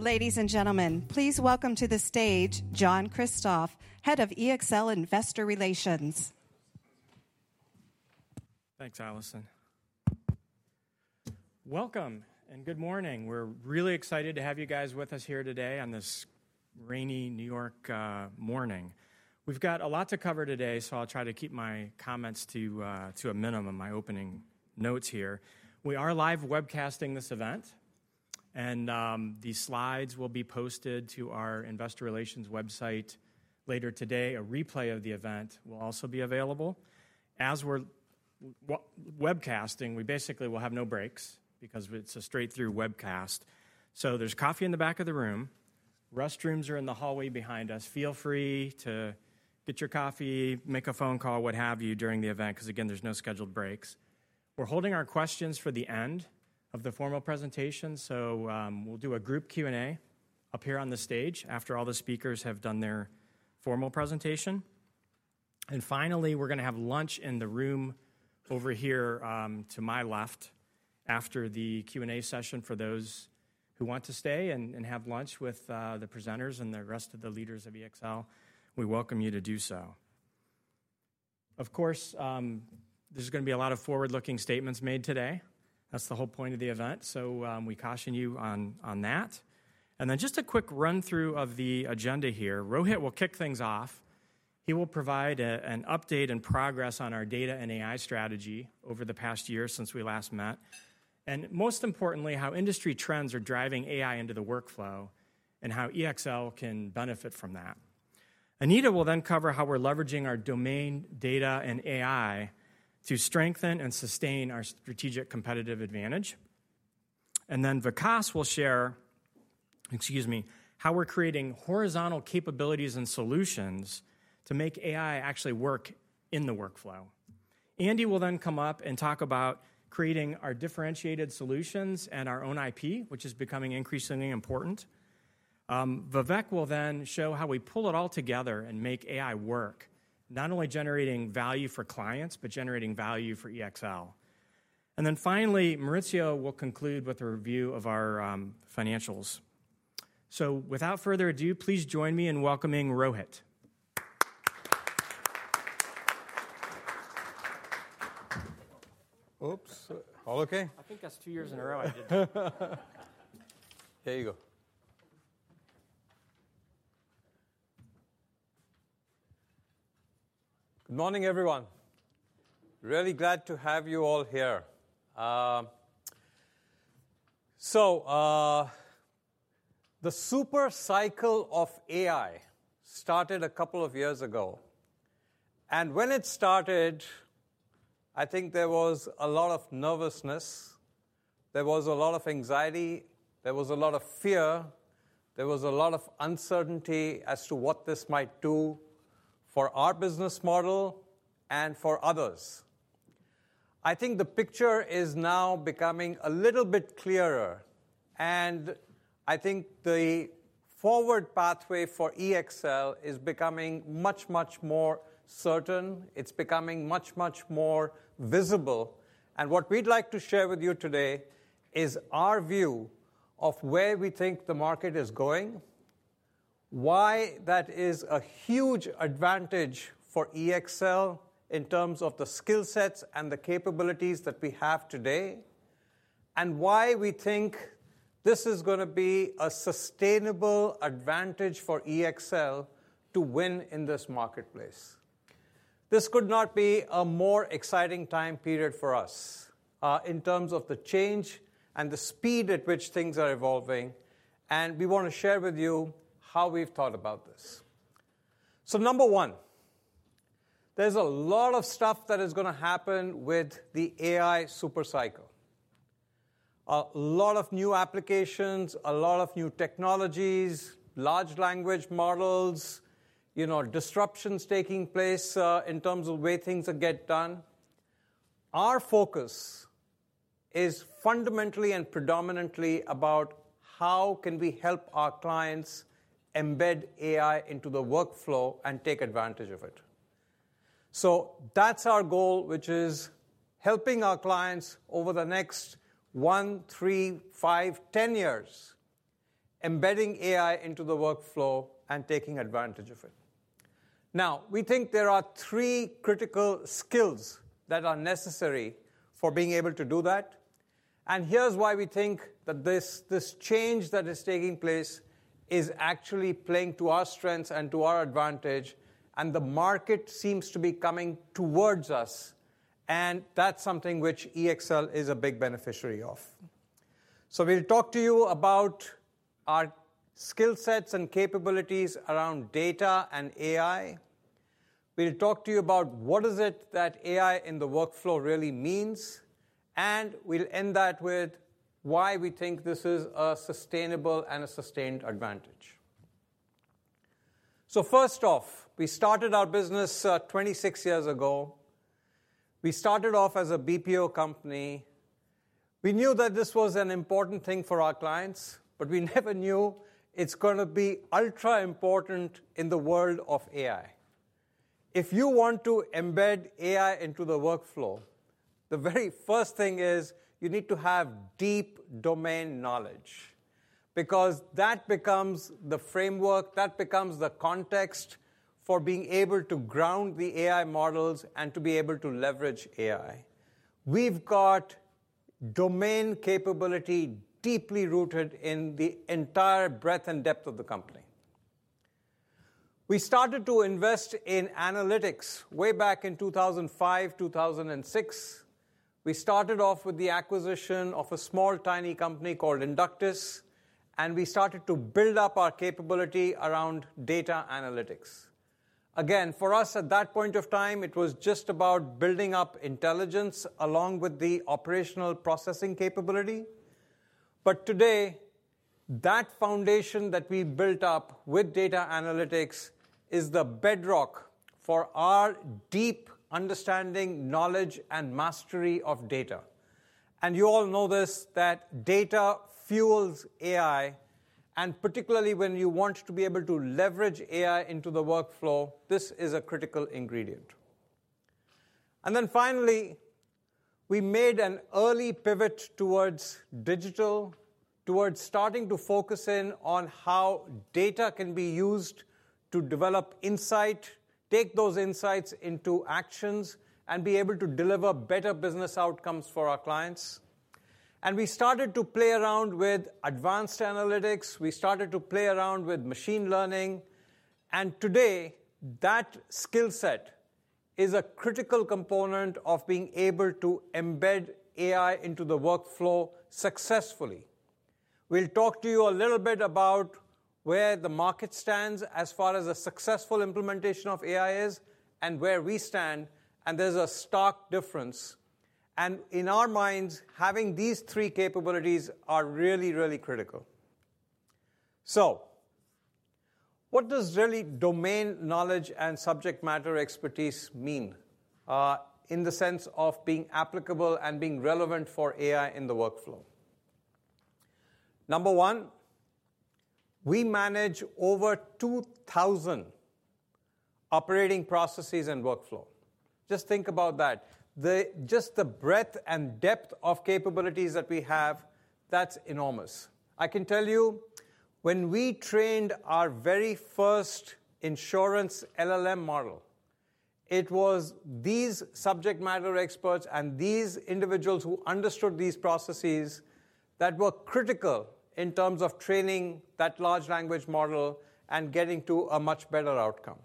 Ladies and gentlemen, please welcome to the stage John Kristoff, Head of EXL Investor Relations. Thanks, Alison. Welcome and good morning. We're really excited to have you guys with us here today on this rainy New York morning. We've got a lot to cover today, so I'll try to keep my comments to a minimum, my opening notes here. We are live webcasting this event, and the slides will be posted to our Investor Relations website later today. A replay of the event will also be available. As we're webcasting, we basically will have no breaks because it's a straight-through webcast. There is coffee in the back of the room. Restrooms are in the hallway behind us. Feel free to get your coffee, make a phone call, what have you during the event, because again, there's no scheduled breaks. We're holding our questions for the end of the formal presentation, so we'll do a group Q&A up here on the stage after all the speakers have done their formal presentation. Finally, we're going to have lunch in the room over here to my left after the Q&A session for those who want to stay and have lunch with the presenters and the rest of the leaders of EXL. We welcome you to do so. Of course, there's going to be a lot of forward-looking statements made today. That's the whole point of the event, so we caution you on that. Just a quick run-through of the agenda here. Rohit will kick things off. He will provide an update and progress on our data and AI strategy over the past year since we last met, and most importantly, how industry trends are driving AI into the workflow and how EXL can benefit from that. Anita will then cover how we're leveraging our domain data and AI to strengthen and sustain our strategic competitive advantage. Vikas will share, excuse me, how we're creating horizontal capabilities and solutions to make AI actually work in the workflow. Andy will then come up and talk about creating our differentiated solutions and our own IP, which is becoming increasingly important. Vivek will then show how we pull it all together and make AI work, not only generating value for clients, but generating value for EXL. Finally, Maurizio will conclude with a review of our financials. Without further ado, please join me in welcoming Rohit. Oops. All okay? I think that's two years in a row I did. There you go. Good morning, everyone. Really glad to have you all here. The supercycle of AI started a couple of years ago. When it started, I think there was a lot of nervousness. There was a lot of anxiety. There was a lot of fear. There was a lot of uncertainty as to what this might do for our business model and for others. I think the picture is now becoming a little bit clearer. I think the forward pathway for EXL is becoming much, much more certain. It is becoming much, much more visible. What we'd like to share with you today is our view of where we think the market is going, why that is a huge advantage for EXL in terms of the skill sets and the capabilities that we have today, and why we think this is going to be a sustainable advantage for EXL to win in this marketplace. This could not be a more exciting time period for us in terms of the change and the speed at which things are evolving. We want to share with you how we've thought about this. Number one, there's a lot of stuff that is going to happen with the AI supercycle. A lot of new applications, a lot of new technologies, large language models, disruptions taking place in terms of the way things are getting done. Our focus is fundamentally and predominantly about how can we help our clients embed AI into the workflow and take advantage of it. That's our goal, which is helping our clients over the next one, three, five, 10 years, embedding AI into the workflow and taking advantage of it. We think there are three critical skills that are necessary for being able to do that. Here's why we think that this change that is taking place is actually playing to our strengths and to our advantage. The market seems to be coming towards us. That's something which EXL is a big beneficiary of. We'll talk to you about our skill sets and capabilities around data and AI. We'll talk to you about what is it that AI in the workflow really means. We will end that with why we think this is a sustainable and a sustained advantage. First off, we started our business 26 years ago. We started off as a BPO company. We knew that this was an important thing for our clients, but we never knew it was going to be ultra important in the world of AI. If you want to embed AI into the workflow, the very first thing is you need to have deep domain knowledge because that becomes the framework, that becomes the context for being able to ground the AI models and to be able to leverage AI. We have got domain capability deeply rooted in the entire breadth and depth of the company. We started to invest in analytics way back in 2005, 2006. We started off with the acquisition of a small, tiny company called Inductus, and we started to build up our capability around data analytics. Again, for us at that point of time, it was just about building up intelligence along with the operational processing capability. Today, that foundation that we built up with data analytics is the bedrock for our deep understanding, knowledge, and mastery of data. You all know this, that data fuels AI. Particularly when you want to be able to leverage AI into the workflow, this is a critical ingredient. Finally, we made an early pivot towards digital, towards starting to focus in on how data can be used to develop insight, take those insights into actions, and be able to deliver better business outcomes for our clients. We started to play around with advanced analytics. We started to play around with machine learning. And today, that skill set is a critical component of being able to embed AI into the workflow successfully. We'll talk to you a little bit about where the market stands as far as a successful implementation of AI is and where we stand. And there's a stark difference. In our minds, having these three capabilities are really, really critical. So what does really domain knowledge and subject matter expertise mean in the sense of being applicable and being relevant for AI in the workflow? Number one, we manage over 2,000 operating processes and workflow. Just think about that. Just the breadth and depth of capabilities that we have, that's enormous. I can tell you, when we trained our very first insurance LLM model, it was these subject matter experts and these individuals who understood these processes that were critical in terms of training that large language model and getting to a much better outcome.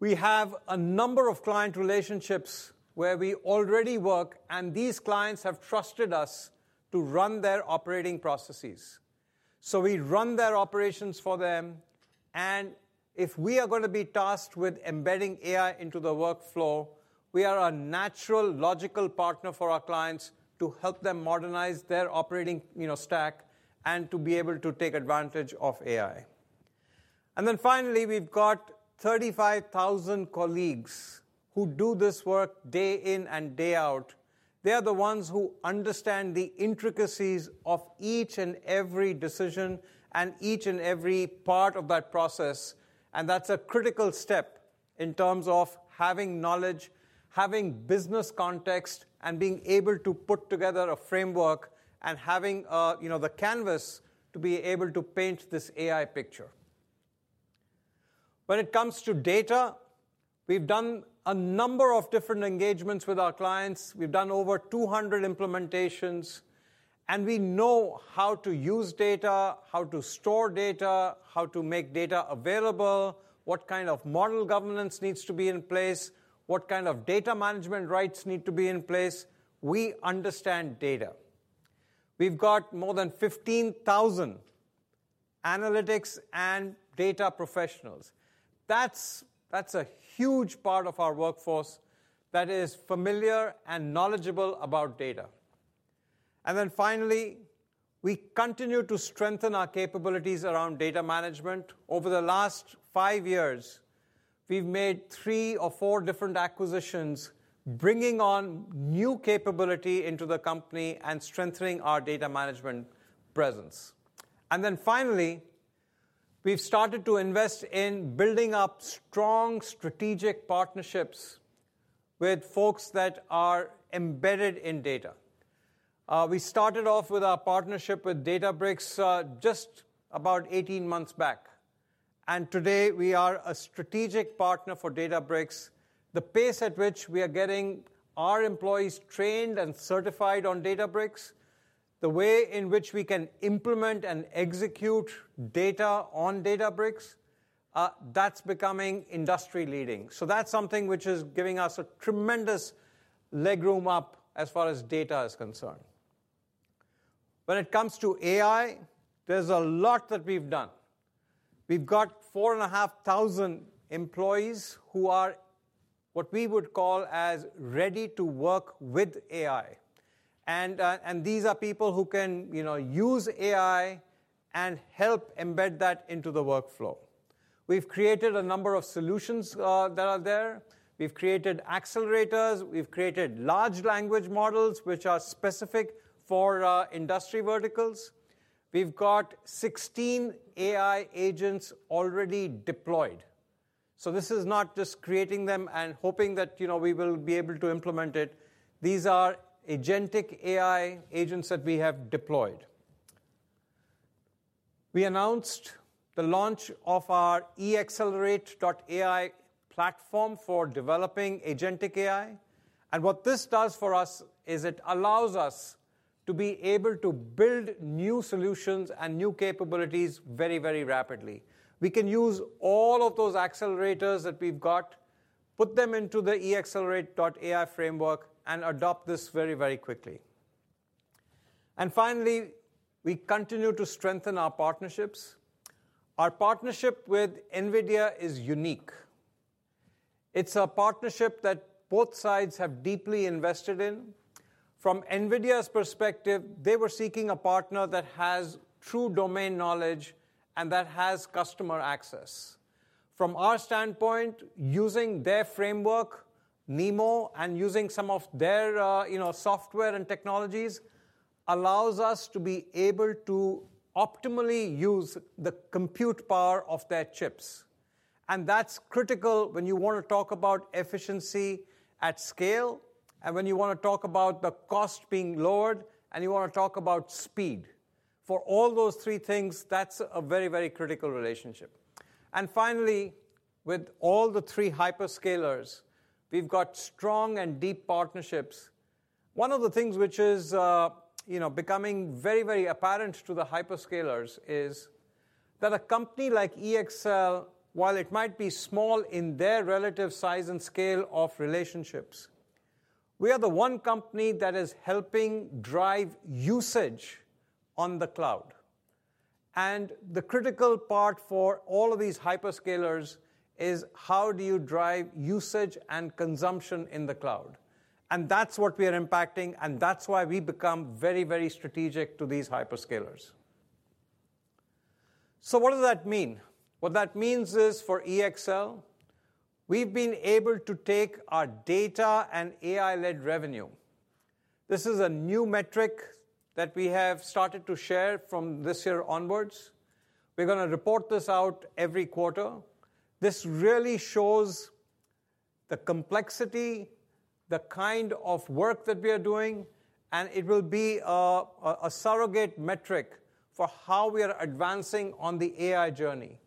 We have a number of client relationships where we already work, and these clients have trusted us to run their operating processes. We run their operations for them. If we are going to be tasked with embedding AI into the workflow, we are a natural logical partner for our clients to help them modernize their operating stack and to be able to take advantage of AI. Finally, we've got 35,000 colleagues who do this work day in and day out. They are the ones who understand the intricacies of each and every decision and each and every part of that process. That's a critical step in terms of having knowledge, having business context, and being able to put together a framework and having the canvas to be able to paint this AI picture. When it comes to data, we've done a number of different engagements with our clients. We've done over 200 implementations. We know how to use data, how to store data, how to make data available, what kind of model governance needs to be in place, what kind of data management rights need to be in place. We understand data. We've got more than 15,000 analytics and data professionals. That's a huge part of our workforce that is familiar and knowledgeable about data. Finally, we continue to strengthen our capabilities around data management. Over the last five years, we've made three or four different acquisitions, bringing on new capability into the company and strengthening our data management presence. Finally, we've started to invest in building up strong strategic partnerships with folks that are embedded in data. We started off with our partnership with Databricks just about 18 months back. Today, we are a strategic partner for Databricks. The pace at which we are getting our employees trained and certified on Databricks, the way in which we can implement and execute data on Databricks, that's becoming industry-leading. That is something which is giving us a tremendous leg room up as far as data is concerned. When it comes to AI, there's a lot that we've done. We've got 4,500 employees who are what we would call as ready to work with AI. These are people who can use AI and help embed that into the workflow. We have created a number of solutions that are there. We have created accelerators. We have created large language models, which are specific for industry verticals. We have got 16 AI agents already deployed. This is not just creating them and hoping that we will be able to implement it. These are Agentic AI agents that we have deployed. We announced the launch of our EXLerate.ai Platform for developing Agentic AI. What this does for us is it allows us to be able to build new solutions and new capabilities very, very rapidly. We can use all of those accelerators that we have got, put them into the EXLerate.ai framework, and adopt this very, very quickly. Finally, we continue to strengthen our partnerships. Our partnership with NVIDIA is unique. It's a partnership that both sides have deeply invested in. From NVIDIA's perspective, they were seeking a partner that has true domain knowledge and that has customer access. From our standpoint, using their framework, NeMo, and using some of their software and technologies allows us to be able to optimally use the compute power of their chips. That is critical when you want to talk about efficiency at scale and when you want to talk about the cost being lowered and you want to talk about speed. For all those three things, that's a very, very critical relationship. Finally, with all the three hyperscalers, we've got strong and deep partnerships. One of the things which is becoming very, very apparent to the hyperscalers is that a company like EXL, while it might be small in their relative size and scale of relationships, we are the one company that is helping drive usage on the cloud. The critical part for all of these hyperscalers is how do you drive usage and consumption in the cloud. That is what we are impacting. That is why we become very, very strategic to these hyperscalers. What does that mean? What that means is for EXL, we've been able to take our data and AI-led revenue. This is a new metric that we have started to share from this year onwards. We're going to report this out every quarter. This really shows the complexity, the kind of work that we are doing. It will be a surrogate metric for how we are advancing on the AI journey.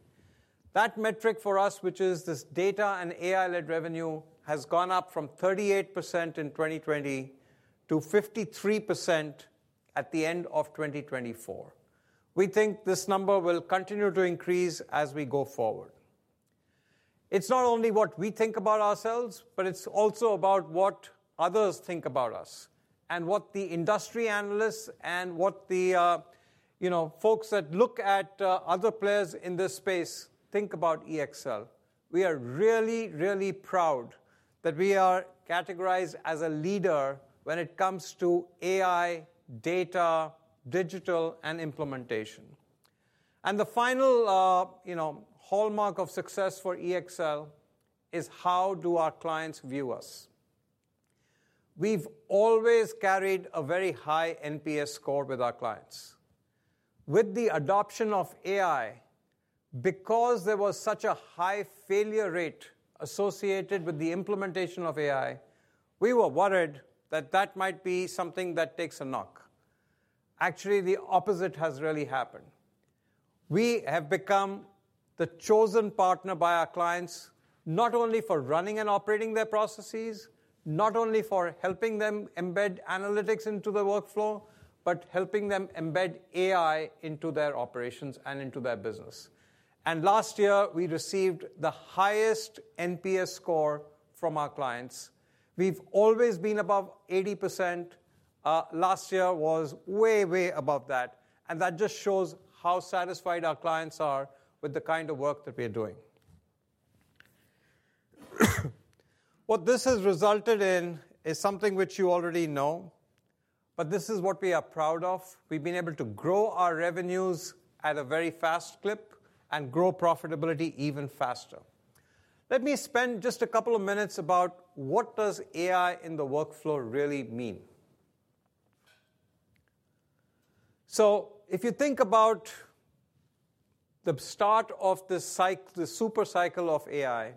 That metric for us, which is this data and AI-led revenue, has gone up from 38% in 2020 to 53% at the end of 2024. We think this number will continue to increase as we go forward. It's not only what we think about ourselves, but it's also about what others think about us and what the industry analysts and what the folks that look at other players in this space think about EXL. We are really, really proud that we are categorized as a leader when it comes to AI, data, digital, and implementation. The final hallmark of success for EXL is how do our clients view us. We've always carried a very high NPS score with our clients. With the adoption of AI, because there was such a high failure rate associated with the implementation of AI, we were worried that that might be something that takes a knock. Actually, the opposite has really happened. We have become the chosen partner by our clients, not only for running and operating their processes, not only for helping them embed analytics into the workflow, but helping them embed AI into their operations and into their business. Last year, we received the highest NPS score from our clients. We have always been above 80%. Last year was way, way above that. That just shows how satisfied our clients are with the kind of work that we are doing. What this has resulted in is something which you already know, but this is what we are proud of. We've been able to grow our revenues at a very fast clip and grow profitability even faster. Let me spend just a couple of minutes about what does AI in the workflow really mean. If you think about the start of the cycle, the supercycle of AI,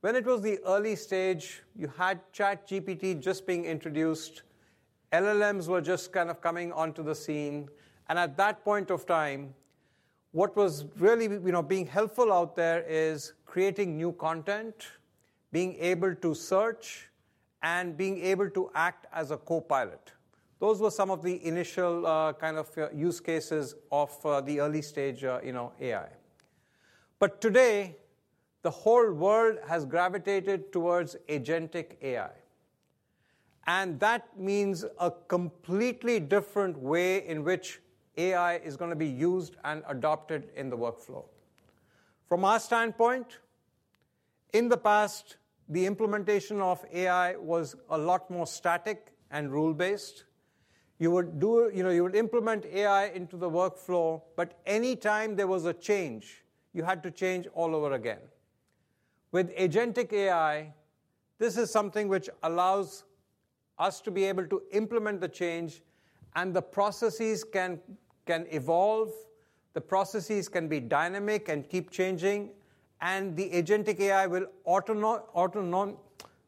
when it was the early stage, you had ChatGPT just being introduced. LLMs were just kind of coming onto the scene. At that point of time, what was really being helpful out there is creating new content, being able to search, and being able to act as a copilot. Those were some of the initial kind of use cases of the early stage AI. Today, the whole world has gravitated towards Agentic AI. That means a completely different way in which AI is going to be used and adopted in the workflow. From our standpoint, in the past, the implementation of AI was a lot more static and rule-based. You would implement AI into the workflow, but anytime there was a change, you had to change all over again. With Agentic AI, this is something which allows us to be able to implement the change. The processes can evolve. The processes can be dynamic and keep changing. The Agentic AI will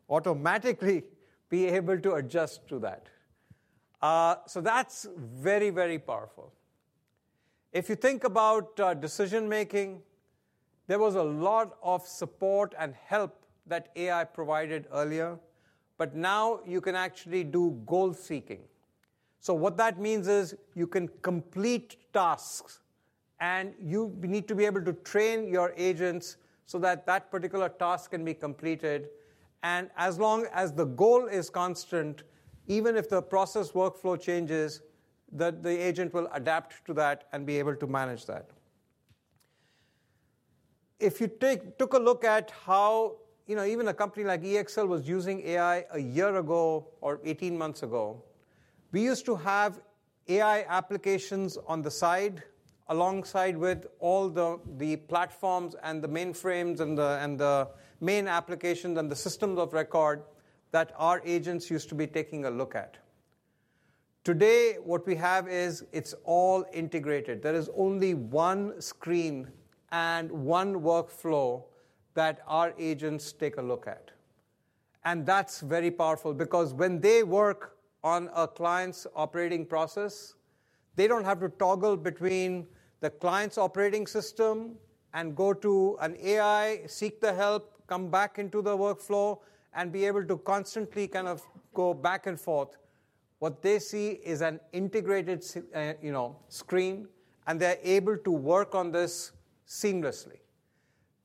automatically be able to adjust to that. That is very, very powerful. If you think about decision-making, there was a lot of support and help that AI provided earlier. Now you can actually do goal seeking. What that means is you can complete tasks. You need to be able to train your agents so that that particular task can be completed. As long as the goal is constant, even if the process workflow changes, the agent will adapt to that and be able to manage that. If you took a look at how even a company like EXL was using AI a year ago or 18 months ago, we used to have AI applications on the side alongside with all the platforms and the mainframes and the main applications and the systems of record that our agents used to be taking a look at. Today, what we have is it's all integrated. There is only one screen and one workflow that our agents take a look at. That is very powerful because when they work on a client's operating process, they do not have to toggle between the client's operating system and go to an AI, seek the help, come back into the workflow, and be able to constantly kind of go back and forth. What they see is an integrated screen, and they are able to work on this seamlessly.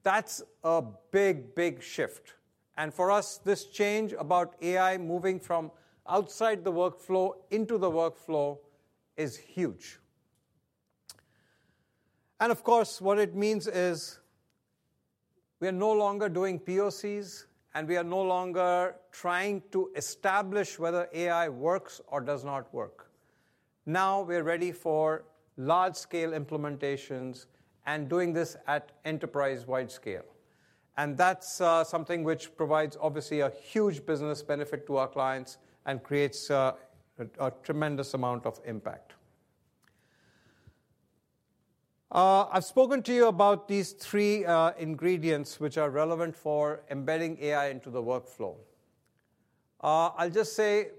That is a big, big shift. For us, this change about AI moving from outside the workflow into the workflow is huge. Of course, what it means is we are no longer doing POCs, and we are no longer trying to establish whether AI works or does not work. Now we are ready for large-scale implementations and doing this at enterprise-wide scale. That is something which provides, obviously, a huge business benefit to our clients and creates a tremendous amount of impact. I've spoken to you about these three ingredients which are relevant for embedding AI into the workflow. I'll just say,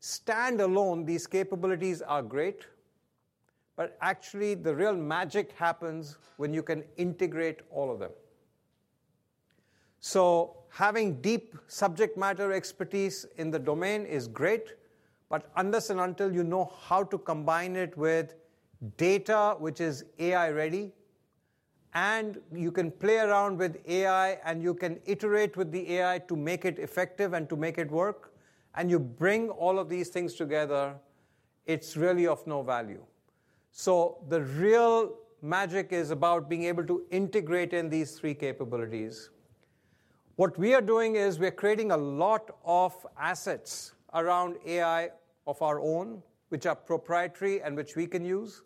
stand alone, these capabilities are great. Actually, the real magic happens when you can integrate all of them. Having deep subject matter expertise in the domain is great. Unless and until you know how to combine it with data which is AI-ready, and you can play around with AI, and you can iterate with the AI to make it effective and to make it work, and you bring all of these things together, it's really of no value. The real magic is about being able to integrate in these three capabilities. What we are doing is we're creating a lot of assets around AI of our own, which are proprietary and which we can use.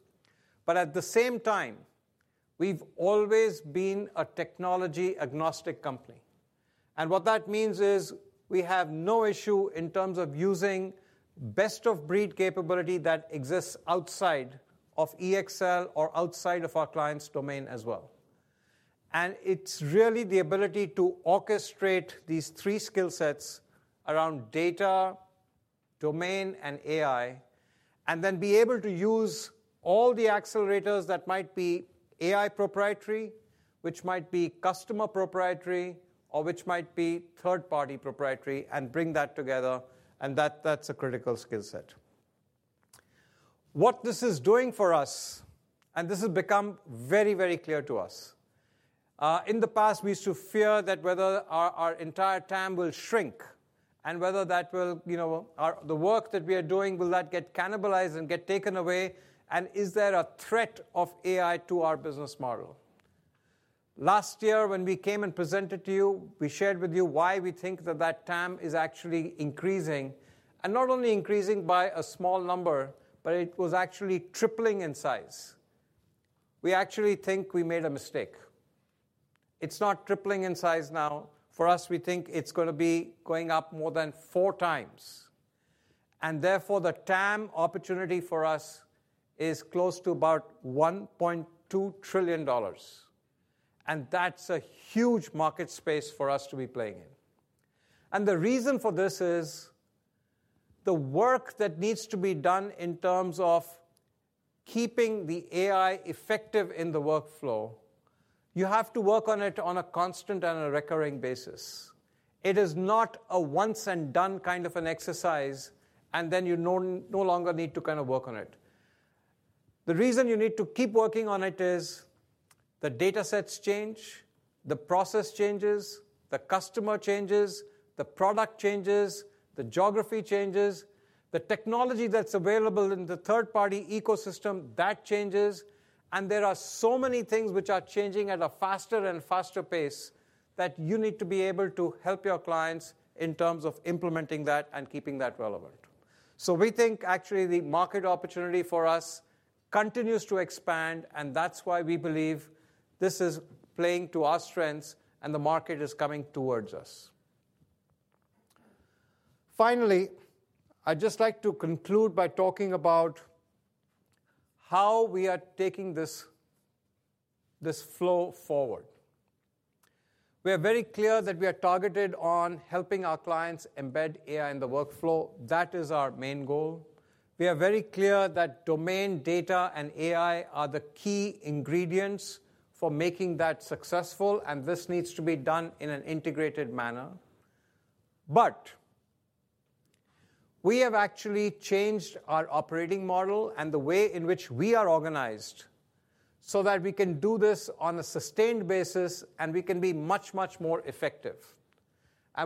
At the same time, we've always been a technology-agnostic company. What that means is we have no issue in terms of using best-of-breed capability that exists outside of EXL or outside of our client's domain as well. It is really the ability to orchestrate these three skill sets around data, domain, and AI, and then be able to use all the accelerators that might be AI proprietary, which might be customer proprietary, or which might be third-party proprietary, and bring that together. That is a critical skill set. What this is doing for us, and this has become very, very clear to us. In the past, we used to fear that whether our entire TAM will shrink and whether the work that we are doing, will that get cannibalized and get taken away, and is there a threat of AI to our business model? Last year, when we came and presented to you, we shared with you why we think that that TAM is actually increasing. Not only increasing by a small number, but it was actually tripling in size. We actually think we made a mistake. It's not tripling in size now. For us, we think it's going to be going up more than four times. Therefore, the TAM opportunity for us is close to about $1.2 trillion. That's a huge market space for us to be playing in. The reason for this is the work that needs to be done in terms of keeping the AI effective in the workflow. You have to work on it on a constant and a recurring basis. It is not a once-and-done kind of an exercise, and then you no longer need to kind of work on it. The reason you need to keep working on it is the data sets change, the process changes, the customer changes, the product changes, the geography changes, the technology that's available in the third-party ecosystem that changes. There are so many things which are changing at a faster and faster pace that you need to be able to help your clients in terms of implementing that and keeping that relevant. We think, actually, the market opportunity for us continues to expand. That's why we believe this is playing to our strengths, and the market is coming towards us. Finally, I'd just like to conclude by talking about how we are taking this flow forward. We are very clear that we are targeted on helping our clients embed AI in the workflow. That is our main goal. We are very clear that domain data and AI are the key ingredients for making that successful. This needs to be done in an integrated manner. We have actually changed our operating model and the way in which we are organized so that we can do this on a sustained basis, and we can be much, much more effective.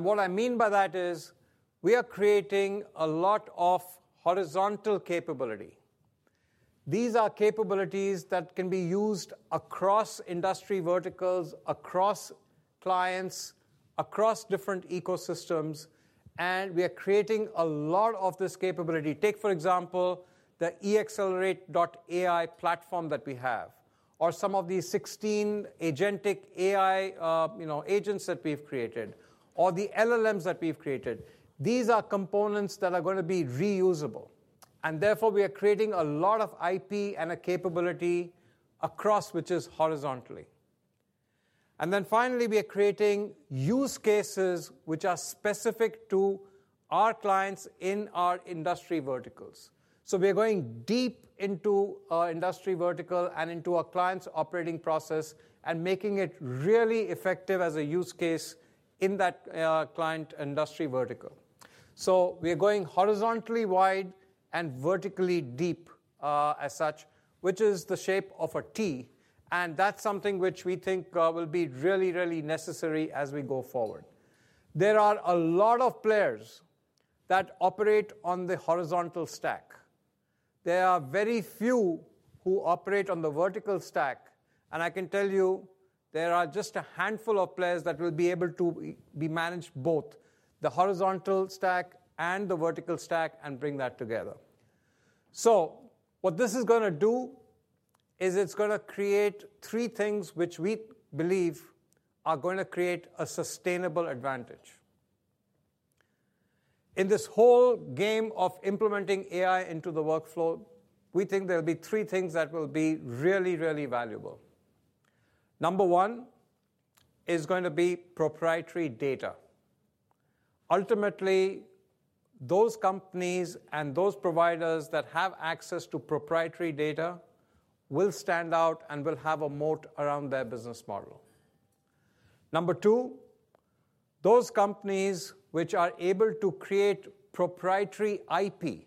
What I mean by that is we are creating a lot of horizontal capability. These are capabilities that can be used across industry verticals, across clients, across different ecosystems. We are creating a lot of this capability. Take, for example, the EXLerate.ai Platform that we have, or some of these 16 Agentic AI agents that we've created, or the LLMs that we've created. These are components that are going to be reusable. Therefore, we are creating a lot of IP and a capability across which is horizontally. Finally, we are creating use cases which are specific to our clients in our industry verticals. We are going deep into our industry vertical and into our client's operating process and making it really effective as a use case in that client industry vertical. We are going horizontally wide and vertically deep as such, which is the shape of a T. That is something which we think will be really, really necessary as we go forward. There are a lot of players that operate on the horizontal stack. There are very few who operate on the vertical stack. I can tell you there are just a handful of players that will be able to manage both the horizontal stack and the vertical stack and bring that together. What this is going to do is it's going to create three things which we believe are going to create a sustainable advantage. In this whole game of implementing AI into the workflow, we think there will be three things that will be really, really valuable. Number one is going to be proprietary data. Ultimately, those companies and those providers that have access to proprietary data will stand out and will have a moat around their business model. Number two, those companies which are able to create proprietary IP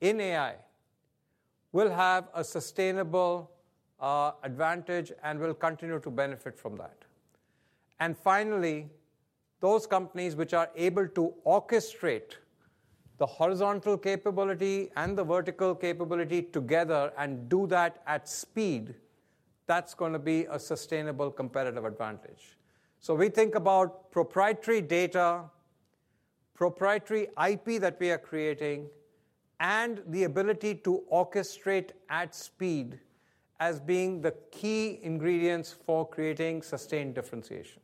in AI will have a sustainable advantage and will continue to benefit from that. Finally, those companies which are able to orchestrate the horizontal capability and the vertical capability together and do that at speed, that's going to be a sustainable competitive advantage. We think about proprietary data, proprietary IP that we are creating, and the ability to orchestrate at speed as being the key ingredients for creating sustained differentiation.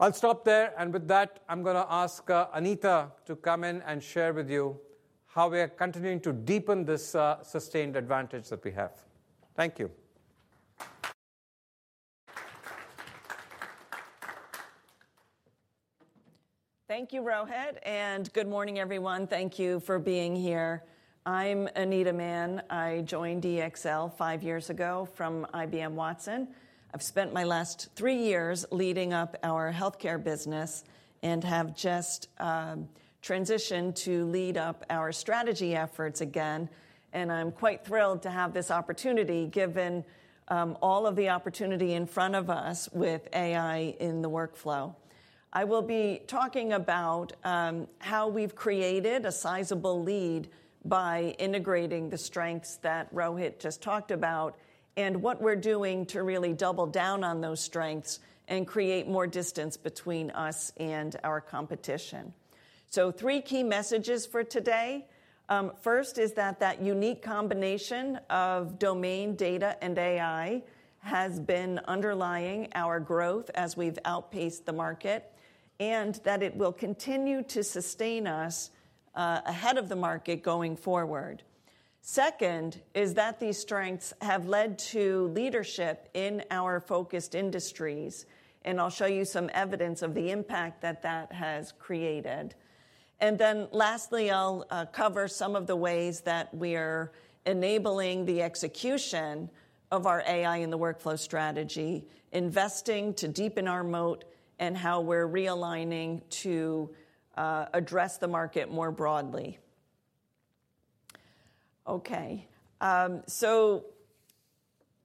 I'll stop there. With that, I'm going to ask Anita to come in and share with you how we are continuing to deepen this sustained advantage that we have. Thank you. Thank you, Rohit. Good morning, everyone. Thank you for being here. I'm Anita Mahon. I joined EXL five years ago from IBM Watson. I've spent my last three years leading up our healthcare business and have just transitioned to lead up our strategy efforts again. I'm quite thrilled to have this opportunity, given all of the opportunity in front of us with AI in the workflow. I will be talking about how we've created a sizable lead by integrating the strengths that Rohit just talked about and what we're doing to really double down on those strengths and create more distance between us and our competition. Three key messages for today. First is that that unique combination of domain data and AI has been underlying our growth as we've outpaced the market, and that it will continue to sustain us ahead of the market going forward. Second is that these strengths have led to leadership in our focused industries. I'll show you some evidence of the impact that that has created. Lastly, I'll cover some of the ways that we are enabling the execution of our AI in the workflow strategy, investing to deepen our moat, and how we're realigning to address the market more broadly. OK.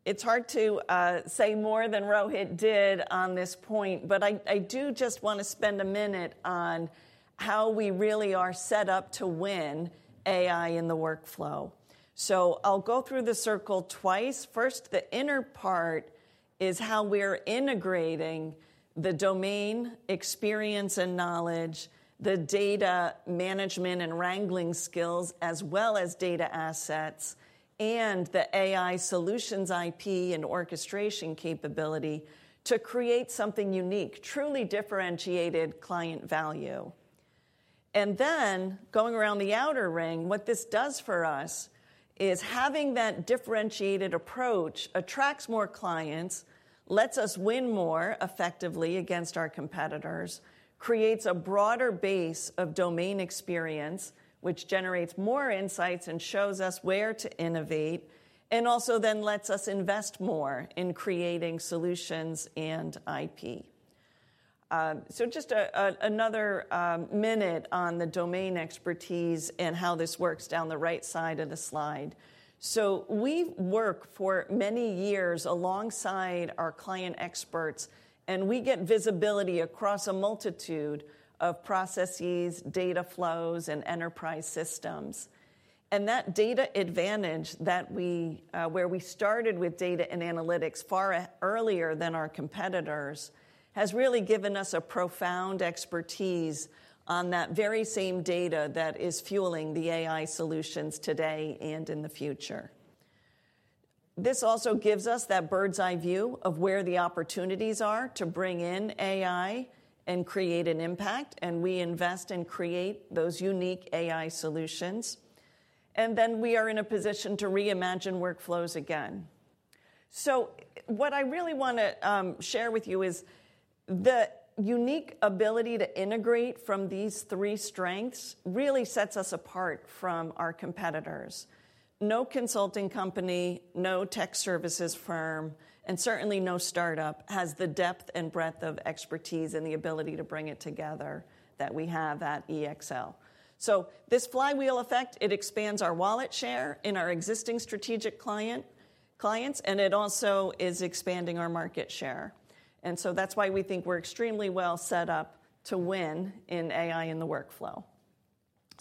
It's hard to say more than Rohit did on this point, but I do just want to spend a minute on how we really are set up to win AI in the workflow. I'll go through the circle twice. First, the inner part is how we are integrating the domain experience and knowledge, the data management and wrangling skills, as well as data assets, and the AI solutions IP and orchestration capability to create something unique, truly differentiated client value. Then going around the outer ring, what this does for us is having that differentiated approach attracts more clients, lets us win more effectively against our competitors, creates a broader base of domain experience, which generates more insights and shows us where to innovate, and also then lets us invest more in creating solutions and IP. Just another minute on the domain expertise and how this works down the right side of the slide. We work for many years alongside our client experts, and we get visibility across a multitude of processes, data flows, and enterprise systems. That data advantage where we started with data and analytics far earlier than our competitors has really given us a profound expertise on that very same data that is fueling the AI solutions today and in the future. This also gives us that bird's eye view of where the opportunities are to bring in AI and create an impact. We invest and create those unique AI solutions. We are in a position to reimagine workflows again. What I really want to share with you is the unique ability to integrate from these three strengths really sets us apart from our competitors. No consulting company, no tech services firm, and certainly no startup has the depth and breadth of expertise and the ability to bring it together that we have at EXL. This flywheel effect expands our wallet share in our existing strategic clients, and it also is expanding our market share. That is why we think we're extremely well set up to win in AI in the workflow.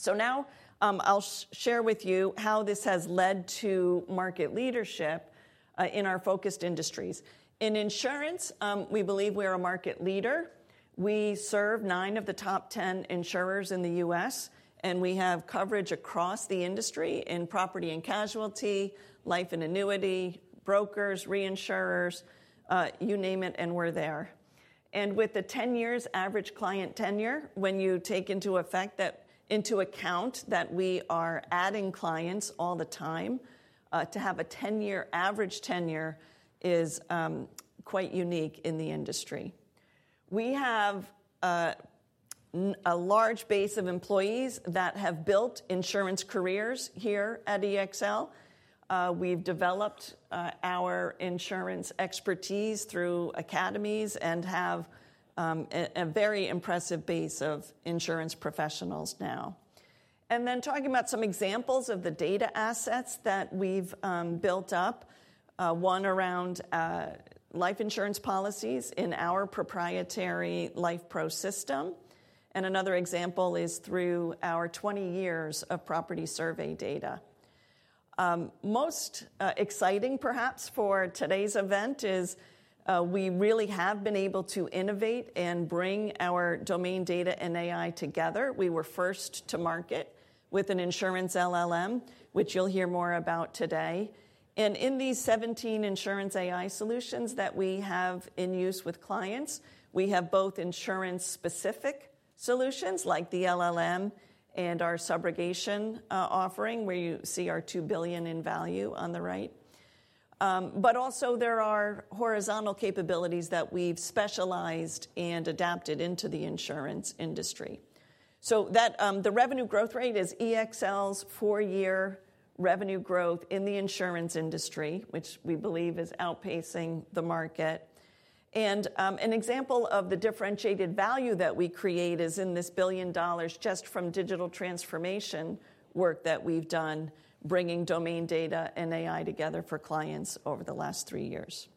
Now I'll share with you how this has led to market leadership in our focused industries. In insurance, we believe we are a market leader. We serve nine of the top 10 insurers in the U.S., and we have coverage across the industry in property and casualty, life and annuity, brokers, reinsurers, you name it, and we're there. With the 10 years average client tenure, when you take into account that we are adding clients all the time, to have a 10-year average tenure is quite unique in the industry. We have a large base of employees that have built insurance careers here at EXL. We've developed our insurance expertise through academies and have a very impressive base of insurance professionals now. Talking about some examples of the data assets that we've built up, one around life insurance policies in our proprietary LifePro system. Another example is through our 20 years of property survey data. Most exciting, perhaps, for today's event is we really have been able to innovate and bring our domain data and AI together. We were first to market with an insurance LLM, which you'll hear more about today. In these 17 insurance AI solutions that we have in use with clients, we have both insurance-specific solutions like the LLM and our subrogation offering, where you see our $2 billion in value on the right. There are also horizontal capabilities that we've specialized and adapted into the insurance industry. The revenue growth rate is EXL's four-year revenue growth in the insurance industry, which we believe is outpacing the market. An example of the differentiated value that we create is in this $1 billion just from digital transformation work that we've done, bringing domain data and AI together for clients over the last three years.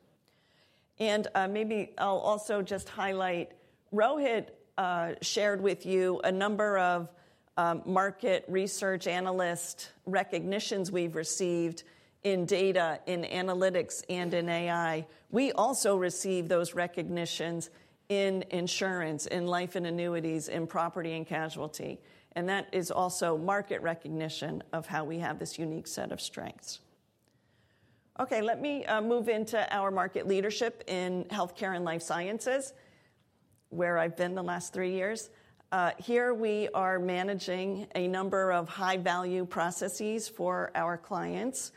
I will also just highlight Rohit shared with you a number of market research analyst recognitions we've received in data and analytics and in AI. We also receive those recognitions in insurance, in life and annuities, in property and casualty. That is also market recognition of how we have this unique set of strengths. Let me move into our market leadership in healthcare and life sciences, where I've been the last three years. Here we are managing a number of high-value processes for our clients.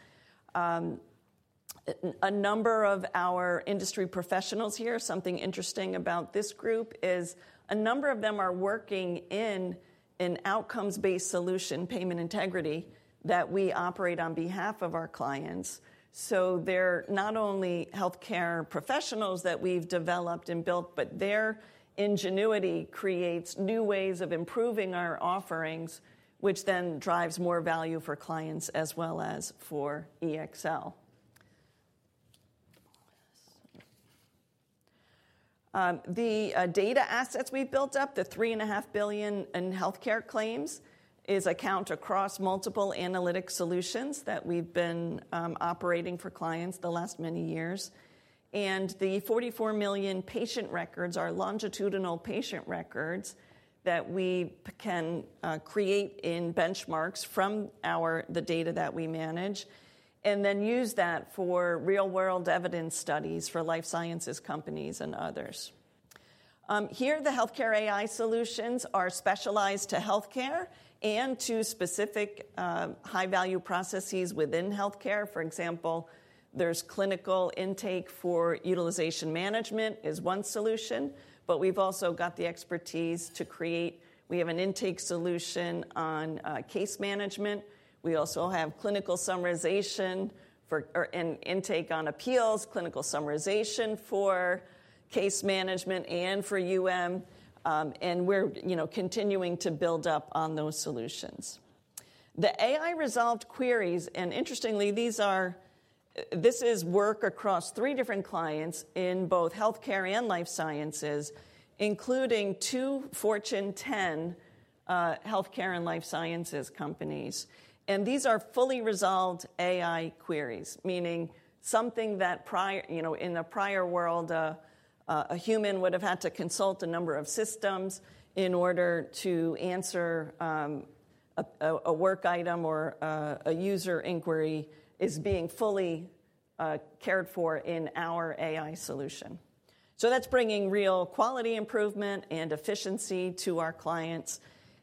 A number of our industry professionals here, something interesting about this group is a number of them are working in an outcomes-based solution, payment integrity, that we operate on behalf of our clients. They are not only healthcare professionals that we have developed and built, but their ingenuity creates new ways of improving our offerings, which then drives more value for clients as well as for EXL. The data assets we have built up, the $3.5 billion in healthcare claims, is accounted across multiple analytic solutions that we have been operating for clients the last many years. The $44 million patient records are longitudinal patient records that we can create in benchmarks from the data that we manage and then use that for real-world evidence studies for life sciences companies and others. Here, the healthcare AI solutions are specialized to healthcare and to specific high-value processes within healthcare. For example, there's clinical intake for utilization management is one solution. We have also got the expertise to create, we have an intake solution on case management. We also have clinical summarization and intake on appeals, clinical summarization for case management, and we are continuing to build up on those solutions. The AI-resolved queries, interestingly, this is work across three different clients in both healthcare and life sciences, including two Fortune 10 healthcare and life sciences companies. These are fully resolved AI queries, meaning something that in the prior world, a human would have had to consult a number of systems in order to answer a work item or a user inquiry, is being fully cared for in our AI solution. That is bringing real quality improvement and efficiency to our clients.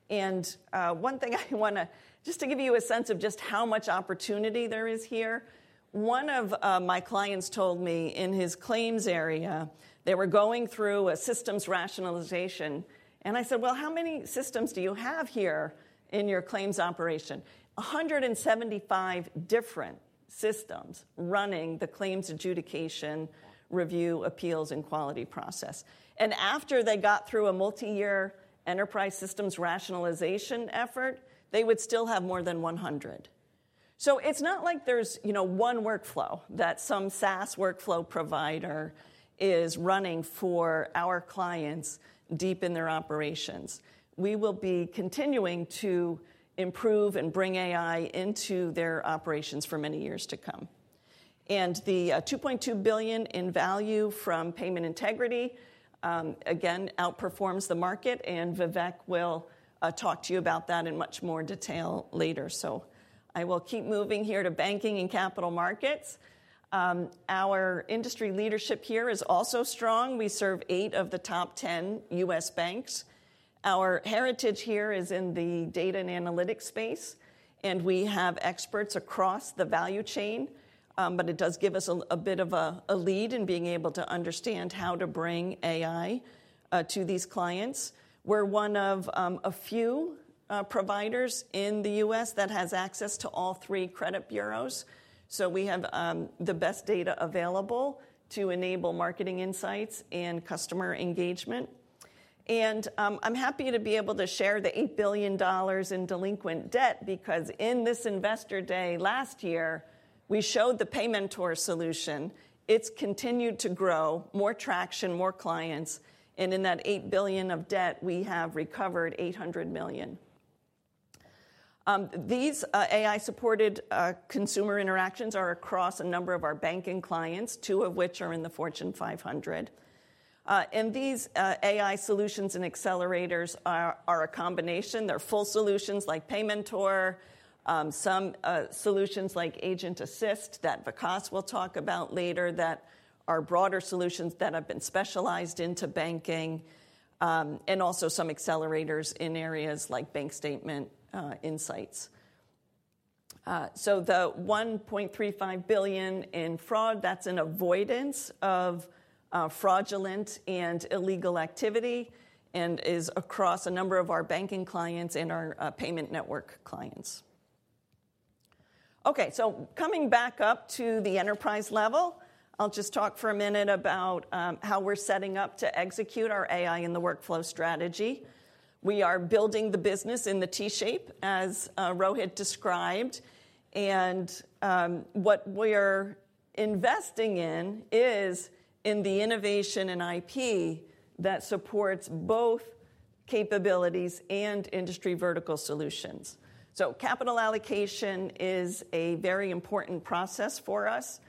One thing I want to just give you a sense of, just how much opportunity there is here, one of my clients told me in his claims area they were going through a systems rationalization. I said, well, how many systems do you have here in your claims operation? 175 different systems running the claims adjudication, review, appeals, and quality process. After they got through a multi-year enterprise systems rationalization effort, they would still have more than 100. It is not like there is one workflow that some SaaS workflow provider is running for our clients deep in their operations. We will be continuing to improve and bring AI into their operations for many years to come. The $2.2 billion in value from payment integrity, again, outperforms the market. Vivek will talk to you about that in much more detail later. I will keep moving here to banking and capital markets. Our industry leadership here is also strong. We serve eight of the top 10 U.S. banks. Our heritage here is in the data and analytics space. And we have experts across the value chain. It does give us a bit of a lead in being able to understand how to bring AI to these clients. We're one of a few providers in the U.S. that has access to all three credit bureaus. We have the best data available to enable marketing insights and customer engagement. I'm happy to be able to share the $8 billion in delinquent debt because in this investor day last year, we showed the Paymentor solution. It's continued to grow, more traction, more clients. In that $8 billion of debt, we have recovered $800 million. These AI-supported consumer interactions are across a number of our banking clients, two of which are in the Fortune 500. These AI solutions and accelerators are a combination. They are full solutions like Paymentor, some solutions like Agent Assist that Vikas will talk about later, that are broader solutions that have been specialized into banking, and also some accelerators in areas like bank statement insights. The $1.35 billion in fraud, that is an avoidance of fraudulent and illegal activity and is across a number of our banking clients and our payment network clients. OK, coming back up to the enterprise level, I'll just talk for a minute about how we're setting up to execute our AI in the workflow strategy. We are building the business in the T-shape, as Rohit described. What we are investing in is in the innovation and IP that supports both capabilities and industry vertical solutions. Capital allocation is a very important process for us.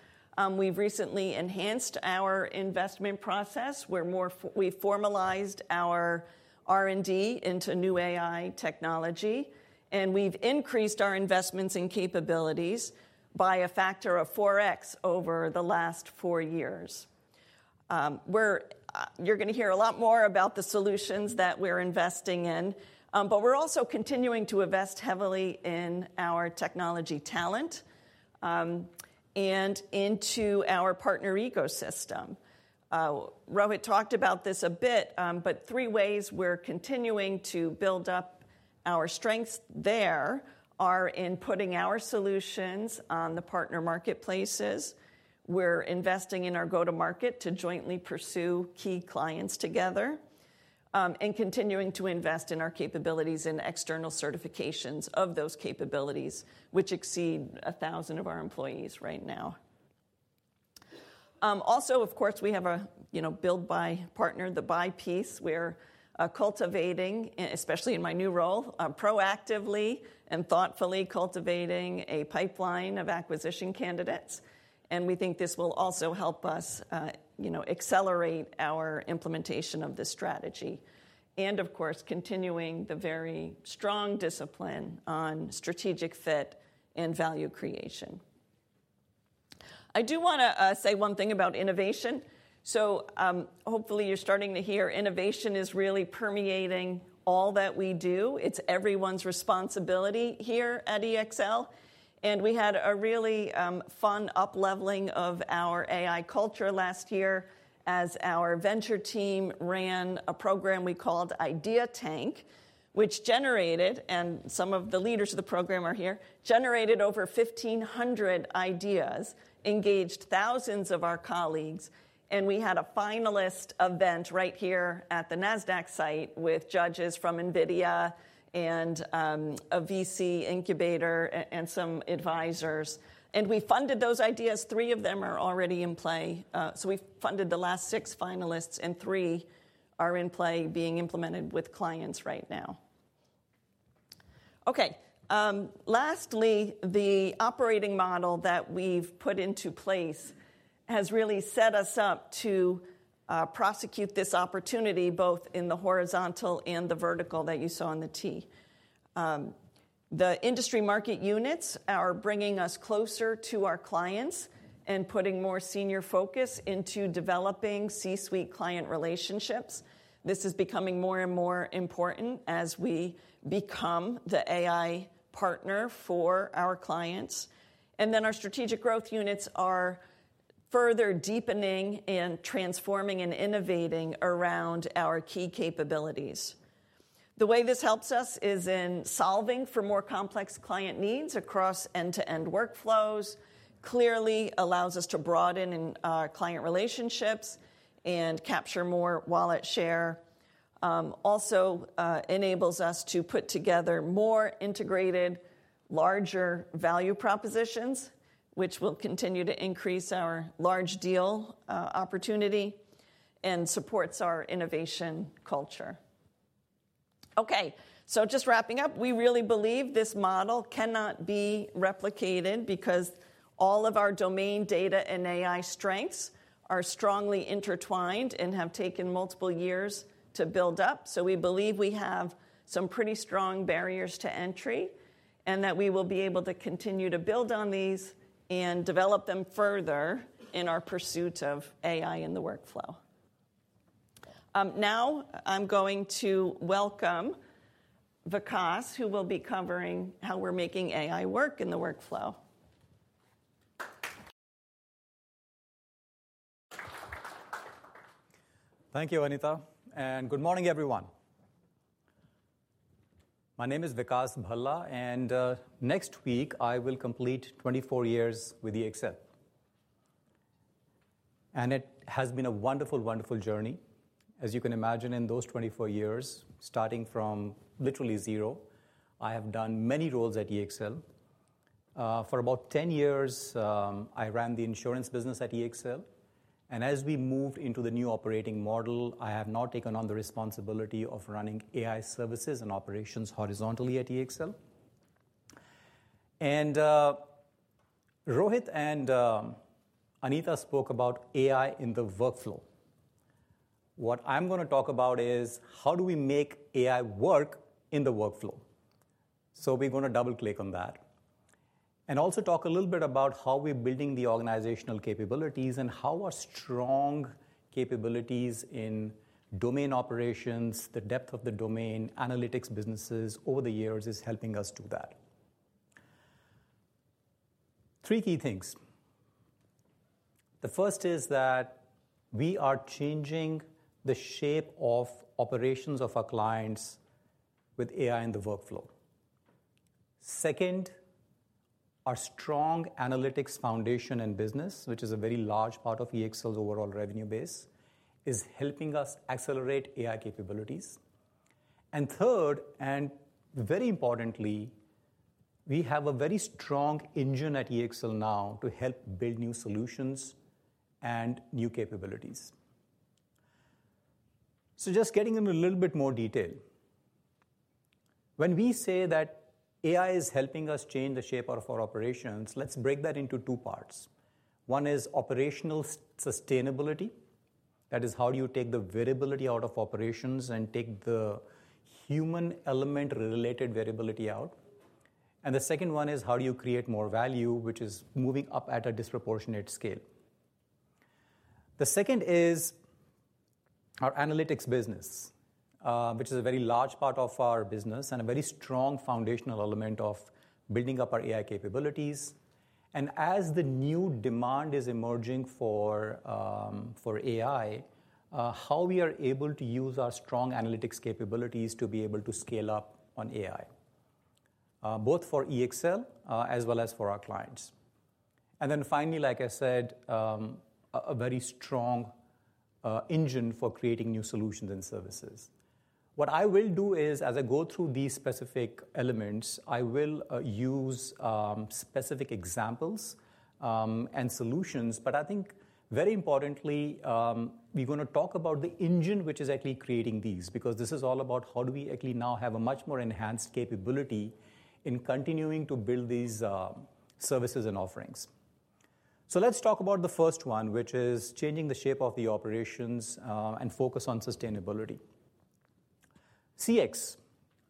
We have recently enhanced our investment process. We have formalized our R&D into new AI technology. We have increased our investments and capabilities by a factor of 4x over the last four years. You are going to hear a lot more about the solutions that we are investing in. We are also continuing to invest heavily in our technology talent and into our partner ecosystem. Rohit talked about this a bit, but three ways we are continuing to build up our strengths there are in putting our solutions on the partner marketplaces. We are investing in our go-to-market to jointly pursue key clients together and continuing to invest in our capabilities and external certifications of those capabilities, which exceed 1,000 of our employees right now. Also, of course, we have a build-buy-partner, the buy piece. We're cultivating, especially in my new role, proactively and thoughtfully cultivating a pipeline of acquisition candidates. We think this will also help us accelerate our implementation of the strategy and, of course, continuing the very strong discipline on strategic fit and value creation. I do want to say one thing about innovation. Hopefully, you're starting to hear innovation is really permeating all that we do. It's everyone's responsibility here at EXL. We had a really fun upleveling of our AI culture last year as our venture team ran a program we called Idea Tank, which generated, and some of the leaders of the program are here, generated over 1,500 ideas, engaged thousands of our colleagues. We had a finalist event right here at the Nasdaq site with judges from NVIDIA and a VC incubator and some advisors. We funded those ideas. Three of them are already in play. We funded the last six finalists, and three are in play being implemented with clients right now. Lastly, the operating model that we have put into place has really set us up to prosecute this opportunity both in the horizontal and the vertical that you saw in the T. The industry market units are bringing us closer to our clients and putting more senior focus into developing C-suite client relationships. This is becoming more and more important as we become the AI partner for our clients. Our strategic growth units are further deepening and transforming and innovating around our key capabilities. The way this helps us is in solving for more complex client needs across end-to-end workflows, clearly allows us to broaden our client relationships and capture more wallet share. Also, enables us to put together more integrated, larger value propositions, which will continue to increase our large deal opportunity and supports our innovation culture. OK, so just wrapping up, we really believe this model cannot be replicated because all of our domain data and AI strengths are strongly intertwined and have taken multiple years to build up. So we believe we have some pretty strong barriers to entry and that we will be able to continue to build on these and develop them further in our pursuit of AI in the workflow. Now, I'm going to welcome Vikas, who will be covering how we're making AI work in the workflow. Thank you, Anita. And good morning, everyone. My name is Vikas Bhalla. Next week, I will complete 24 years with EXL. It has been a wonderful, wonderful journey. As you can imagine, in those 24 years, starting from literally zero, I have done many roles at EXL. For about 10 years, I ran the insurance business at EXL. As we moved into the new operating model, I have now taken on the responsibility of running AI services and operations horizontally at EXL. Rohit and Anita spoke about AI in the workflow. What I'm going to talk about is how do we make AI work in the workflow. We're going to double-click on that and also talk a little bit about how we're building the organizational capabilities and how our strong capabilities in domain operations, the depth of the domain, analytics businesses over the years is helping us do that. Three key things. The first is that we are changing the shape of operations of our clients with AI in the workflow. Second, our strong analytics foundation and business, which is a very large part of EXL's overall revenue base, is helping us accelerate AI capabilities. Third, and very importantly, we have a very strong engine at EXL now to help build new solutions and new capabilities. Just getting into a little bit more detail, when we say that AI is helping us change the shape of our operations, let's break that into two parts. One is operational sustainability. That is, how do you take the variability out of operations and take the human element-related variability out? The second one is, how do you create more value, which is moving up at a disproportionate scale? The second is our analytics business, which is a very large part of our business and a very strong foundational element of building up our AI capabilities. As the new demand is emerging for AI, how we are able to use our strong analytics capabilities to be able to scale up on AI, both for EXL as well as for our clients. Finally, like I said, a very strong engine for creating new solutions and services. What I will do is, as I go through these specific elements, I will use specific examples and solutions. I think, very importantly, we're going to talk about the engine which is actually creating these because this is all about how do we actually now have a much more enhanced capability in continuing to build these services and offerings. Let's talk about the first one, which is changing the shape of the operations and focus on sustainability. CX.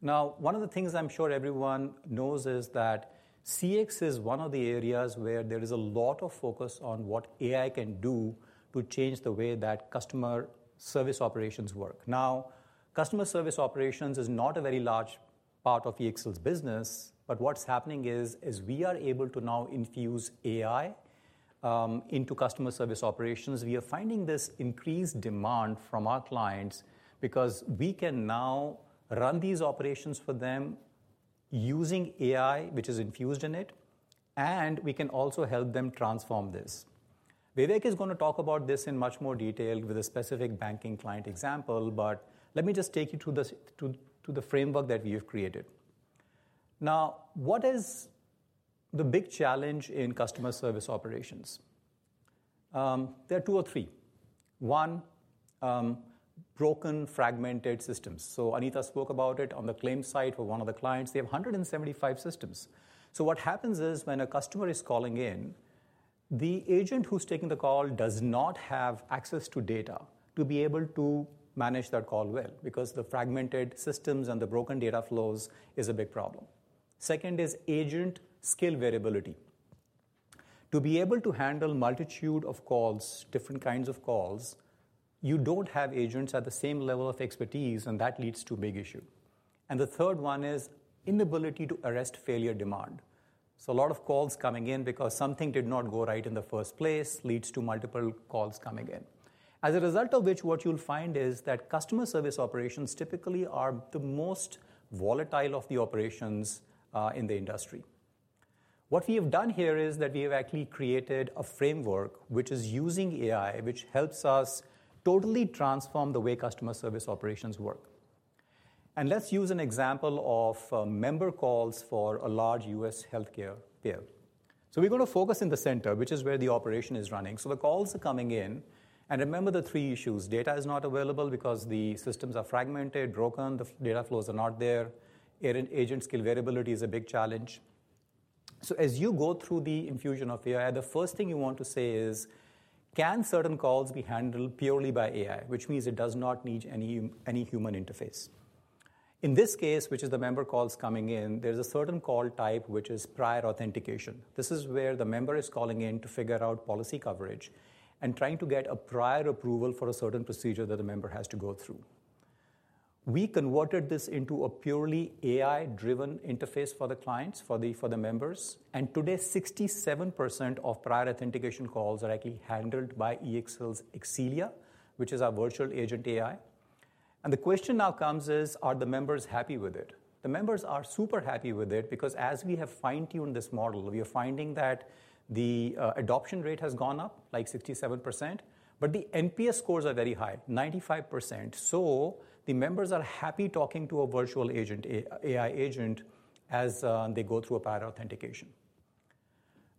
Now, one of the things I'm sure everyone knows is that CX is one of the areas where there is a lot of focus on what AI can do to change the way that customer service operations work. Now, customer service operations is not a very large part of EXL's business. What's happening is we are able to now infuse AI into customer service operations. We are finding this increased demand from our clients because we can now run these operations for them using AI, which is infused in it. We can also help them transform this. Vivek is going to talk about this in much more detail with a specific banking client example. Let me just take you to the framework that we have created. Now, what is the big challenge in customer service operations? There are two or three. One, broken, fragmented systems. Anita spoke about it on the claim site for one of the clients. They have 175 systems. What happens is when a customer is calling in, the agent who's taking the call does not have access to data to be able to manage that call well because the fragmented systems and the broken data flows is a big problem. Second is agent skill variability. To be able to handle a multitude of calls, different kinds of calls, you don't have agents at the same level of expertise. That leads to a big issue. The third one is inability to arrest failure demand. A lot of calls coming in because something did not go right in the first place leads to multiple calls coming in, as a result of which what you'll find is that customer service operations typically are the most volatile of the operations in the industry. What we have done here is that we have actually created a framework which is using AI, which helps us totally transform the way customer service operations work. Let's use an example of member calls for a large U.S. healthcare payer. We're going to focus in the center, which is where the operation is running. The calls are coming in. Remember the three issues. Data is not available because the systems are fragmented, broken. The data flows are not there. Agent skill variability is a big challenge. As you go through the infusion of AI, the first thing you want to say is, can certain calls be handled purely by AI, which means it does not need any human interface. In this case, which is the member calls coming in, there's a certain call type which is prior authentication. This is where the member is calling in to figure out policy coverage and trying to get a prior approval for a certain procedure that the member has to go through. We converted this into a purely AI-driven interface for the clients, for the members. Today, 67% of prior authentication calls are actually handled by EXL's Exelia, which is our virtual agent AI. The question now comes is, are the members happy with it? The members are super happy with it because as we have fine-tuned this model, we are finding that the adoption rate has gone up, like 67%. The NPS scores are very high, 95%. The members are happy talking to a virtual agent, AI agent, as they go through a prior authentication.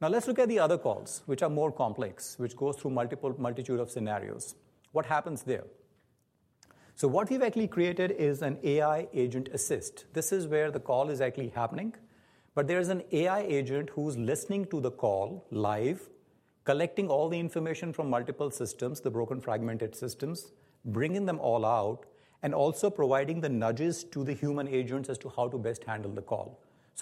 Now, let's look at the other calls, which are more complex, which go through a multitude of scenarios. What happens there? What we've actually created is an AI agent assist. This is where the call is actually happening. There is an AI agent who's listening to the call live, collecting all the information from multiple systems, the broken, fragmented systems, bringing them all out, and also providing the nudges to the human agents as to how to best handle the call.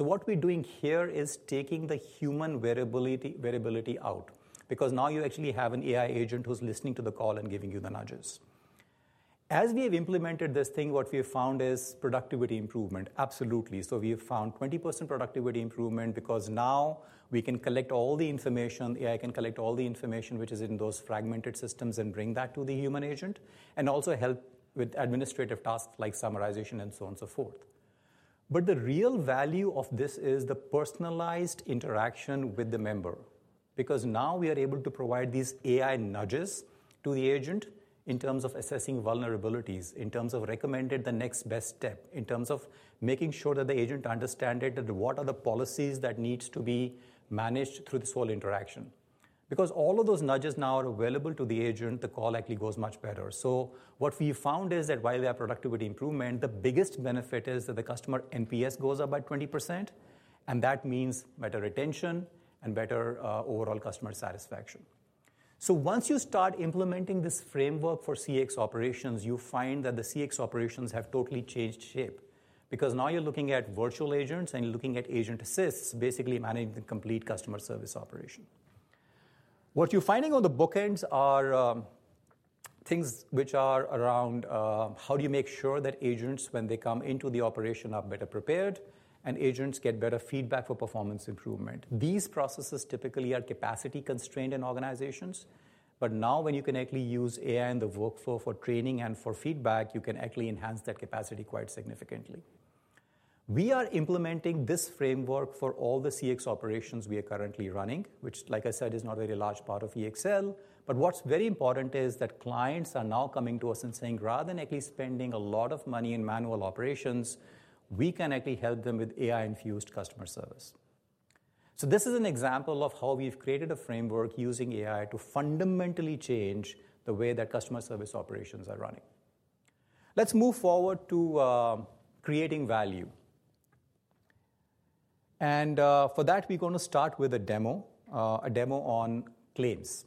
What we're doing here is taking the human variability out because now you actually have an AI agent who's listening to the call and giving you the nudges. As we have implemented this thing, what we have found is productivity improvement, absolutely. We have found 20% productivity improvement because now we can collect all the information. AI can collect all the information which is in those fragmented systems and bring that to the human agent and also help with administrative tasks like summarization and so on and so forth. The real value of this is the personalized interaction with the member because now we are able to provide these AI nudges to the agent in terms of assessing vulnerabilities, in terms of recommending the next best step, in terms of making sure that the agent understands what are the policies that need to be managed through this whole interaction. Because all of those nudges now are available to the agent, the call actually goes much better. What we found is that while we have productivity improvement, the biggest benefit is that the customer NPS goes up by 20%. That means better retention and better overall customer satisfaction. Once you start implementing this framework for CX operations, you find that the CX operations have totally changed shape because now you're looking at virtual agents and you're looking at agent assists basically managing the complete customer service operation. What you're finding on the bookends are things which are around how do you make sure that agents, when they come into the operation, are better prepared and agents get better feedback for performance improvement. These processes typically are capacity-constrained in organizations. Now when you can actually use AI in the workflow for training and for feedback, you can actually enhance that capacity quite significantly. We are implementing this framework for all the CX operations we are currently running, which, like I said, is not a very large part of EXL. What is very important is that clients are now coming to us and saying, rather than actually spending a lot of money in manual operations, we can actually help them with AI-infused customer service. This is an example of how we have created a framework using AI to fundamentally change the way that customer service operations are running. Let's move forward to creating value. For that, we are going to start with a demo, a demo on claims.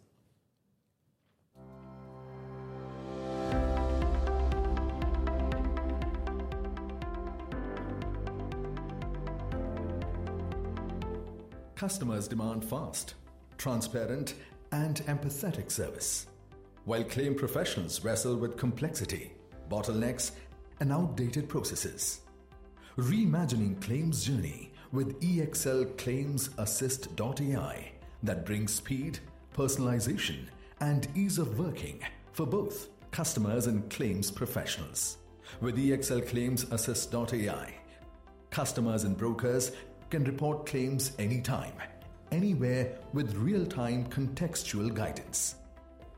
Customers demand fast, transparent, and empathetic service while claim professionals wrestle with complexity, bottlenecks, and outdated processes. Reimagining claims journey with EXL Claims Assist.ai that brings speed, personalization, and ease of working for both customers and claims professionals. With EXL Claims Assist.ai, customers and brokers can report claims anytime, anywhere with real-time contextual guidance,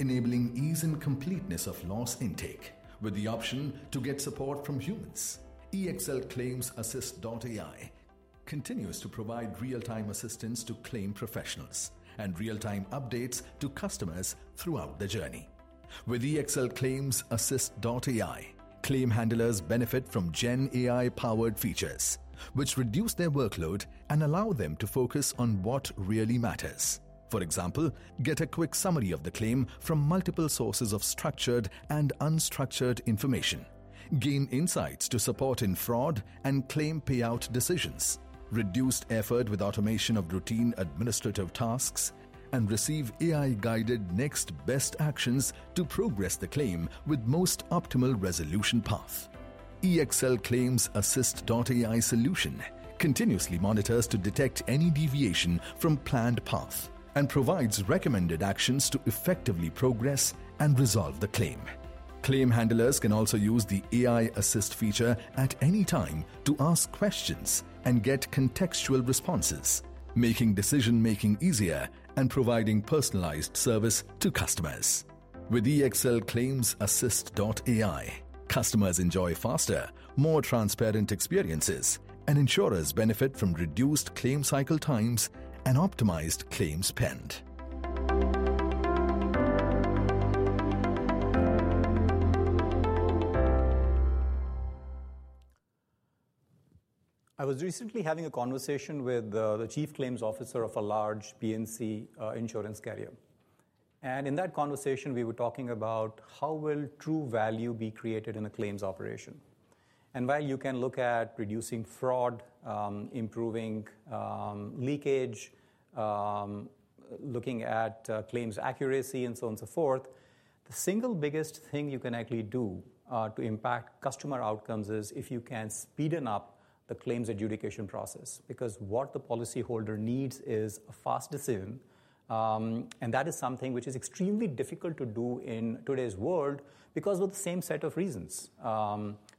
enabling ease and completeness of loss intake with the option to get support from humans. EXL Claims Assist.ai continues to provide real-time assistance to claim professionals and real-time updates to customers throughout the journey. With EXL Claims Assist.ai, claim handlers benefit from GenAI-powered features, which reduce their workload and allow them to focus on what really matters. For example, get a quick summary of the claim from multiple sources of structured and unstructured information, gain insights to support in fraud and claim payout decisions, reduce effort with automation of routine administrative tasks, and receive AI-guided next best actions to progress the claim with the most optimal resolution path. EXL Claims Assist.ai solution continuously monitors to detect any deviation from planned path and provides recommended actions to effectively progress and resolve the claim. Claim handlers can also use the AI assist feature at any time to ask questions and get contextual responses, making decision-making easier and providing personalized service to customers. With EXL Claims Assist.ai, customers enjoy faster, more transparent experiences, and insurers benefit from reduced claim cycle times and optimized claims spend. I was recently having a conversation with the Chief Claims Officer of a large P&C insurance carrier. In that conversation, we were talking about how will true value be created in a claims operation. While you can look at reducing fraud, improving leakage, looking at claims accuracy, and so on and so forth, the single biggest thing you can actually do to impact customer outcomes is if you can speed up the claims adjudication process because what the policyholder needs is a fast decision. That is something which is extremely difficult to do in today's world because of the same set of reasons.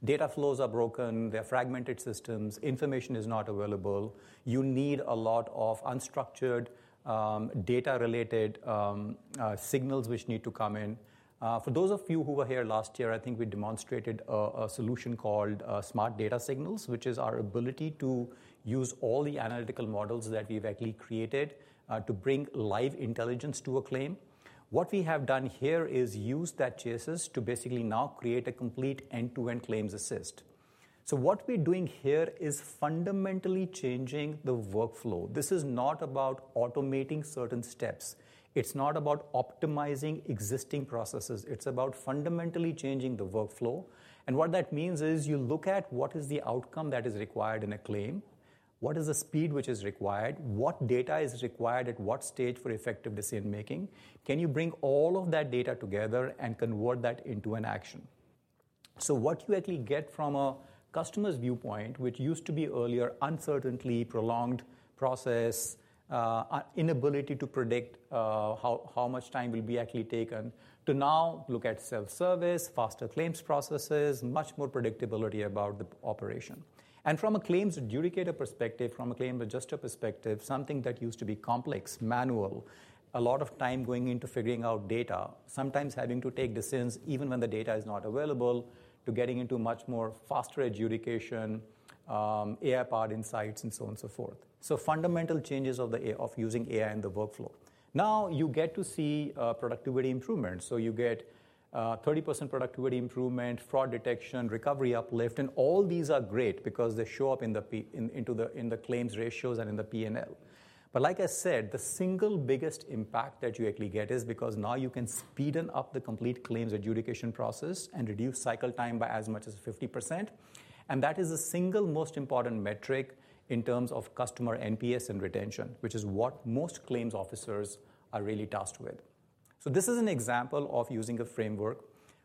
Data flows are broken. They are fragmented systems. Information is not available. You need a lot of unstructured data-related signals which need to come in. For those of you who were here last year, I think we demonstrated a solution called Smart Data Signals, which is our ability to use all the analytical models that we've actually created to bring live intelligence to a claim. What we have done here is use that JSS to basically now create a complete end-to-end claims assist. What we're doing here is fundamentally changing the workflow. This is not about automating certain steps. It's not about optimizing existing processes. It's about fundamentally changing the workflow. What that means is you look at what is the outcome that is required in a claim, what is the speed which is required, what data is required at what stage for effective decision-making. Can you bring all of that data together and convert that into an action? What you actually get from a customer's viewpoint, which used to be earlier uncertainty, prolonged process, inability to predict how much time will be actually taken, to now look at self-service, faster claims processes, much more predictability about the operation. From a claims adjudicator perspective, from a claim adjuster perspective, something that used to be complex, manual, a lot of time going into figuring out data, sometimes having to take decisions even when the data is not available, to getting into much more faster adjudication, AI-powered insights, and so on and so forth. Fundamental changes of using AI in the workflow. Now you get to see productivity improvements. You get 30% productivity improvement, fraud detection, recovery uplift. All these are great because they show up into the claims ratios and in the P&L. Like I said, the single biggest impact that you actually get is because now you can speed up the complete claims adjudication process and reduce cycle time by as much as 50%. That is the single most important metric in terms of customer NPS and retention, which is what most claims officers are really tasked with. This is an example of using a framework.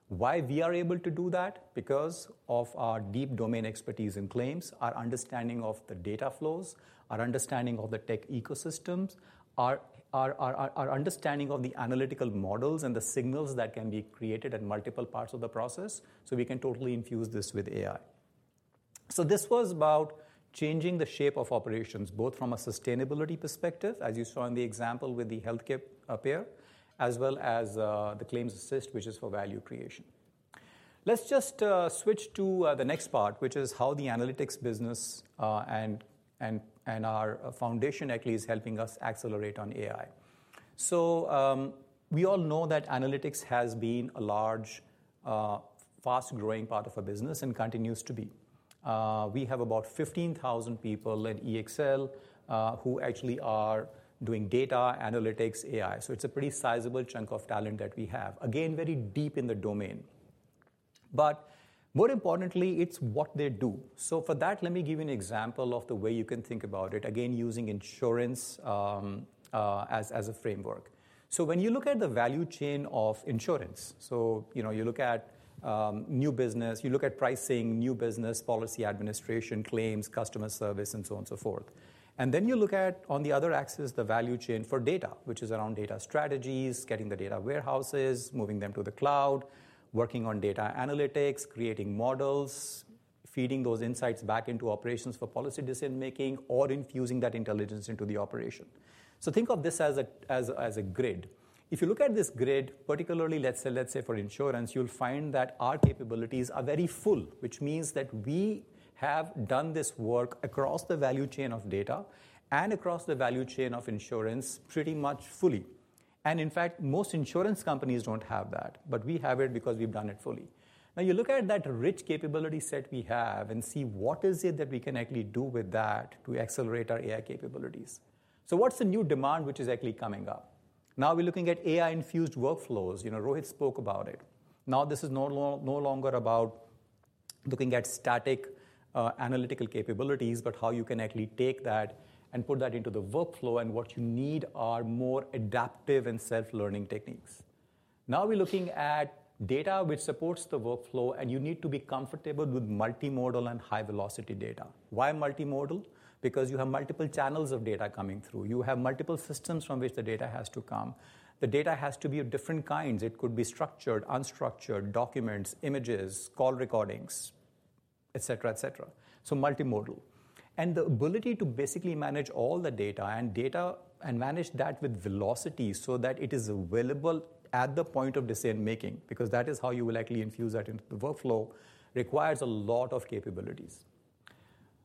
Why are we able to do that? Because of our deep domain expertise in claims, our understanding of the data flows, our understanding of the tech ecosystems, our understanding of the analytical models and the signals that can be created at multiple parts of the process. We can totally infuse this with AI. This was about changing the shape of operations, both from a sustainability perspective, as you saw in the example with the healthcare payer, as well as the Claims Assist, which is for value creation. Let's just switch to the next part, which is how the analytics business and our foundation actually is helping us accelerate on AI. We all know that analytics has been a large, fast-growing part of our business and continues to be. We have about 15,000 people at EXL who actually are doing data analytics, AI. It's a pretty sizable chunk of talent that we have, again, very deep in the domain. More importantly, it's what they do. For that, let me give you an example of the way you can think about it, again, using insurance as a framework. When you look at the value chain of insurance, you look at new business, you look at pricing, new business policy, administration, claims, customer service, and so on and so forth. Then you look at, on the other axis, the value chain for data, which is around data strategies, getting the data warehouses, moving them to the cloud, working on data analytics, creating models, feeding those insights back into operations for policy decision-making, or infusing that intelligence into the operation. Think of this as a grid. If you look at this grid, particularly, let's say, for insurance, you'll find that our capabilities are very full, which means that we have done this work across the value chain of data and across the value chain of insurance pretty much fully. In fact, most insurance companies don't have that. We have it because we've done it fully. Now you look at that rich capability set we have and see what is it that we can actually do with that to accelerate our AI capabilities. What's the new demand which is actually coming up? Now we're looking at AI-infused workflows. Rohit spoke about it. This is no longer about looking at static analytical capabilities, but how you can actually take that and put that into the workflow. What you need are more adaptive and self-learning techniques. Now we're looking at data which supports the workflow. You need to be comfortable with multimodal and high-velocity data. Why multimodal? Because you have multiple channels of data coming through. You have multiple systems from which the data has to come. The data has to be of different kinds. It could be structured, unstructured, documents, images, call recordings, et cetera, et cetera. Multimodal. The ability to basically manage all the data and manage that with velocity so that it is available at the point of decision-making, because that is how you will actually infuse that into the workflow, requires a lot of capabilities.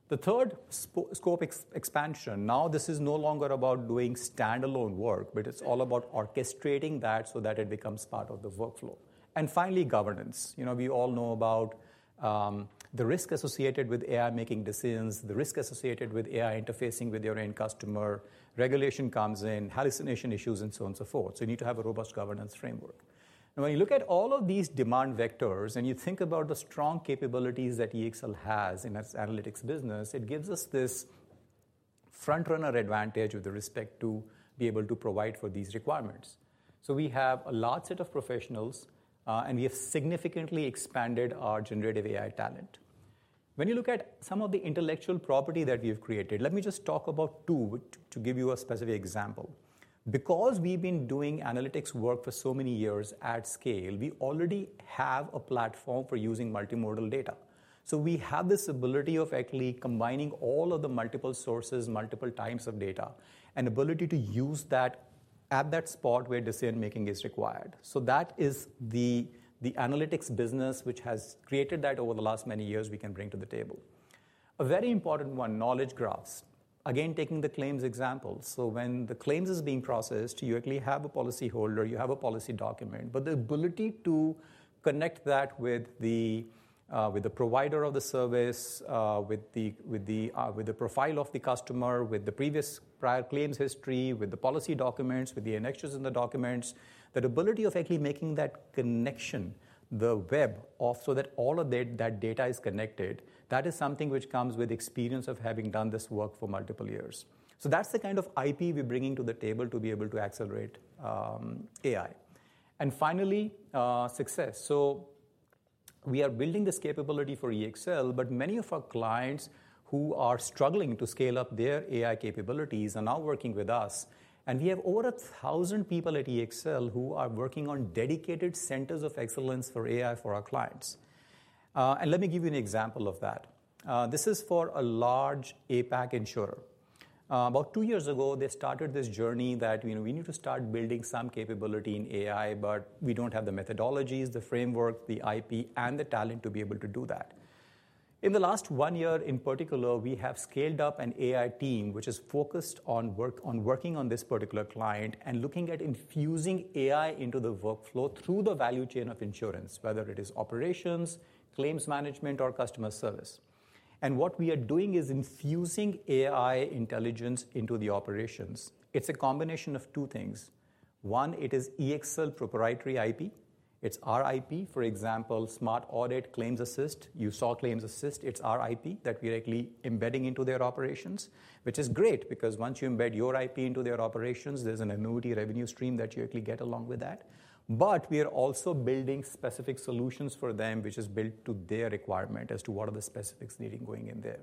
The third scope expansion, now this is no longer about doing standalone work, but it is all about orchestrating that so that it becomes part of the workflow. Finally, governance. We all know about the risk associated with AI making decisions, the risk associated with AI interfacing with your end customer, regulation comes in, hallucination issues, and so on and so forth. You need to have a robust governance framework. When you look at all of these demand vectors and you think about the strong capabilities that EXL has in its analytics business, it gives us this frontrunner advantage with respect to being able to provide for these requirements. We have a large set of professionals, and we have significantly expanded our generative AI talent. When you look at some of the intellectual property that we have created, let me just talk about two to give you a specific example. Because we've been doing analytics work for so many years at scale, we already have a platform for using multimodal data. We have this ability of actually combining all of the multiple sources, multiple types of data, and ability to use that at that spot where decision-making is required. That is the analytics business which has created that over the last many years we can bring to the table. A very important one, knowledge graphs. Again, taking the claims example. When the claims is being processed, you actually have a policy holder, you have a policy document, but the ability to connect that with the provider of the service, with the profile of the customer, with the previous prior claims history, with the policy documents, with the annexes in the documents, that ability of actually making that connection, the web, so that all of that data is connected, that is something which comes with experience of having done this work for multiple years. That is the kind of IP we're bringing to the table to be able to accelerate AI. And finally, success. We are building this capability for EXL, but many of our clients who are struggling to scale up their AI capabilities are now working with us. We have over 1,000 people at EXL who are working on dedicated centers of excellence for AI for our clients. Let me give you an example of that. This is for a large APAC insurer. About two years ago, they started this journey that we need to start building some capability in AI, but we do not have the methodologies, the framework, the IP, and the talent to be able to do that. In the last one year, in particular, we have scaled up an AI team which is focused on working on this particular client and looking at infusing AI into the workflow through the value chain of insurance, whether it is operations, claims management, or customer service. What we are doing is infusing AI intelligence into the operations. It's a combination of two things. One, it is EXL proprietary IP. It's our IP. For example, Smart Audit, Claims Assist, you saw Claims Assist. It's our IP that we're actually embedding into their operations, which is great because once you embed your IP into their operations, there's an annuity revenue stream that you actually get along with that. We are also building specific solutions for them, which is built to their requirement as to what are the specifics needing going in there.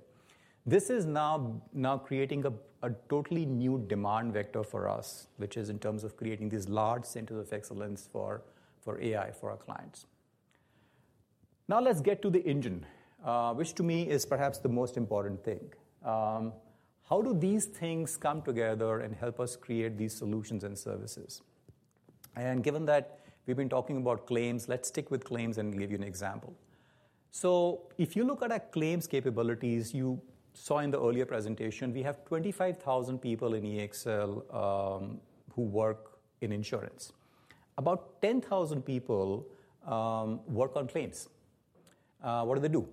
This is now creating a totally new demand vector for us, which is in terms of creating these large centers of excellence for AI for our clients. Now let's get to the engine, which to me is perhaps the most important thing. How do these things come together and help us create these solutions and services? Given that we've been talking about claims, let's stick with claims and give you an example. If you look at our claims capabilities, you saw in the earlier presentation, we have 25,000 people in EXL who work in insurance. About 10,000 people work on claims. What do they do?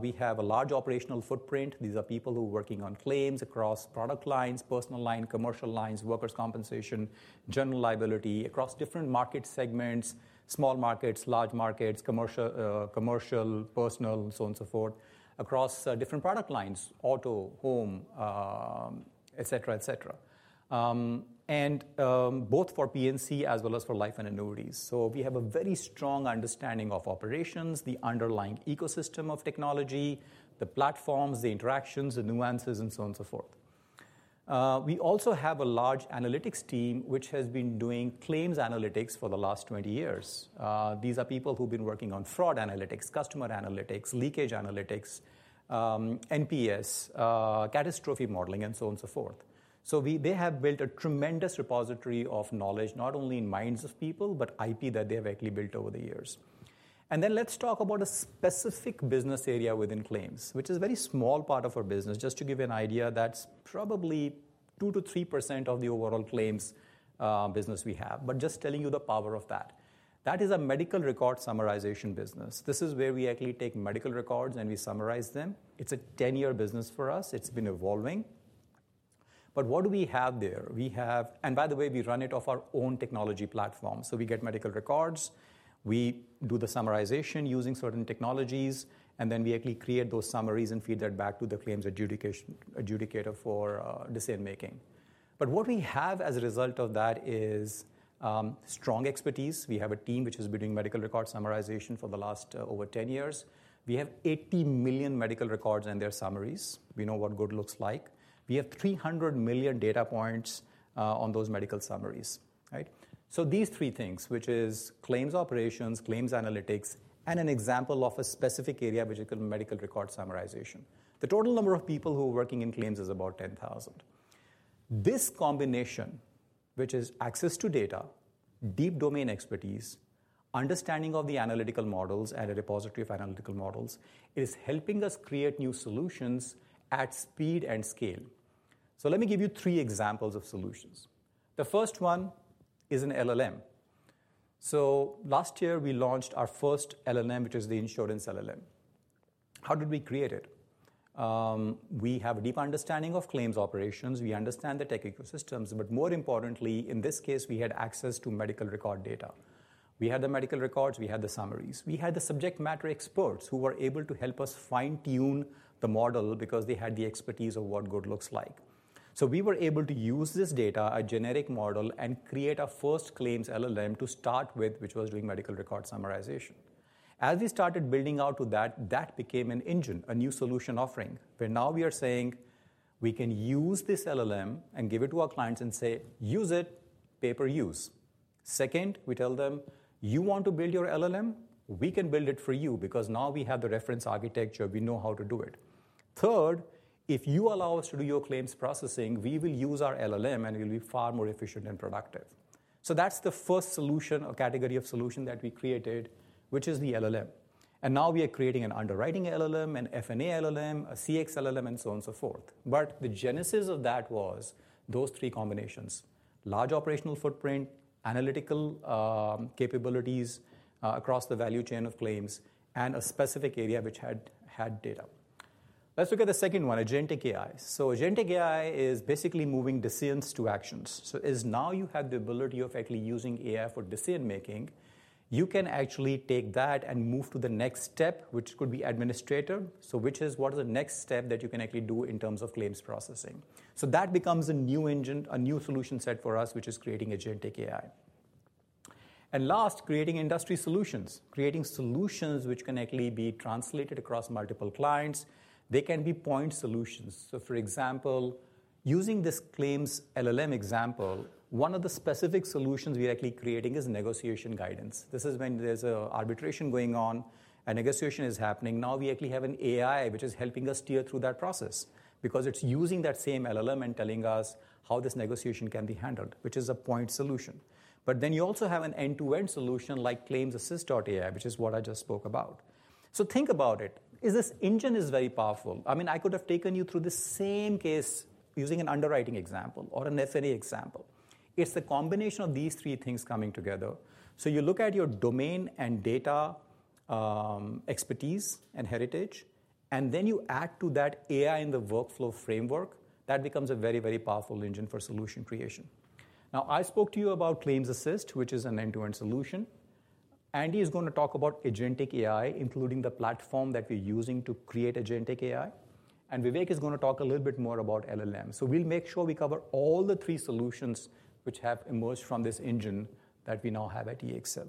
We have a large operational footprint. These are people who are working on claims across product lines, personal lines, commercial lines, workers' compensation, general liability, across different market segments, small markets, large markets, commercial, personal, so on and so forth, across different product lines, auto, home, et cetera, et cetera, and both for P&C as well as for life and annuities. We have a very strong understanding of operations, the underlying ecosystem of technology, the platforms, the interactions, the nuances, and so on and so forth. We also have a large analytics team which has been doing claims analytics for the last 20 years. These are people who've been working on fraud analytics, customer analytics, leakage analytics, NPS, catastrophe modeling, and so on and so forth. They have built a tremendous repository of knowledge, not only in minds of people, but IP that they have actually built over the years. Let's talk about a specific business area within claims, which is a very small part of our business. Just to give you an idea, that's probably 2%-3% of the overall claims business we have, just telling you the power of that. That is a medical record summarization business. This is where we actually take medical records and we summarize them. It's a 10-year business for us. It's been evolving. What do we have there? By the way, we run it off our own technology platform. We get medical records. We do the summarization using certain technologies. We actually create those summaries and feed that back to the claims adjudicator for decision-making. What we have as a result of that is strong expertise. We have a team which has been doing medical record summarization for the last over 10 years. We have 80 million medical records and their summaries. We know what good looks like. We have 300 million data points on those medical summaries. These three things, which are claims operations, claims analytics, and an example of a specific area which is called medical record summarization. The total number of people who are working in claims is about 10,000. This combination, which is access to data, deep domain expertise, understanding of the analytical models, and a repository of analytical models, is helping us create new solutions at speed and scale. Let me give you three examples of solutions. The first one is an LLM. Last year, we launched our first LLM, which is the insurance LLM. How did we create it? We have a deep understanding of claims operations. We understand the tech ecosystems. More importantly, in this case, we had access to medical record data. We had the medical records. We had the summaries. We had the subject matter experts who were able to help us fine-tune the model because they had the expertise of what good looks like. We were able to use this data, a generic model, and create our first claims LLM to start with, which was doing medical record summarization. As we started building out to that, that became an engine, a new solution offering, where now we are saying we can use this LLM and give it to our clients and say, use it, pay per use. Second, we tell them, you want to build your LLM? We can build it for you because now we have the reference architecture. We know how to do it. Third, if you allow us to do your claims processing, we will use our LLM, and we'll be far more efficient and productive. That is the first category of solution that we created, which is the LLM. Now we are creating an underwriting LLM, an F&A LLM, a CX LLM, and so on and so forth. The genesis of that was those three combinations: large operational footprint, analytical capabilities across the value chain of claims, and a specific area which had data. Let's look at the second one, Agentic AI. Agentic AI is basically moving decisions to actions. Now you have the ability of actually using AI for decision-making. You can actually take that and move to the next step, which could be administrator, which is what is the next step that you can actually do in terms of claims processing. That becomes a new solution set for us, which is creating Agentic AI. Last, creating industry solutions, creating solutions which can actually be translated across multiple clients. They can be point solutions. For example, using this claims LLM example, one of the specific solutions we are actually creating is negotiation guidance. This is when there's an arbitration going on. A negotiation is happening. Now we actually have an AI which is helping us steer through that process because it's using that same LLM and telling us how this negotiation can be handled, which is a point solution. You also have an end-to-end solution like Claims Assist.ai, which is what I just spoke about. Think about it. This engine is very powerful. I mean, I could have taken you through the same case using an underwriting example or an F&A example. It's the combination of these three things coming together. You look at your domain and data expertise and heritage, and then you add to that AI in the workflow framework. That becomes a very, very powerful engine for solution creation. I spoke to you about Claims Assist, which is an end-to-end solution. Andy is going to talk about Agentic AI, including the platform that we're using to create Agentic AI. Vivek is going to talk a little bit more about LLM. We'll make sure we cover all the three solutions which have emerged from this engine that we now have at EXL.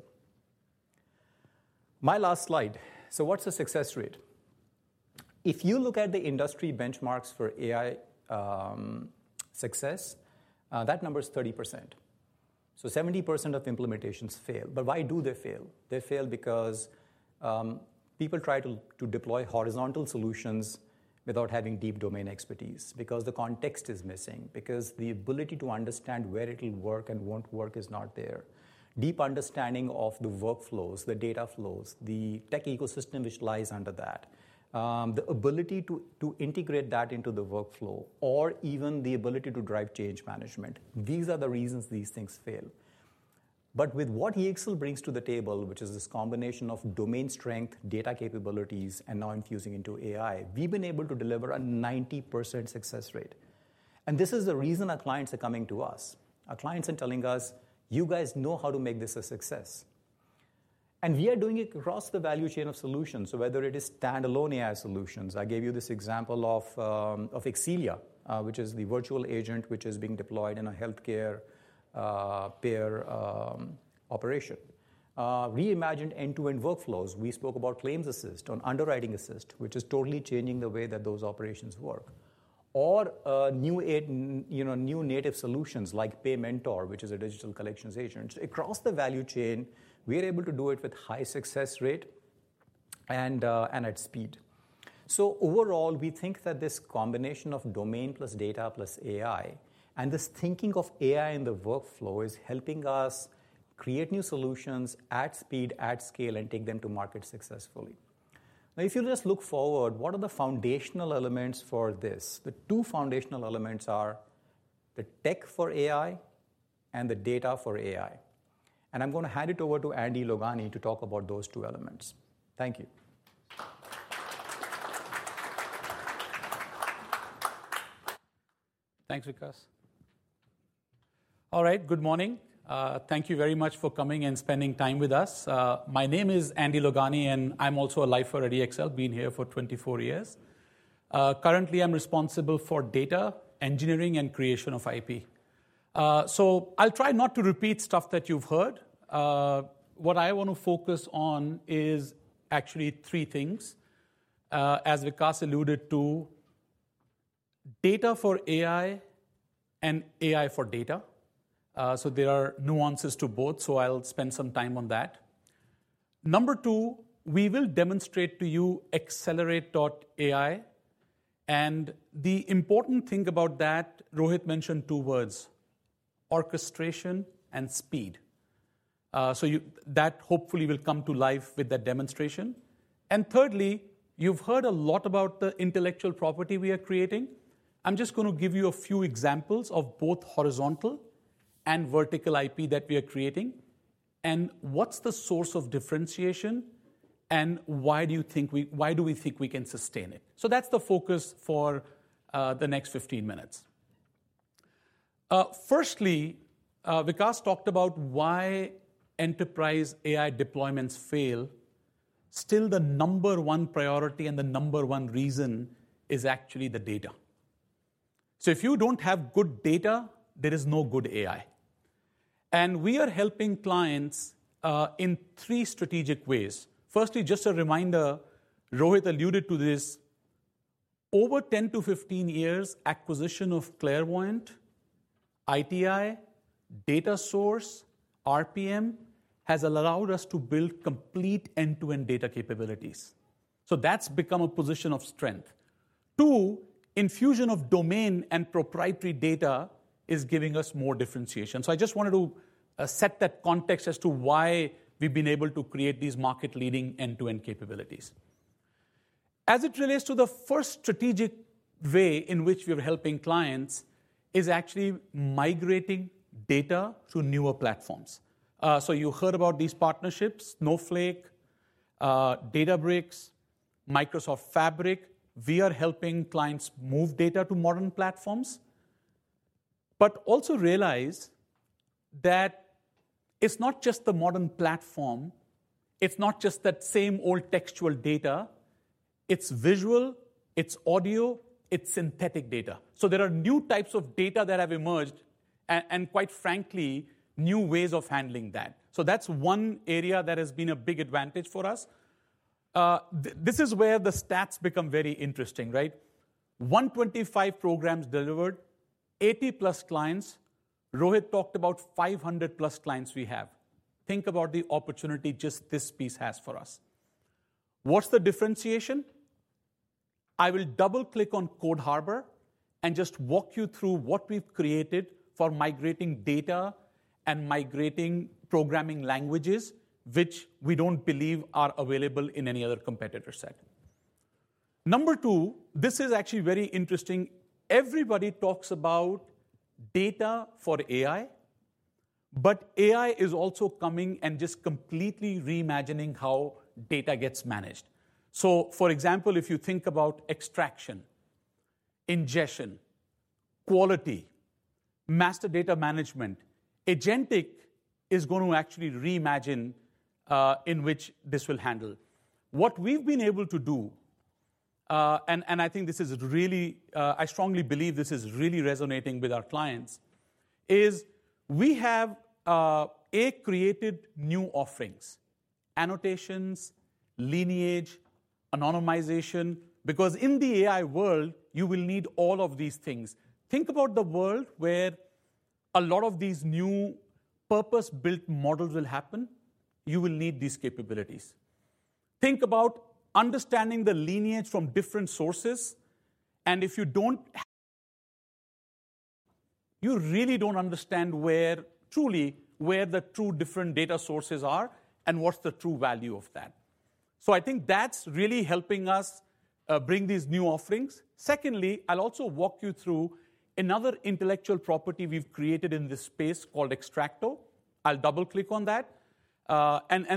My last slide. What's the success rate? If you look at the industry benchmarks for AI success, that number is 30%. Seventy percent of implementations fail. Why do they fail? They fail because people try to deploy horizontal solutions without having deep domain expertise, because the context is missing, because the ability to understand where it'll work and won't work is not there. Deep understanding of the workflows, the data flows, the tech ecosystem which lies under that, the ability to integrate that into the workflow, or even the ability to drive change management. These are the reasons these things fail. With what EXL brings to the table, which is this combination of domain strength, data capabilities, and now infusing into AI, we've been able to deliver a 90% success rate. This is the reason our clients are coming to us. Our clients are telling us, you guys know how to make this a success. We are doing it across the value chain of solutions. Whether it is standalone AI solutions, I gave you this example of Ecelia, which is the virtual agent which is being deployed in a healthcare payer operation. We imagined end-to-end workflows. We spoke about Claims Assist on underwriting assist, which is totally changing the way that those operations work. New native solutions like Paymentor, which is a digital collections agent. Across the value chain, we are able to do it with high success rate and at speed. Overall, we think that this combination of domain plus data plus AI and this thinking of AI in the workflow is helping us create new solutions at speed, at scale, and take them to market successfully. Now, if you just look forward, what are the foundational elements for this? The two foundational elements are the tech for AI and the data for AI. I'm going to hand it over to Andy Logani to talk about those two elements. Thank you. Thanks, Vikas. All right. Good morning. Thank you very much for coming and spending time with us. My name is Andy Logani, and I'm also a lifer for EXL, been here for 24 years. Currently, I'm responsible for data engineering and creation of IP. I'll try not to repeat stuff that you've heard. What I want to focus on is actually three things. As Vikas alluded to, data for AI and AI for data. There are nuances to both, so I'll spend some time on that. Number two, we will demonstrate to you EXLerate.ai. The important thing about that, Rohit mentioned two words: orchestration and speed. That hopefully will come to life with that demonstration. Thirdly, you've heard a lot about the intellectual property we are creating. I'm just going to give you a few examples of both horizontal and vertical IP that we are creating. What's the source of differentiation? Why do we think we can sustain it? That's the focus for the next 15 minutes. Firstly, Vikas talked about why enterprise AI deployments fail. Still, the number one priority and the number one reason is actually the data. If you don't have good data, there is no good AI. We are helping clients in three strategic ways. Firstly, just a reminder, Rohit alluded to this. Over 10-15 years, acquisition of Clairvoyant, ITI, DataSource, RPM has allowed us to build complete end-to-end data capabilities. That's become a position of strength. Two, infusion of domain and proprietary data is giving us more differentiation. I just wanted to set that context as to why we've been able to create these market-leading end-to-end capabilities. As it relates to the first strategic way in which we are helping clients, it is actually migrating data to newer platforms. You heard about these partnerships: Snowflake, Databricks, Microsoft Fabric. We are helping clients move data to modern platforms, but also realize that it's not just the modern platform. It's not just that same old textual data. It's visual, it's audio, it's synthetic data. There are new types of data that have emerged and, quite frankly, new ways of handling that. That's one area that has been a big advantage for us. This is where the stats become very interesting. 125 programs delivered, 80-plus clients. Rohit talked about 500-plus clients we have. Think about the opportunity just this piece has for us. What's the differentiation? I will double-click on Code Harbor and just walk you through what we've created for migrating data and migrating programming languages, which we don't believe are available in any other competitor set. Number two, this is actually very interesting. Everybody talks about data for AI, but AI is also coming and just completely reimagining how data gets managed. For example, if you think about extraction, ingestion, quality, master data management, agentic is going to actually reimagine in which this will handle. What we've been able to do, and I think this is really—I strongly believe this is really resonating with our clients—is we have created new offerings: annotations, lineage, anonymization. Because in the AI world, you will need all of these things. Think about the world where a lot of these new purpose-built models will happen. You will need these capabilities. Think about understanding the lineage from different sources. If you don't, you really don't understand truly where the true different data sources are and what's the true value of that. I think that's really helping us bring these new offerings. Secondly, I'll also walk you through another intellectual property we've created in this space called Xtracto. I'll double-click on that.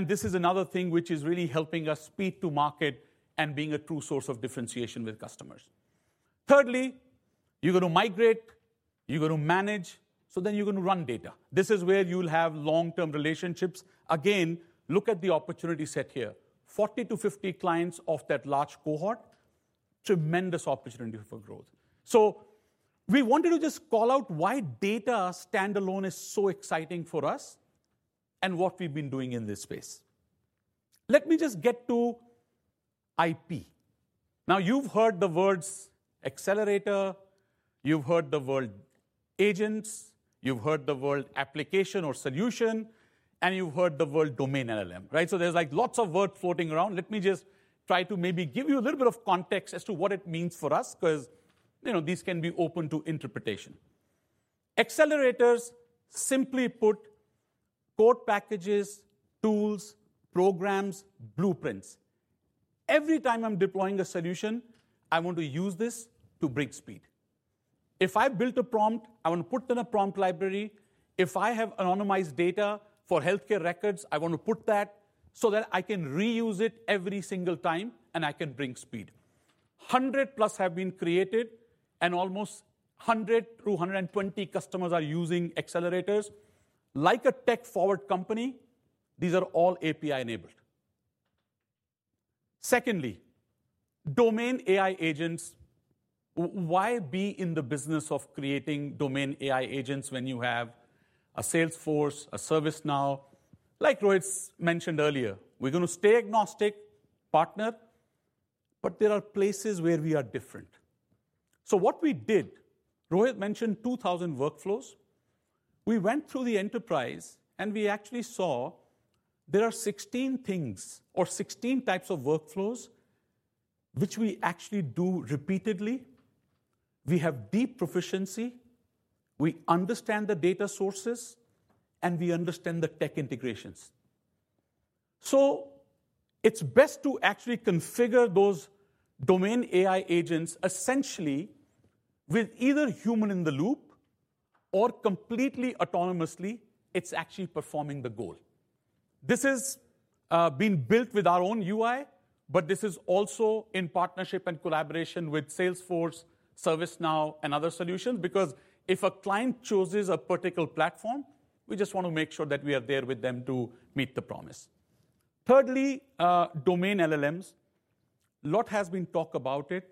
This is another thing which is really helping us speed to market and being a true source of differentiation with customers. Thirdly, you're going to migrate. You're going to manage. You're going to run data. This is where you'll have long-term relationships. Again, look at the opportunity set here: 40-50 clients of that large cohort, tremendous opportunity for growth. We wanted to just call out why data standalone is so exciting for us and what we've been doing in this space. Let me just get to IP. Now, you've heard the words accelerator. You've heard the word agents. You've heard the word application or solution. You've heard the word domain LLM. Right? There's lots of words floating around. Let me just try to maybe give you a little bit of context as to what it means for us because these can be open to interpretation. Accelerators, simply put, code packages, tools, programs, blueprints. Every time I'm deploying a solution, I want to use this to bring speed. If I built a prompt, I want to put it in a prompt library. If I have anonymized data for healthcare records, I want to put that so that I can reuse it every single time and I can bring speed. 100-plus have been created, and almost 100-120 customers are using accelerators. Like a tech-forward company, these are all API-enabled. Secondly, domain AI agents. Why be in the business of creating domain AI agents when you have a Salesforce, a ServiceNow? Like Rohit mentioned earlier, we're going to stay agnostic, partner, but there are places where we are different. What we did, Rohit mentioned 2,000 workflows. We went through the enterprise, and we actually saw there are 16 things or 16 types of workflows which we actually do repeatedly. We have deep proficiency. We understand the data sources, and we understand the tech integrations. It is best to actually configure those domain AI agents essentially with either human in the loop or completely autonomously. It is actually performing the goal. This has been built with our own UI, but this is also in partnership and collaboration with Salesforce, ServiceNow, and other solutions because if a client chooses a particular platform, we just want to make sure that we are there with them to meet the promise. Thirdly, domain LLMs. A lot has been talked about it.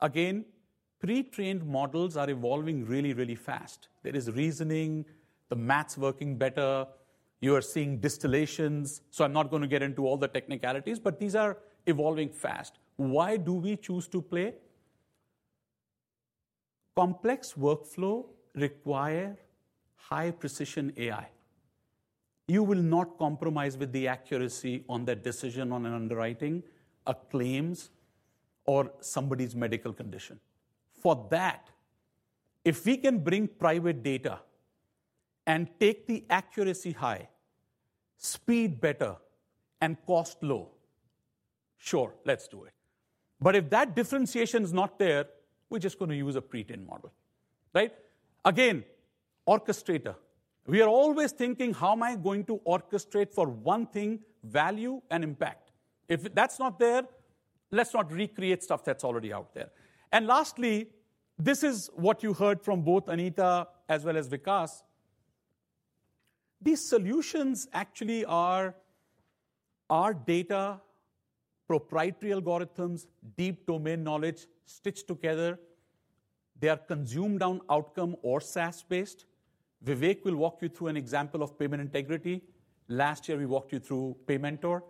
Again, pre-trained models are evolving really, really fast. There is reasoning. The math is working better. You are seeing distillations. I'm not going to get into all the technicalities, but these are evolving fast. Why do we choose to play? Complex workflow requires high-precision AI. You will not compromise with the accuracy on that decision on an underwriting, a claims, or somebody's medical condition. For that, if we can bring private data and take the accuracy high, speed better, and cost low, sure, let's do it. If that differentiation is not there, we're just going to use a pre-trained model. Right? Again, orchestrator. We are always thinking, how am I going to orchestrate for one thing, value and impact? If that's not there, let's not recreate stuff that's already out there. Lastly, this is what you heard from both Anita as well as Vikas. These solutions actually are our data, proprietary algorithms, deep domain knowledge stitched together. They are consumed on outcome or SaaS-based. Vivek will walk you through an example of payment integrity. Last year, we walked you through PayMentor.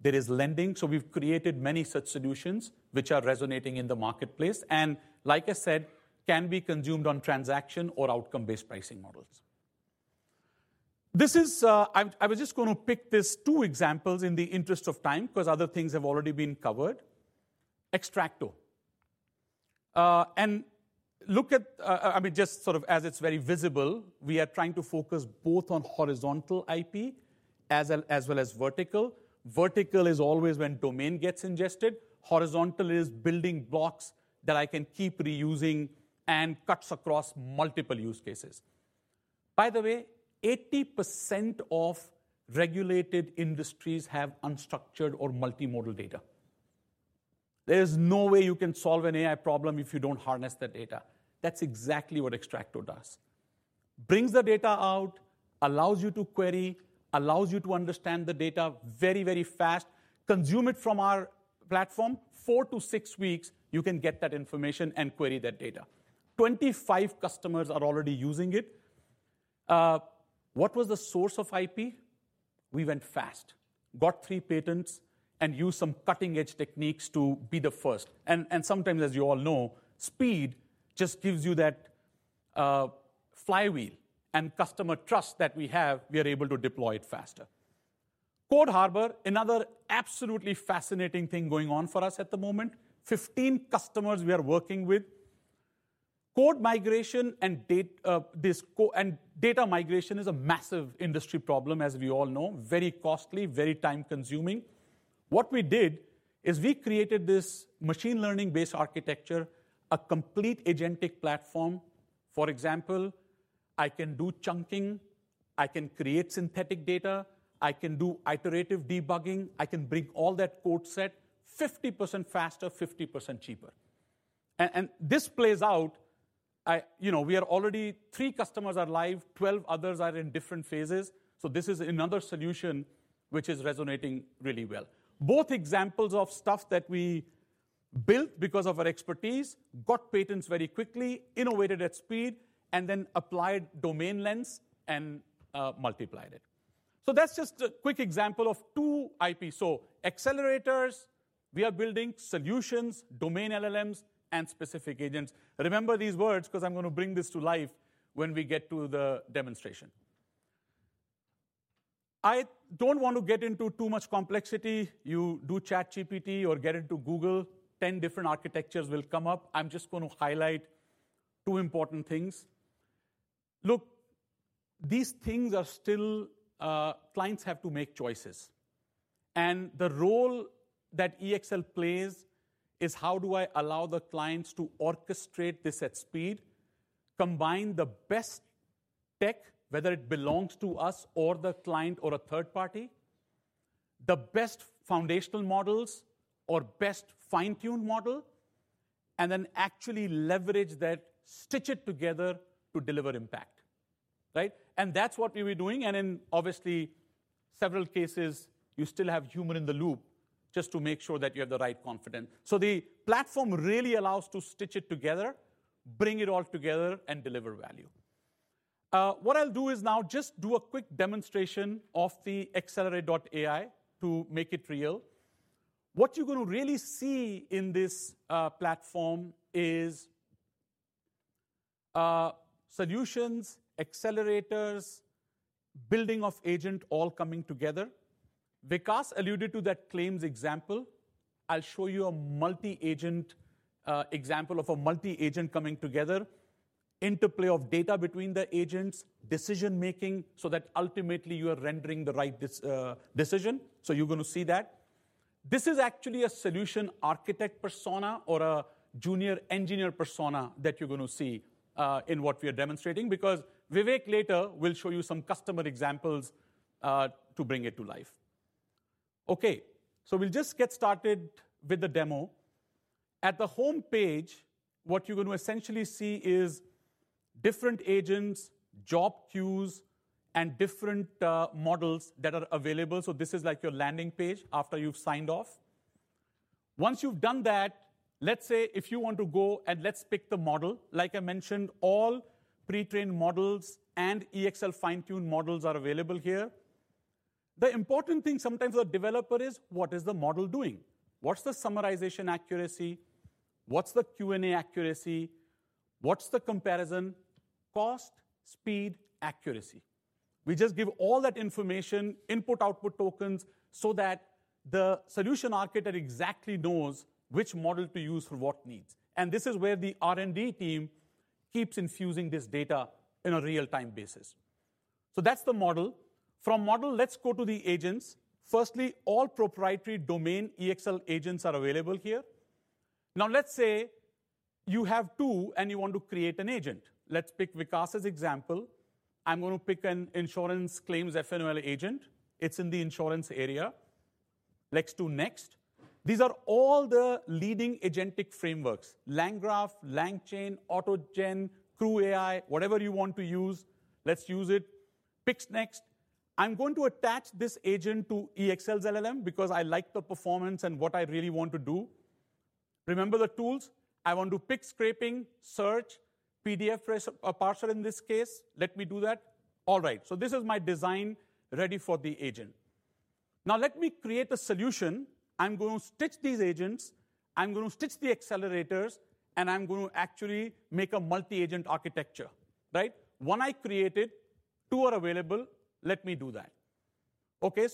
There is lending. So we've created many such solutions which are resonating in the marketplace and, like I said, can be consumed on transaction or outcome-based pricing models. I was just going to pick these two examples in the interest of time because other things have already been covered. Xtracto. And look at, I mean, just sort of as it's very visible, we are trying to focus both on horizontal IP as well as vertical. Vertical is always when domain gets ingested. Horizontal is building blocks that I can keep reusing and cuts across multiple use cases. By the way, 80% of regulated industries have unstructured or multimodal data. There is no way you can solve an AI problem if you don't harness the data. That's exactly what Xtracto does. Brings the data out, allows you to query, allows you to understand the data very, very fast. Consume it from our platform. Four to six weeks, you can get that information and query that data. Twenty-five customers are already using it. What was the source of IP? We went fast, got three patents, and used some cutting-edge techniques to be the first. Sometimes, as you all know, speed just gives you that flywheel and customer trust that we have. We are able to deploy it faster. Code Harbor, another absolutely fascinating thing going on for us at the moment. Fifteen customers we are working with. Code migration and data migration is a massive industry problem, as we all know. Very costly, very time-consuming. What we did is we created this machine learning-based architecture, a complete agentic platform. For example, I can do chunking. I can create synthetic data. I can do iterative debugging. I can bring all that code set 50% faster, 50% cheaper. This plays out. We are already three customers are live. Twelve others are in different phases. This is another solution which is resonating really well. Both examples of stuff that we built because of our expertise, got patents very quickly, innovated at speed, and then applied domain lens and multiplied it. That is just a quick example of two IP. Accelerators, we are building solutions, domain LLMs, and specific agents. Remember these words because I am going to bring this to life when we get to the demonstration. I do not want to get into too much complexity. You do ChatGPT or get into Google. Ten different architectures will come up. I am just going to highlight two important things. Look, these things are still clients have to make choices. The role that EXL plays is how do I allow the clients to orchestrate this at speed, combine the best tech, whether it belongs to us or the client or a third party, the best foundational models or best fine-tuned model, and then actually leverage that, stitch it together to deliver impact. Right? That is what we will be doing. In obviously several cases, you still have human in the loop just to make sure that you have the right confidence. The platform really allows to stitch it together, bring it all together, and deliver value. What I will do is now just do a quick demonstration of the accelerator.ai to make it real. What you are going to really see in this platform is solutions, accelerators, building of agent all coming together. Vikas alluded to that claims example. I'll show you a multi-agent example of a multi-agent coming together, interplay of data between the agents, decision-making so that ultimately you are rendering the right decision. You're going to see that. This is actually a solution architect persona or a junior engineer persona that you're going to see in what we are demonstrating because Vivek later will show you some customer examples to bring it to life. Okay. We'll just get started with the demo. At the home page, what you're going to essentially see is different agents, job queues, and different models that are available. This is like your landing page after you've signed off. Once you've done that, let's say if you want to go and let's pick the model. Like I mentioned, all pre-trained models and EXL fine-tuned models are available here. The important thing sometimes a developer is, what is the model doing? What's the summarization accuracy? What's the Q&A accuracy? What's the comparison? Cost, speed, accuracy. We just give all that information, input-output tokens, so that the solution architect exactly knows which model to use for what needs. This is where the R&D team keeps infusing this data in a real-time basis. That's the model. From model, let's go to the agents. Firstly, all proprietary domain EXL agents are available here. Now, let's say you have two and you want to create an agent. Let's pick Vikas's example. I'm going to pick an insurance claims FNOL agent. It's in the insurance area. Let's do next. These are all the leading agentic frameworks: LangGraph, LangChain, AutoGen, CrewAI, whatever you want to use. Let's use it. Pick next. I'm going to attach this agent to EXL's LLM because I like the performance and what I really want to do. Remember the tools. I want to pick scraping, search, PDF parser in this case. Let me do that. All right. This is my design ready for the agent. Now, let me create a solution. I'm going to stitch these agents. I'm going to stitch the accelerators, and I'm going to actually make a multi-agent architecture. Right? When I create it, two are available. Let me do that. Okay.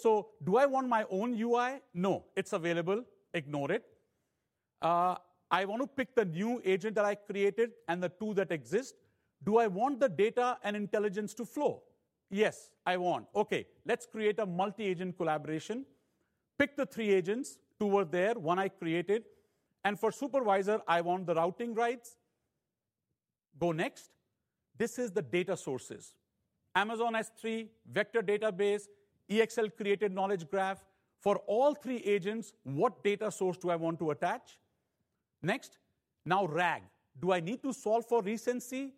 Do I want my own UI? No. It's available. Ignore it. I want to pick the new agent that I created and the two that exist. Do I want the data and intelligence to flow? Yes, I want. Okay. Let's create a multi-agent collaboration. Pick the three agents toward there, one I created. For supervisor, I want the routing rights. Go next. This is the data sources: Amazon S3, vector database, EXL-created knowledge graph. For all three agents, what data source do I want to attach? Next. Now, RAG. Do I need to solve for recency?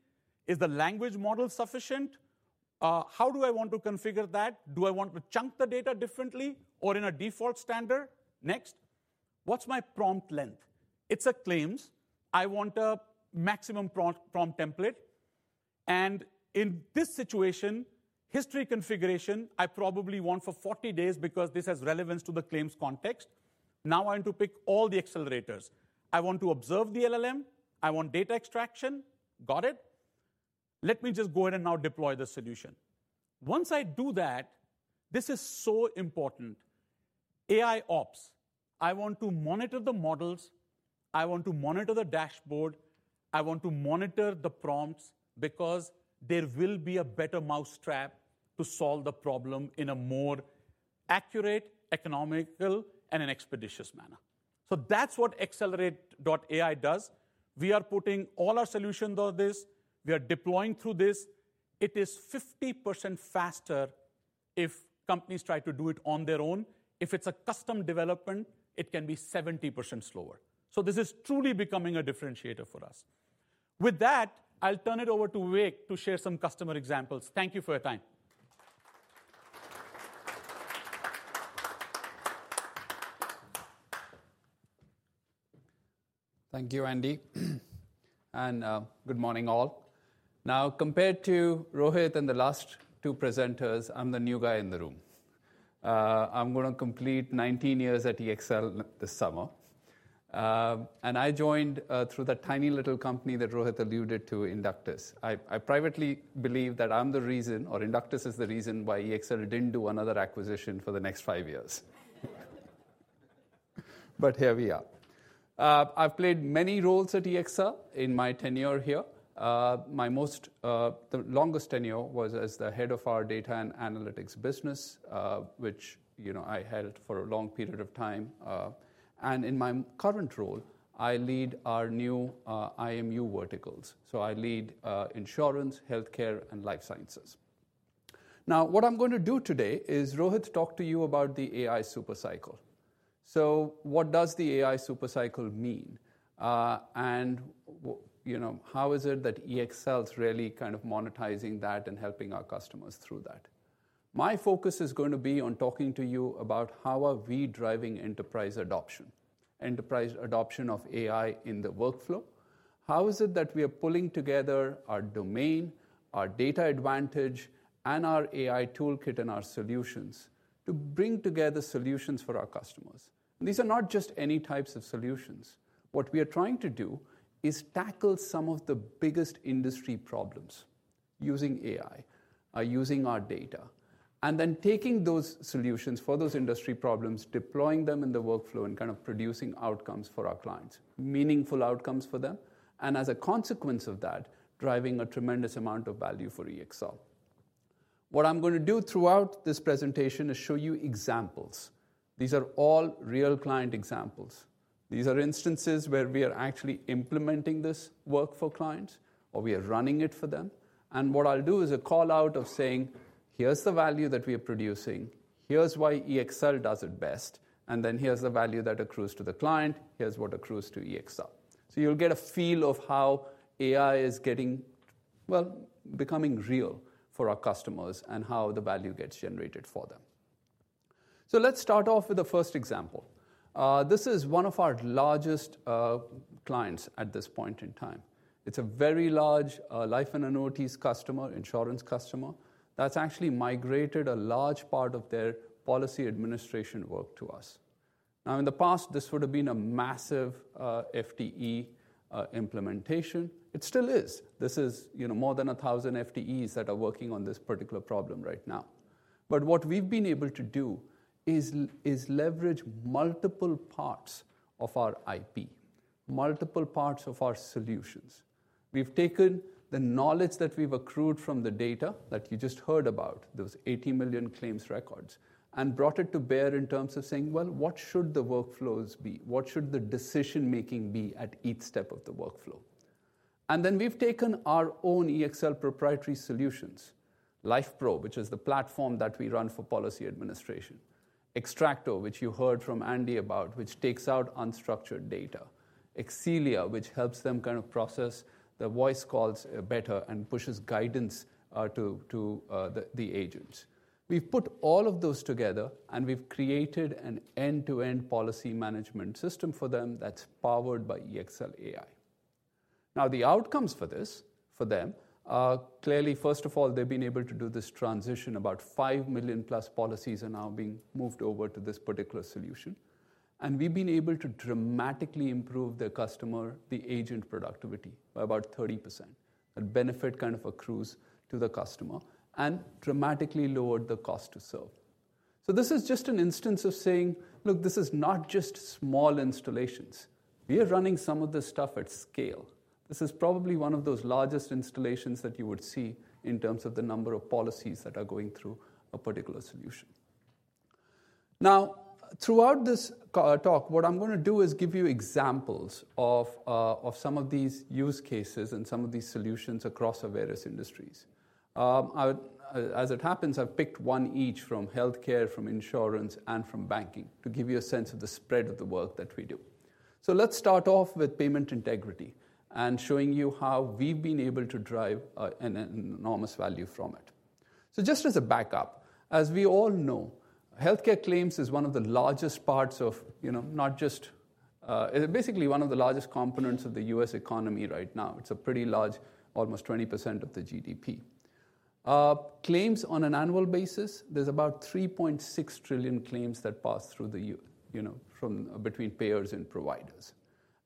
Is the language model sufficient? How do I want to configure that? Do I want to chunk the data differently or in a default standard? Next. What's my prompt length? It's a claims. I want a maximum prompt template. In this situation, history configuration, I probably want for 40 days because this has relevance to the claims context. Now I want to pick all the accelerators. I want to observe the LLM. I want data extraction. Got it. Let me just go ahead and now deploy the solution. Once I do that, this is so important. AI Ops. I want to monitor the models. I want to monitor the dashboard. I want to monitor the prompts because there will be a better mousetrap to solve the problem in a more accurate, economical, and expeditious manner. So that's what EXLerate.ai does. We are putting all our solutions on this. We are deploying through this. It is 50% faster if companies try to do it on their own. If it's a custom development, it can be 70% slower. This is truly becoming a differentiator for us. With that, I'll turn it over to Vivek to share some customer examples. Thank you for your time. Thank you, Andy. Good morning, all. Now, compared to Rohit and the last two presenters, I'm the new guy in the room. I'm going to complete 19 years at EXL this summer. I joined through that tiny little company that Rohit alluded to, Inductus. I privately believe that I'm the reason, or Inductus is the reason why EXL did not do another acquisition for the next five years. Here we are. I've played many roles at EXL in my tenure here. My most, the longest tenure was as the head of our data and analytics business, which I held for a long period of time. In my current role, I lead our new IMU verticals. I lead insurance, healthcare, and life sciences. Now, what I'm going to do today is Rohit talk to you about the AI supercycle. What does the AI supercycle mean? How is it that EXL is really kind of monetizing that and helping our customers through that? My focus is going to be on talking to you about how are we driving enterprise adoption, enterprise adoption of AI in the workflow. How is it that we are pulling together our domain, our data advantage, and our AI toolkit and our solutions to bring together solutions for our customers? These are not just any types of solutions. What we are trying to do is tackle some of the biggest industry problems using AI, using our data, and then taking those solutions for those industry problems, deploying them in the workflow, and kind of producing outcomes for our clients, meaningful outcomes for them. As a consequence of that, driving a tremendous amount of value for EXL. What I'm going to do throughout this presentation is show you examples. These are all real client examples. These are instances where we are actually implementing this work for clients, or we are running it for them. What I'll do is a call out of saying, here's the value that we are producing. Here's why EXL does it best. Then here's the value that accrues to the client. Here's what accrues to EXL. You'll get a feel of how AI is getting, well, becoming real for our customers and how the value gets generated for them. Let's start off with the first example. This is one of our largest clients at this point in time. It's a very large life and annuities customer, insurance customer, that's actually migrated a large part of their policy administration work to us. In the past, this would have been a massive FTE implementation. It still is. This is more than 1,000 FTEs that are working on this particular problem right now. What we've been able to do is leverage multiple parts of our IP, multiple parts of our solutions. We've taken the knowledge that we've accrued from the data that you just heard about, those 80 million claims records, and brought it to bear in terms of saying, what should the workflows be? What should the decision-making be at each step of the workflow? We've taken our own EXL proprietary solutions, LifePro, which is the platform that we run for policy administration, Xtracto, which you heard from Andy about, which takes out unstructured data, Exelia, which helps them kind of process the voice calls better and pushes guidance to the agents. We've put all of those together, and we've created an end-to-end policy management system for them that's powered by EXL AI. Now, the outcomes for this, for them, clearly, first of all, they've been able to do this transition. About 5 million plus policies are now being moved over to this particular solution. And we've been able to dramatically improve their customer, the agent productivity, by about 30%. The benefit kind of accrues to the customer and dramatically lowered the cost to serve. So this is just an instance of saying, look, this is not just small installations. We are running some of this stuff at scale. This is probably one of those largest installations that you would see in terms of the number of policies that are going through a particular solution. Now, throughout this talk, what I'm going to do is give you examples of some of these use cases and some of these solutions across the various industries. As it happens, I've picked one each from healthcare, from insurance, and from banking to give you a sense of the spread of the work that we do. Let's start off with payment integrity and showing you how we've been able to drive an enormous value from it. Just as a backup, as we all know, healthcare claims is one of the largest parts of not just basically one of the largest components of the U.S. economy right now. It's a pretty large, almost 20% of the GDP. Claims on an annual basis, there's about $3.6 trillion claims that pass through the U.S. between payers and providers.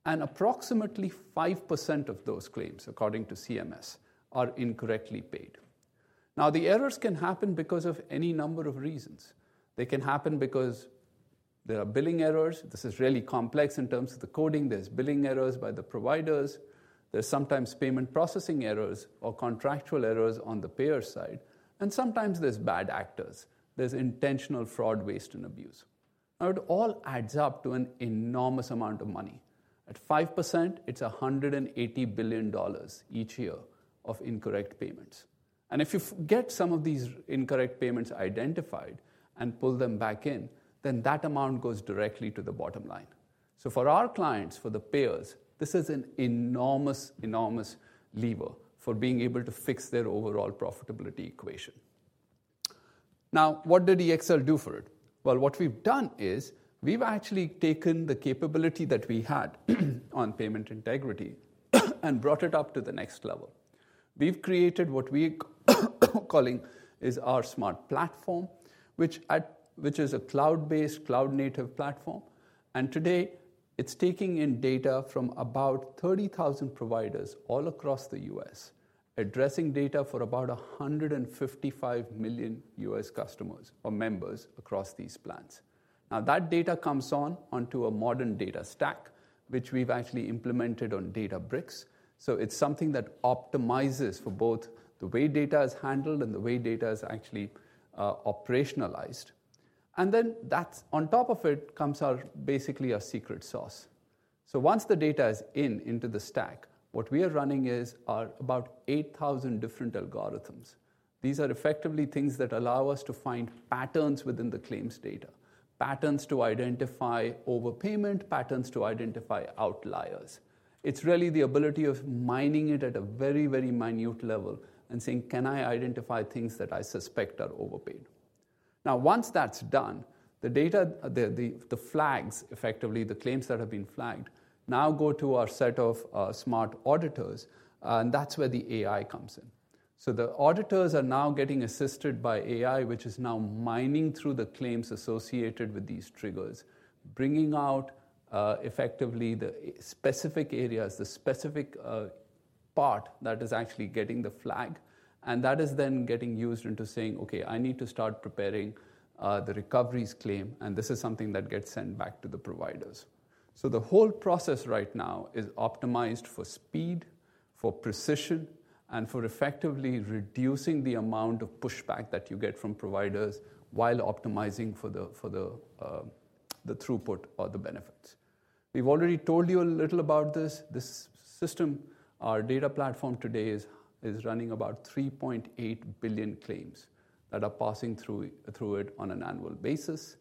Approximately 5% of those claims, according to CMS, are incorrectly paid. The errors can happen because of any number of reasons. They can happen because there are billing errors. This is really complex in terms of the coding. There's billing errors by the providers. There's sometimes payment processing errors or contractual errors on the payer side. And sometimes there's bad actors. There's intentional fraud, waste, and abuse. Now, it all adds up to an enormous amount of money. At 5%, it's $180 billion each year of incorrect payments. And if you get some of these incorrect payments identified and pull them back in, then that amount goes directly to the bottom line. So for our clients, for the payers, this is an enormous, enormous lever for being able to fix their overall profitability equation. Now, what did EXL do for it? What we've done is we've actually taken the capability that we had on payment integrity and brought it up to the next level. We've created what we are calling is our smart platform, which is a cloud-based, cloud-native platform. Today, it's taking in data from about 30,000 providers all across the U.S., addressing data for about 155 million U.S. customers or members across these plans. That data comes onto a modern data stack, which we've actually implemented on Databricks. It's something that optimizes for both the way data is handled and the way data is actually operationalized. On top of it comes basically a secret sauce. Once the data is into the stack, what we are running is about 8,000 different algorithms. These are effectively things that allow us to find patterns within the claims data, patterns to identify overpayment, patterns to identify outliers. It's really the ability of mining it at a very, very minute level and saying, can I identify things that I suspect are overpaid? Now, once that's done, the data, the flags, effectively the claims that have been flagged, now go to our set of smart auditors. That is where the AI comes in. The auditors are now getting assisted by AI, which is now mining through the claims associated with these triggers, bringing out effectively the specific areas, the specific part that is actually getting the flag. That is then getting used into saying, okay, I need to start preparing the recovery claim. This is something that gets sent back to the providers. The whole process right now is optimized for speed, for precision, and for effectively reducing the amount of pushback that you get from providers while optimizing for the throughput or the benefits. We've already told you a little about this. This system, our data platform today, is running about 3.8 billion claims that are passing through it on an annual basis.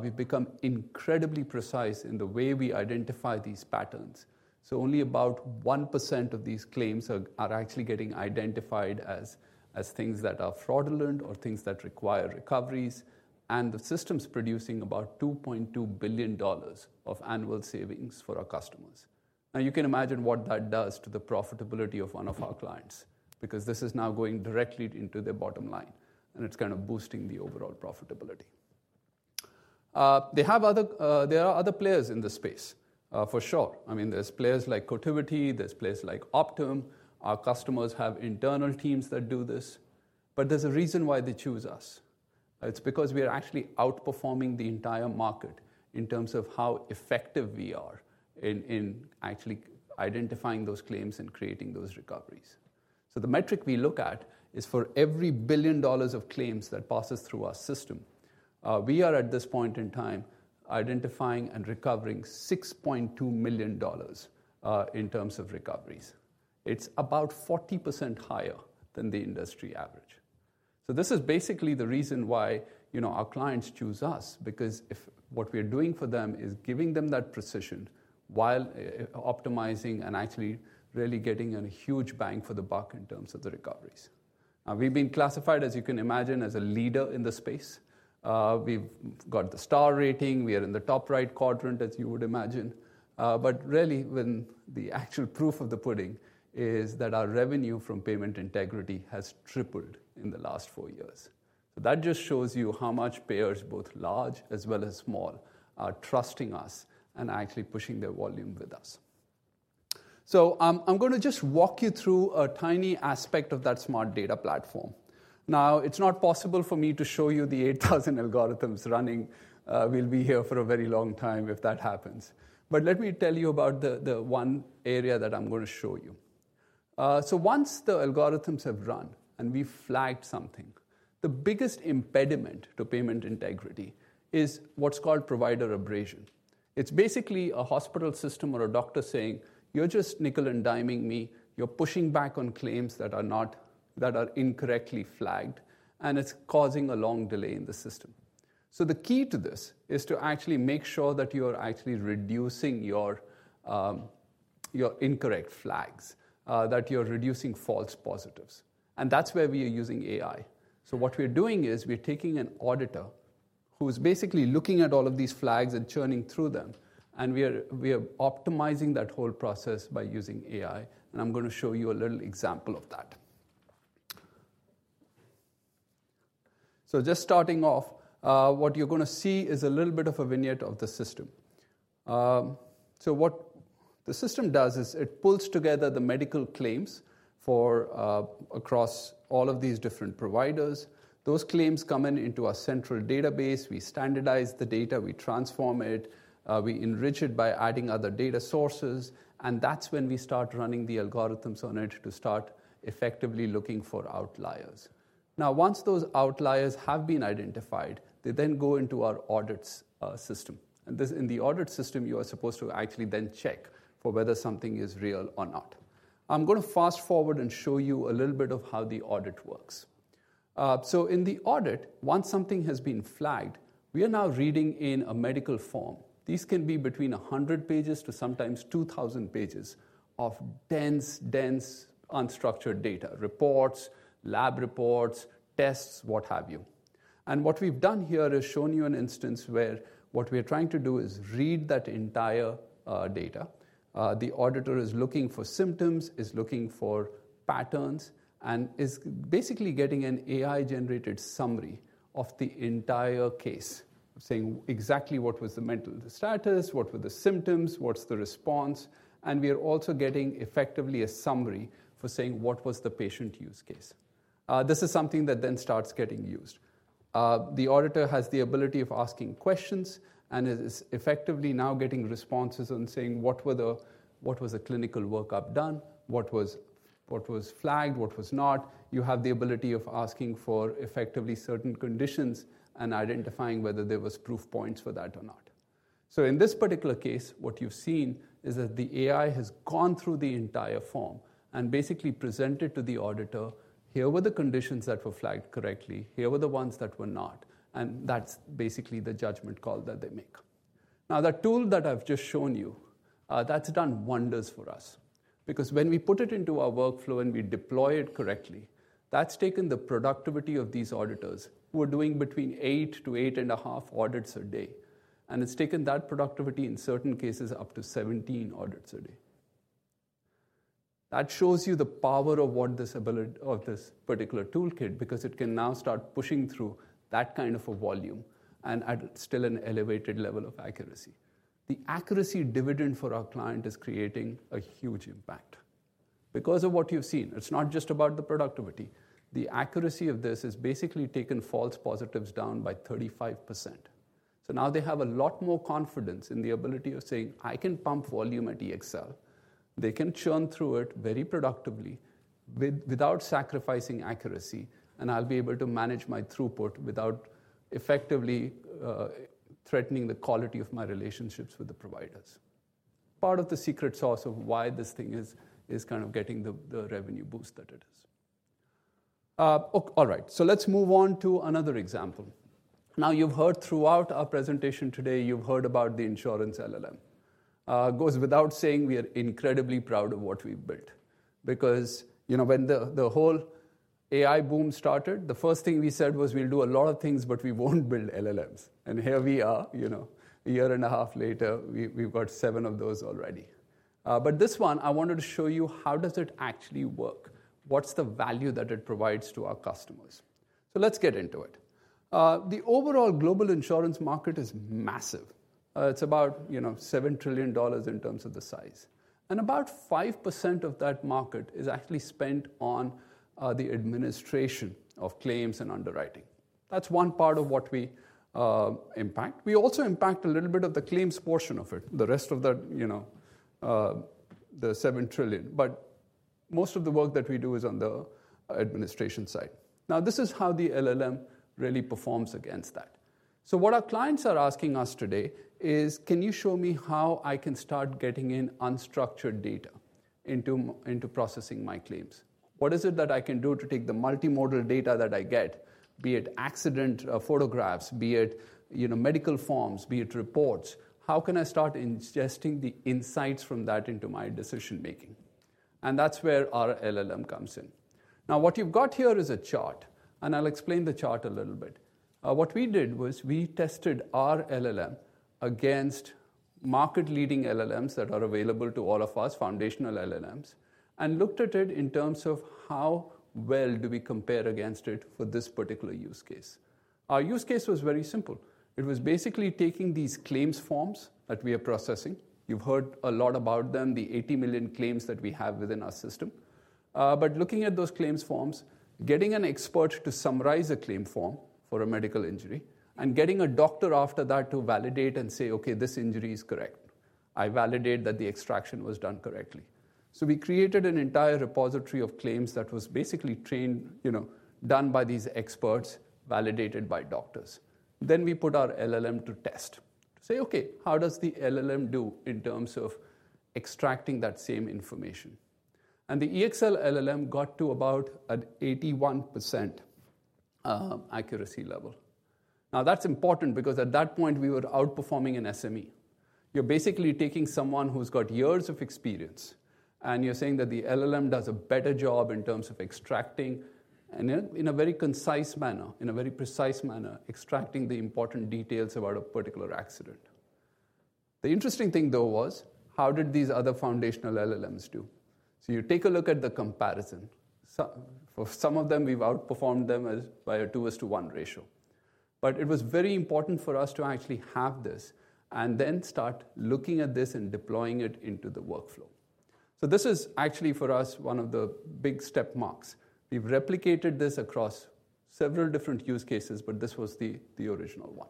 We've become incredibly precise in the way we identify these patterns. Only about 1% of these claims are actually getting identified as things that are fraudulent or things that require recoveries. The system's producing about $2.2 billion of annual savings for our customers. Now, you can imagine what that does to the profitability of one of our clients because this is now going directly into their bottom line. It's kind of boosting the overall profitability. There are other players in the space, for sure. I mean, there's players like Cotiviti. There's players like Optum. Our customers have internal teams that do this. There's a reason why they choose us. It's because we are actually outperforming the entire market in terms of how effective we are in actually identifying those claims and creating those recoveries. The metric we look at is for every billion dollars of claims that passes through our system, we are at this point in time identifying and recovering $6.2 million in terms of recoveries. It's about 40% higher than the industry average. This is basically the reason why our clients choose us because what we are doing for them is giving them that precision while optimizing and actually really getting a huge bang for the buck in terms of the recoveries. Now, we've been classified, as you can imagine, as a leader in the space. We've got the star rating. We are in the top right quadrant, as you would imagine. But really, the actual proof of the pudding is that our revenue from payment integrity has tripled in the last four years. That just shows you how much payers, both large as well as small, are trusting us and actually pushing their volume with us. I'm going to just walk you through a tiny aspect of that smart data platform. Now, it's not possible for me to show you the 8,000 algorithms running. We'll be here for a very long time if that happens. Let me tell you about the one area that I'm going to show you. Once the algorithms have run and we've flagged something, the biggest impediment to payment integrity is what's called provider abrasion. It's basically a hospital system or a doctor saying, you're just nickel-and-diming me. You're pushing back on claims that are incorrectly flagged. It's causing a long delay in the system. The key to this is to actually make sure that you're actually reducing your incorrect flags, that you're reducing false positives. That's where we are using AI. What we're doing is we're taking an auditor who's basically looking at all of these flags and churning through them. We are optimizing that whole process by using AI. I'm going to show you a little example of that. Just starting off, what you're going to see is a little bit of a vignette of the system. What the system does is it pulls together the medical claims across all of these different providers. Those claims come into our central database. We standardize the data. We transform it. We enrich it by adding other data sources. That is when we start running the algorithms on it to start effectively looking for outliers. Once those outliers have been identified, they then go into our audit system. In the audit system, you are supposed to actually then check for whether something is real or not. I am going to fast forward and show you a little bit of how the audit works. In the audit, once something has been flagged, we are now reading in a medical form. These can be between 100 pages to sometimes 2,000 pages of dense, dense unstructured data, reports, lab reports, tests, what have you. What we have done here is shown you an instance where what we are trying to do is read that entire data. The auditor is looking for symptoms, is looking for patterns, and is basically getting an AI-generated summary of the entire case, saying exactly what was the mental status, what were the symptoms, what's the response. We are also getting effectively a summary for saying what was the patient use case. This is something that then starts getting used. The auditor has the ability of asking questions and is effectively now getting responses and saying what was a clinical workup done, what was flagged, what was not. You have the ability of asking for effectively certain conditions and identifying whether there were proof points for that or not. In this particular case, what you've seen is that the AI has gone through the entire form and basically presented to the auditor, here were the conditions that were flagged correctly. Here were the ones that were not. That is basically the judgment call that they make. Now, that tool that I have just shown you, that has done wonders for us. Because when we put it into our workflow and we deploy it correctly, that has taken the productivity of these auditors who are doing between eight to eight and a half audits a day, and it has taken that productivity in certain cases up to 17 audits a day. That shows you the power of this particular toolkit because it can now start pushing through that kind of a volume and at still an elevated level of accuracy. The accuracy dividend for our client is creating a huge impact. Because of what you have seen, it is not just about the productivity. The accuracy of this has basically taken false positives down by 35%. Now they have a lot more confidence in the ability of saying, I can pump volume at EXL. They can churn through it very productively without sacrificing accuracy. I'll be able to manage my throughput without effectively threatening the quality of my relationships with the providers. Part of the secret sauce of why this thing is kind of getting the revenue boost that it is. All right. Let's move on to another example. Now, you've heard throughout our presentation today, you've heard about the insurance LLM. It goes without saying we are incredibly proud of what we've built. Because when the whole AI boom started, the first thing we said was we'll do a lot of things, but we won't build LLMs. Here we are, a year and a half later, we've got seven of those already. This one, I wanted to show you how does it actually work, what's the value that it provides to our customers. Let's get into it. The overall global insurance market is massive. It's about $7 trillion in terms of the size. About 5% of that market is actually spent on the administration of claims and underwriting. That's one part of what we impact. We also impact a little bit of the claims portion of it, the rest of the $7 trillion. Most of the work that we do is on the administration side. This is how the LLM really performs against that. What our clients are asking us today is, can you show me how I can start getting in unstructured data into processing my claims? What is it that I can do to take the multimodal data that I get, be it accident photographs, be it medical forms, be it reports? How can I start ingesting the insights from that into my decision-making? That is where our LLM comes in. Now, what you've got here is a chart. I'll explain the chart a little bit. What we did was we tested our LLM against market-leading LLMs that are available to all of us, foundational LLMs, and looked at it in terms of how well we compare against it for this particular use case. Our use case was very simple. It was basically taking these claims forms that we are processing. You've heard a lot about them, the 80 million claims that we have within our system. Looking at those claims forms, getting an expert to summarize a claim form for a medical injury, and getting a doctor after that to validate and say, okay, this injury is correct. I validate that the extraction was done correctly. We created an entire repository of claims that was basically done by these experts, validated by doctors. We put our LLM to test to say, okay, how does the LLM do in terms of extracting that same information? The EXL LLM got to about an 81% accuracy level. That is important because at that point, we were outperforming an SME. You are basically taking someone who has got years of experience, and you are saying that the LLM does a better job in terms of extracting in a very concise manner, in a very precise manner, extracting the important details about a particular accident. The interesting thing, though, was how did these other foundational LLMs do? You take a look at the comparison. For some of them, we've outperformed them by a 2:1 ratio. It was very important for us to actually have this and then start looking at this and deploying it into the workflow. This is actually for us one of the big step marks. We've replicated this across several different use cases, but this was the original one.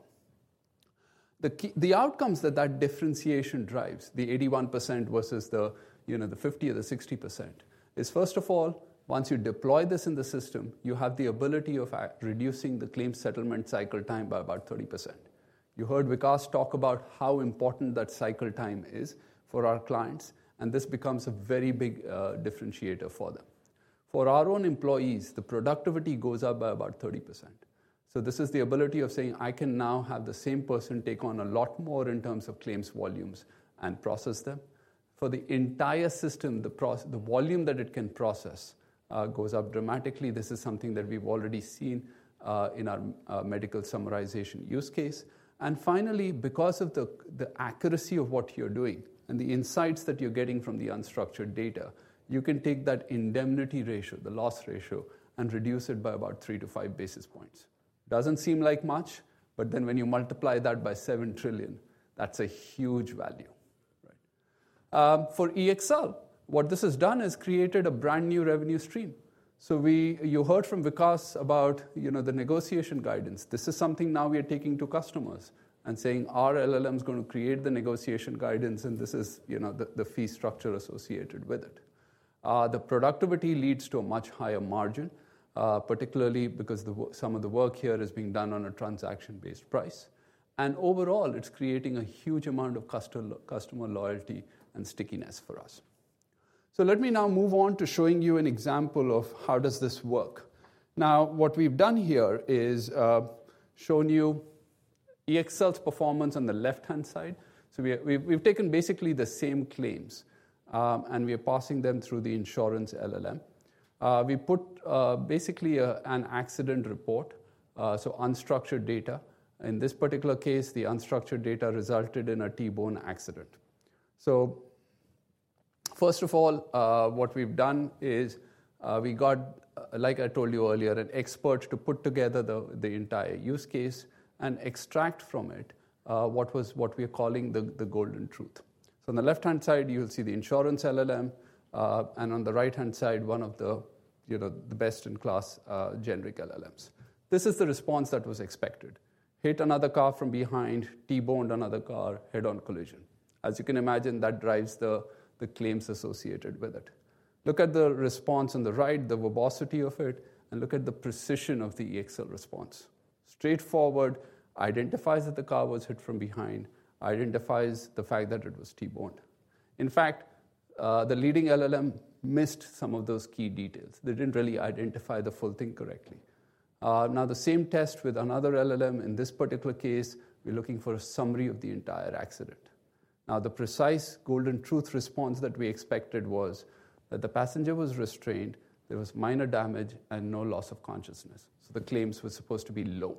The outcomes that that differentiation drives, the 81% versus the 50% or the 60%, is first of all, once you deploy this in the system, you have the ability of reducing the claim settlement cycle time by about 30%. You heard Vikas talk about how important that cycle time is for our clients. This becomes a very big differentiator for them. For our own employees, the productivity goes up by about 30%. This is the ability of saying, I can now have the same person take on a lot more in terms of claims volumes and process them. For the entire system, the volume that it can process goes up dramatically. This is something that we've already seen in our medical summarization use case. Finally, because of the accuracy of what you're doing and the insights that you're getting from the unstructured data, you can take that indemnity ratio, the loss ratio, and reduce it by about 3-5 basis points. Does not seem like much. When you multiply that by $7 trillion, that's a huge value. For EXL, what this has done is created a brand new revenue stream. You heard from Vikas about the negotiation guidance. This is something now we are taking to customers and saying our LLM is going to create the negotiation guidance. This is the fee structure associated with it. The productivity leads to a much higher margin, particularly because some of the work here is being done on a transaction-based price. Overall, it's creating a huge amount of customer loyalty and stickiness for us. Let me now move on to showing you an example of how does this work. What we've done here is shown you EXL's performance on the left-hand side. We've taken basically the same claims. We are passing them through the insurance LLM. We put basically an accident report, so unstructured data. In this particular case, the unstructured data resulted in a T-bone accident. First of all, what we've done is we got, like I told you earlier, an expert to put together the entire use case and extract from it what we are calling the golden truth. On the left-hand side, you'll see the insurance LLM. On the right-hand side, one of the best-in-class generic LLMs. This is the response that was expected. Hit another car from behind, T-boned another car, head-on collision. As you can imagine, that drives the claims associated with it. Look at the response on the right, the verbosity of it. Look at the precision of the EXL response. Straightforward, identifies that the car was hit from behind, identifies the fact that it was T-boned. In fact, the leading LLM missed some of those key details. They didn't really identify the full thing correctly. Now, the same test with another LLM. In this particular case, we're looking for a summary of the entire accident. Now, the precise golden truth response that we expected was that the passenger was restrained, there was minor damage, and no loss of consciousness. The claims were supposed to be low.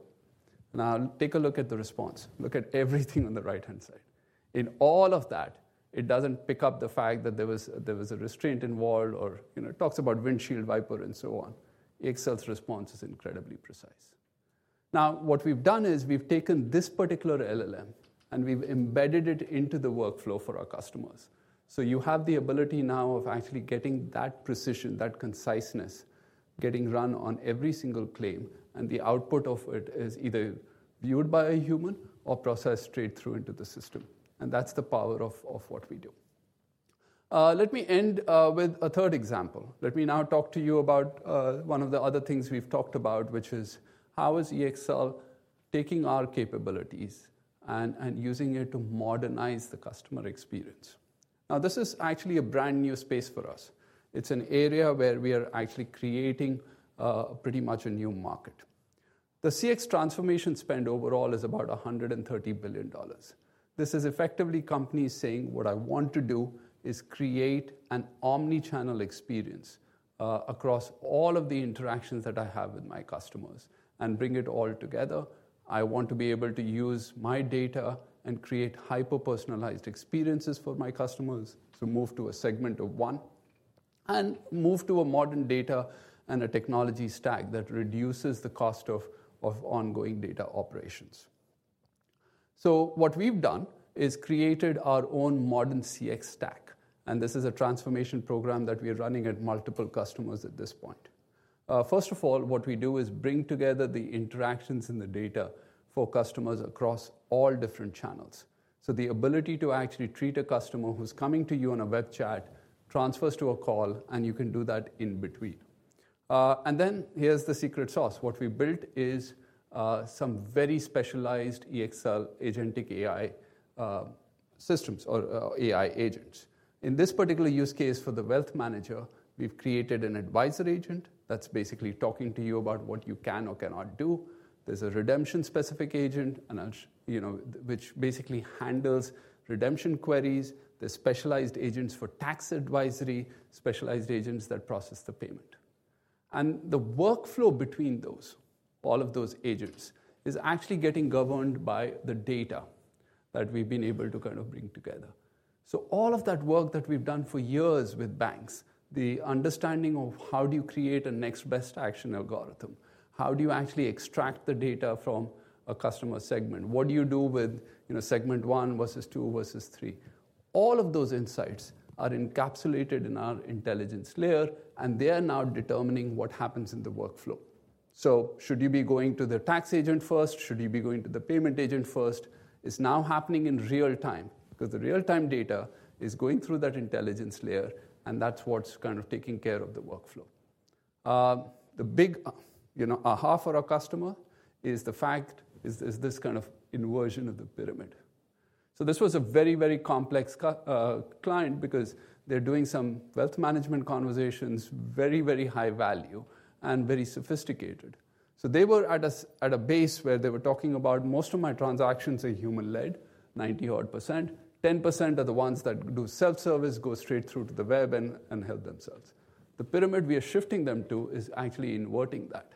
Now, take a look at the response. Look at everything on the right-hand side. In all of that, it does not pick up the fact that there was a restraint involved or it talks about windshield wiper and so on. EXL's response is incredibly precise. Now, what we've done is we've taken this particular LLM and we've embedded it into the workflow for our customers. You have the ability now of actually getting that precision, that conciseness, getting run on every single claim. The output of it is either viewed by a human or processed straight through into the system. That is the power of what we do. Let me end with a third example. Let me now talk to you about one of the other things we have talked about, which is how EXL is taking our capabilities and using it to modernize the customer experience. This is actually a brand new space for us. It is an area where we are actually creating pretty much a new market. The CX transformation spend overall is about $130 billion. This is effectively companies saying, what I want to do is create an omnichannel experience across all of the interactions that I have with my customers and bring it all together. I want to be able to use my data and create hyper-personalized experiences for my customers to move to a segment of one and move to a modern data and a technology stack that reduces the cost of ongoing data operations. What we've done is created our own modern CX stack. This is a transformation program that we are running at multiple customers at this point. First of all, what we do is bring together the interactions and the data for customers across all different channels. The ability to actually treat a customer who's coming to you on a web chat transfers to a call, and you can do that in between. Here's the secret sauce. What we built is some very specialized EXL Agentic AI systems or AI agents. In this particular use case for the wealth manager, we've created an advisor agent that's basically talking to you about what you can or cannot do. There's a redemption-specific agent, which basically handles redemption queries. There are specialized agents for tax advisory, specialized agents that process the payment. The workflow between those, all of those agents, is actually getting governed by the data that we've been able to kind of bring together. All of that work that we've done for years with banks, the understanding of how do you create a next best action algorithm, how do you actually extract the data from a customer segment, what do you do with segment one versus two versus three, all of those insights are encapsulated in our intelligence layer. They are now determining what happens in the workflow. Should you be going to the tax agent first? Should you be going to the payment agent first? It's now happening in real time because the real-time data is going through that intelligence layer. That's what's kind of taking care of the workflow. A half of our customer is the fact is this kind of inversion of the pyramid. This was a very, very complex client because they're doing some wealth management conversations, very, very high value and very sophisticated. They were at a base where they were talking about most of my transactions are human-led, 90-odd%. 10% of the ones that do self-service go straight through to the web and help themselves. The pyramid we are shifting them to is actually inverting that.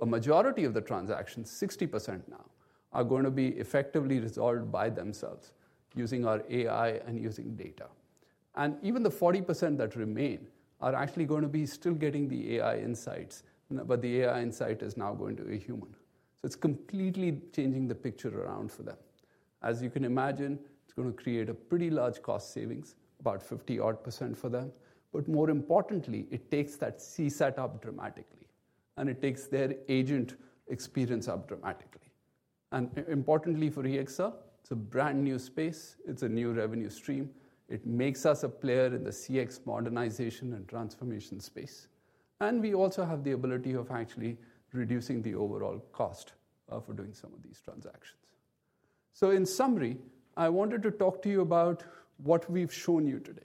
A majority of the transactions, 60% now, are going to be effectively resolved by themselves using our AI and using data. Even the 40% that remain are actually going to be still getting the AI insights. The AI insight is now going to a human. It is completely changing the picture around for them. As you can imagine, it's going to create a pretty large cost savings, about 50-odd% for them. More importantly, it takes that CSAT up dramatically. It takes their agent experience up dramatically. Importantly for EXL, it's a brand new space. It's a new revenue stream. It makes us a player in the CX modernization and transformation space. We also have the ability of actually reducing the overall cost for doing some of these transactions. In summary, I wanted to talk to you about what we've shown you today.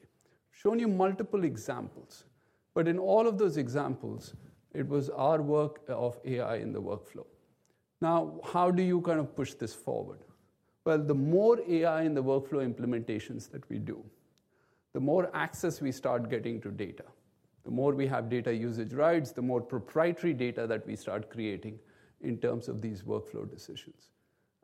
Shown you multiple examples. In all of those examples, it was our work of AI in the workflow. Now, how do you kind of push this forward? The more AI in the workflow implementations that we do, the more access we start getting to data, the more we have data usage rights, the more proprietary data that we start creating in terms of these workflow decisions.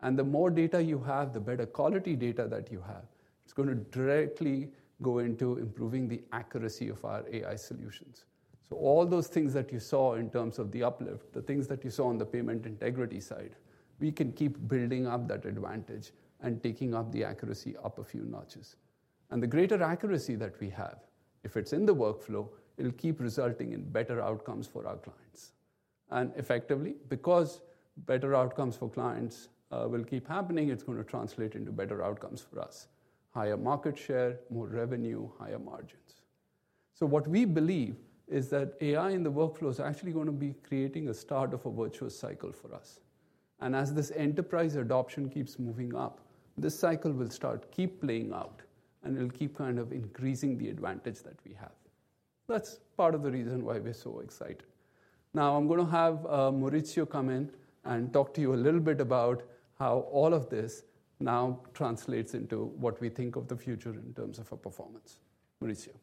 The more data you have, the better quality data that you have, it's going to directly go into improving the accuracy of our AI solutions. All those things that you saw in terms of the uplift, the things that you saw on the payment integrity side, we can keep building up that advantage and taking up the accuracy up a few notches. The greater accuracy that we have, if it's in the workflow, it'll keep resulting in better outcomes for our clients. Effectively, because better outcomes for clients will keep happening, it's going to translate into better outcomes for us, higher market share, more revenue, higher margins. What we believe is that AI in the workflow is actually going to be creating a start of a virtuous cycle for us. As this enterprise adoption keeps moving up, this cycle will start to keep playing out. It'll keep kind of increasing the advantage that we have. That's part of the reason why we're so excited. Now, I'm going to have Maurizio come in and talk to you a little bit about how all of this now translates into what we think of the future in terms of our performance. Maurizio.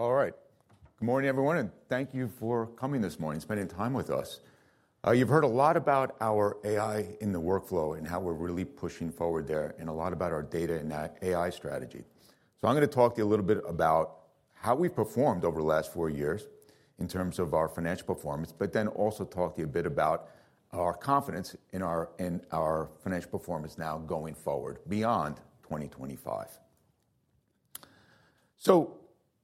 All right. Good morning, everyone. Thank you for coming this morning, spending time with us. You've heard a lot about our AI in the workflow and how we're really pushing forward there and a lot about our data and AI strategy. I'm going to talk to you a little bit about how we performed over the last four years in terms of our financial performance, but then also talk to you a bit about our confidence in our financial performance now going forward beyond 2025.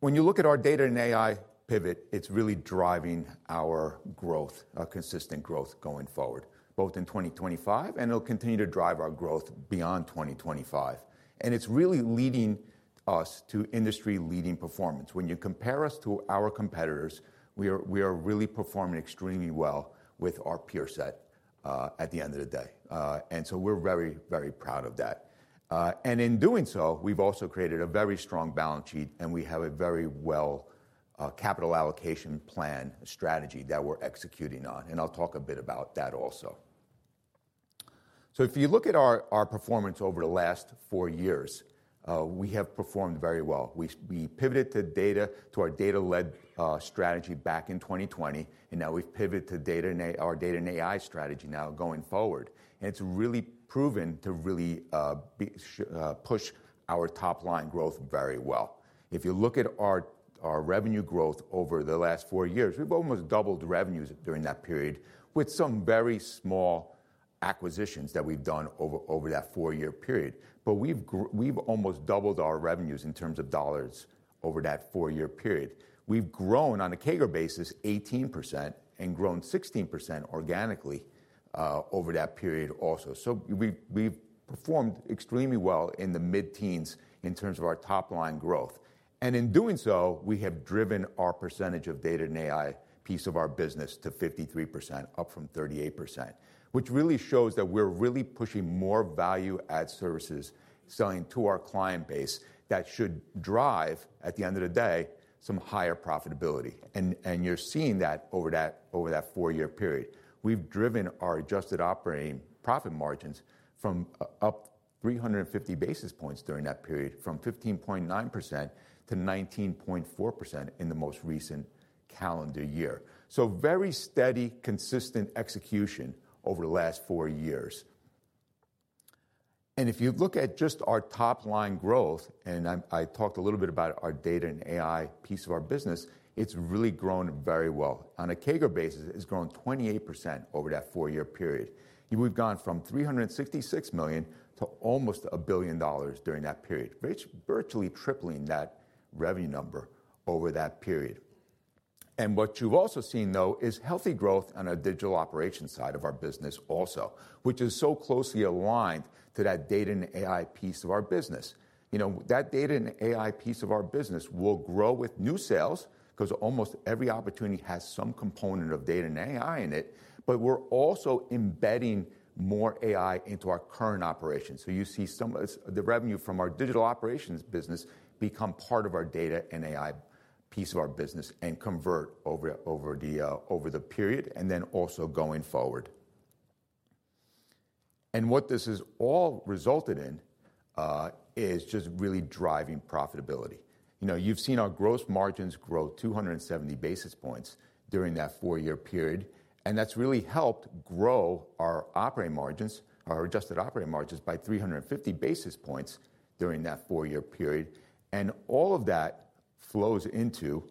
When you look at our data and AI pivot, it's really driving our growth, our consistent growth going forward, both in 2025. It'll continue to drive our growth beyond 2025. It's really leading us to industry-leading performance. When you compare us to our competitors, we are really performing extremely well with our peer set at the end of the day. We're very, very proud of that. In doing so, we've also created a very strong balance sheet. We have a very well-capital allocation plan strategy that we're executing on. I'll talk a bit about that also. If you look at our performance over the last four years, we have performed very well. We pivoted to our data-led strategy back in 2020. Now we've pivoted to our data and AI strategy going forward. It's really proven to really push our top-line growth very well. If you look at our revenue growth over the last four years, we've almost doubled revenues during that period with some very small acquisitions that we've done over that four-year period. We've almost doubled our revenues in terms of dollars over that four-year period. We've grown on a CAGR basis 18% and grown 16% organically over that period also. We've performed extremely well in the mid-teens in terms of our top-line growth. In doing so, we have driven our percentage of data and AI piece of our business to 53%, up from 38%, which really shows that we're really pushing more value-add services selling to our client base that should drive, at the end of the day, some higher profitability. You're seeing that over that four-year period. We've driven our adjusted operating profit margins up 350 basis points during that period, from 15.9% to 19.4% in the most recent calendar year. Very steady, consistent execution over the last four years. If you look at just our top-line growth, and I talked a little bit about our data and AI piece of our business, it's really grown very well. On a CAGR basis, it's grown 28% over that four-year period. We've gone from $366 million to almost $1 billion during that period, virtually tripling that revenue number over that period. What you've also seen, though, is healthy growth on a digital operations side of our business also, which is so closely aligned to that data and AI piece of our business. That data and AI piece of our business will grow with new sales because almost every opportunity has some component of data and AI in it. We're also embedding more AI into our current operations. You see some of the revenue from our digital operations business become part of our data and AI piece of our business and convert over the period and then also going forward. What this has all resulted in is just really driving profitability. You've seen our gross margins grow 270 basis points during that four-year period. That has really helped grow our operating margins, our adjusted operating margins, by 350 basis points during that four-year period. All of that flows into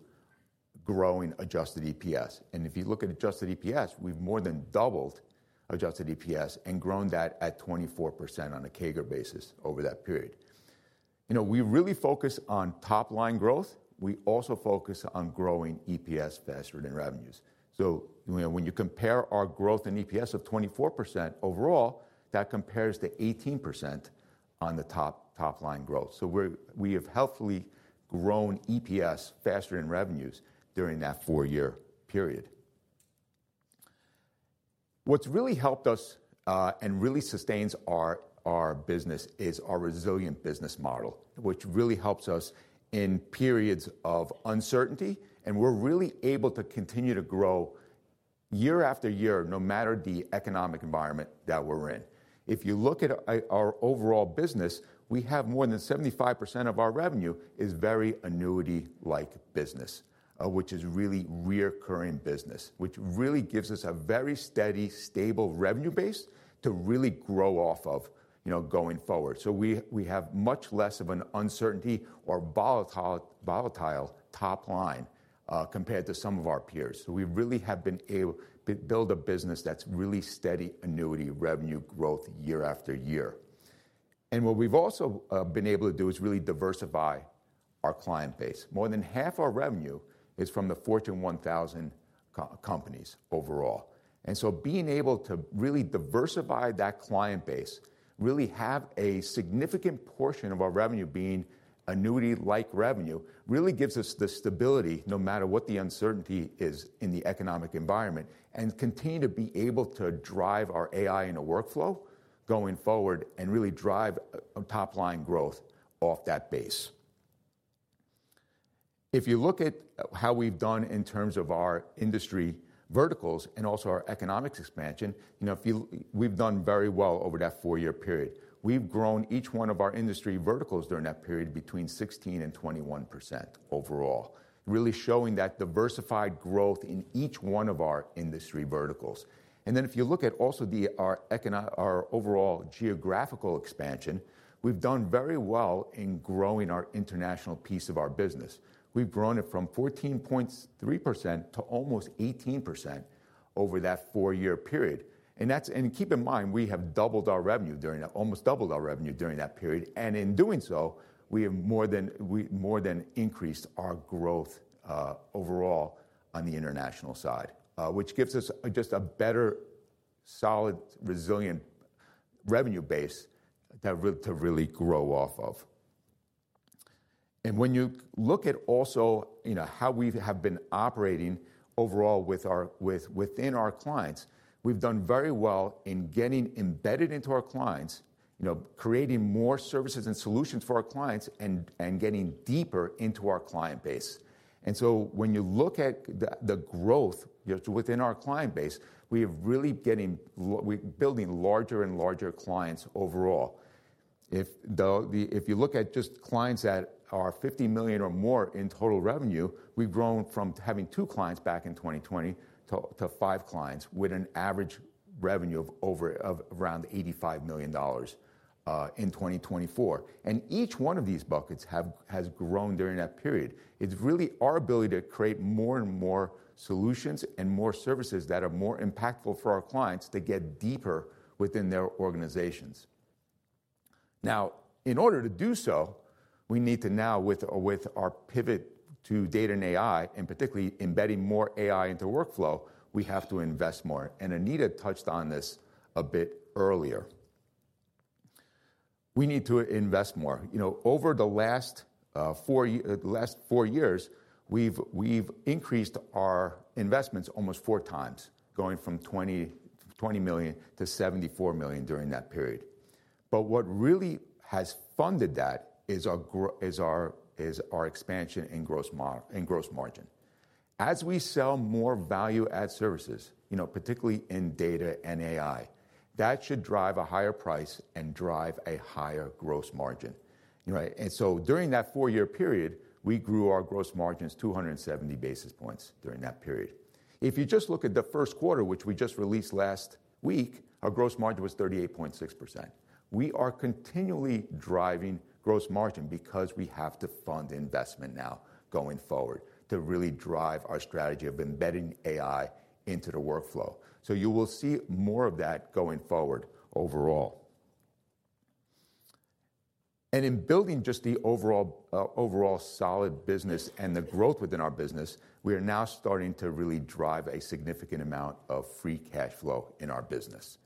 growing adjusted EPS. If you look at adjusted EPS, we have more than doubled adjusted EPS and grown that at 24% on a CAGR basis over that period. We really focus on top-line growth. We also focus on growing EPS faster than revenues. When you compare our growth in EPS of 24% overall, that compares to 18% on the top-line growth. We have healthily grown EPS faster than revenues during that four-year period. What has really helped us and really sustains our business is our resilient business model, which really helps us in periods of uncertainty. We are really able to continue to grow year-after-year, no matter the economic environment that we are in. If you look at our overall business, we have more than 75% of our revenue is very annuity-like business, which is really recurring business, which really gives us a very steady, stable revenue base to really grow off of going forward. We have much less of an uncertainty or volatile top-line compared to some of our peers. We really have been able to build a business that's really steady annuity revenue growth year-after-year. What we've also been able to do is really diversify our client base. More than half our revenue is from the Fortune 1000 companies overall. Being able to really diversify that client base, really have a significant portion of our revenue being annuity-like revenue, really gives us the stability no matter what the uncertainty is in the economic environment and continue to be able to drive our AI in a workflow going forward and really drive top-line growth off that base. If you look at how we've done in terms of our industry verticals and also our economic expansion, we've done very well over that four-year period. We've grown each one of our industry verticals during that period between 16% and 21% overall, really showing that diversified growth in each one of our industry verticals. If you look at also our overall geographical expansion, we've done very well in growing our international piece of our business. We've grown it from 14.3% to almost 18% over that four-year period. Keep in mind, we have almost doubled our revenue during that period. In doing so, we have more than increased our growth overall on the international side, which gives us just a better, solid, resilient revenue base to really grow off of. When you look at also how we have been operating overall within our clients, we've done very well in getting embedded into our clients, creating more services and solutions for our clients, and getting deeper into our client base. When you look at the growth within our client base, we are really getting, we're building larger and larger clients overall. If you look at just clients that are $50 million or more in total revenue, we've grown from having two clients back in 2020 to five clients with an average revenue of around $85 million in 2024. Each one of these buckets has grown during that period. It's really our ability to create more and more solutions and more services that are more impactful for our clients to get deeper within their organizations. Now, in order to do so, we need to now, with our pivot to data and AI, and particularly embedding more AI into workflow, we have to invest more. Anita touched on this a bit earlier. We need to invest more. Over the last four years, we've increased our investments almost 4x, going from $20 million to $74 million during that period. What really has funded that is our expansion in gross margin. As we sell more value-add services, particularly in data and AI, that should drive a higher price and drive a higher gross margin. During that four-year period, we grew our gross margins 270 basis points during that period. If you just look at the first quarter, which we just released last week, our gross margin was 38.6%. We are continually driving gross margin because we have to fund investment now going forward to really drive our strategy of embedding AI into the workflow. You will see more of that going forward overall. In building just the overall solid business and the growth within our business, we are now starting to really drive a significant amount of free cash flow in our business.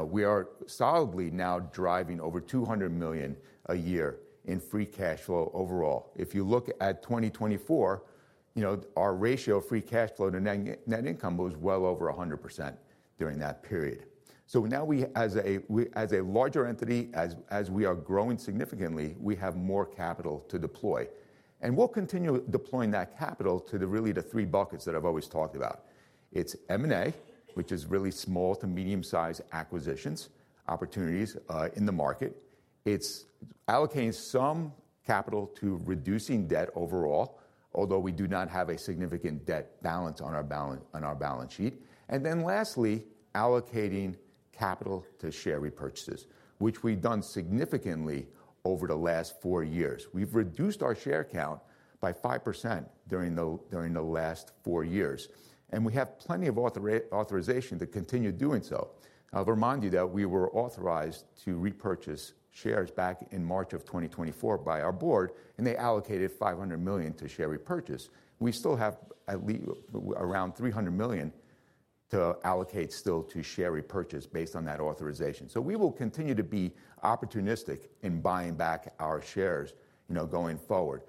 We are solidly now driving over $200 million a year in free cash flow overall. If you look at 2024, our ratio of free cash flow to net income was well over 100% during that period. Now, as a larger entity, as we are growing significantly, we have more capital to deploy. We will continue deploying that capital to really the three buckets that I have always talked about. It is M&A, which is really small to medium-sized acquisitions, opportunities in the market. It is allocating some capital to reducing debt overall, although we do not have a significant debt balance on our balance sheet. Then lastly, allocating capital to share repurchases, which we have done significantly over the last four years. We have reduced our share count by 5% during the last four years. We have plenty of authorization to continue doing so. I will remind you that we were authorized to repurchase shares back in March of 2024 by our board. They allocated $500 million to share repurchase. We still have around $300 million to allocate still to share repurchase based on that authorization. We will continue to be opportunistic in buying back our shares going forward.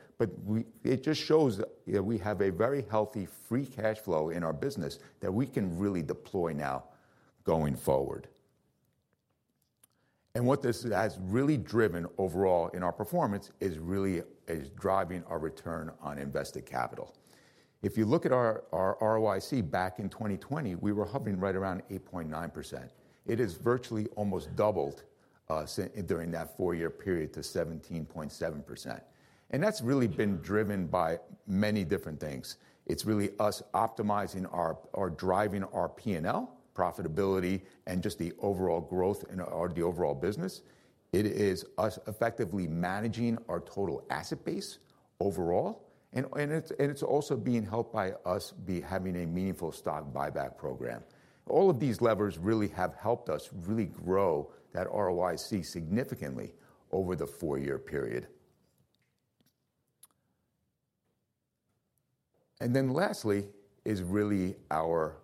It just shows that we have a very healthy free cash flow in our business that we can really deploy now going forward. What this has really driven overall in our performance is really driving our return on invested capital. If you look at our ROIC back in 2020, we were hovering right around 8.9%. It has virtually almost doubled during that four-year period to 17.7%. That has really been driven by many different things. It is really us optimizing or driving our P&L, profitability, and just the overall growth in our overall business. It is us effectively managing our total asset base overall. It is also being helped by us having a meaningful stock buyback program. All of these levers really have helped us really grow that ROIC significantly over the four-year period. Lastly, it is really our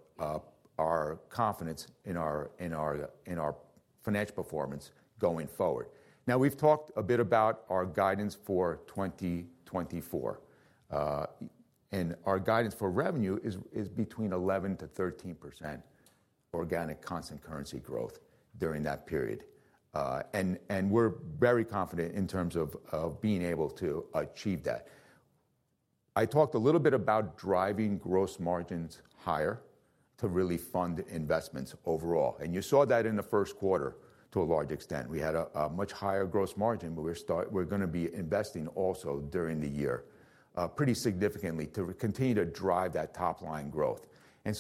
confidence in our financial performance going forward. Now, we've talked a bit about our guidance for 2024. Our guidance for revenue is between 11%-13% organic constant currency growth during that period. We're very confident in terms of being able to achieve that. I talked a little bit about driving gross margins higher to really fund investments overall. You saw that in the first quarter to a large extent. We had a much higher gross margin where we're going to be investing also during the year pretty significantly to continue to drive that top-line growth.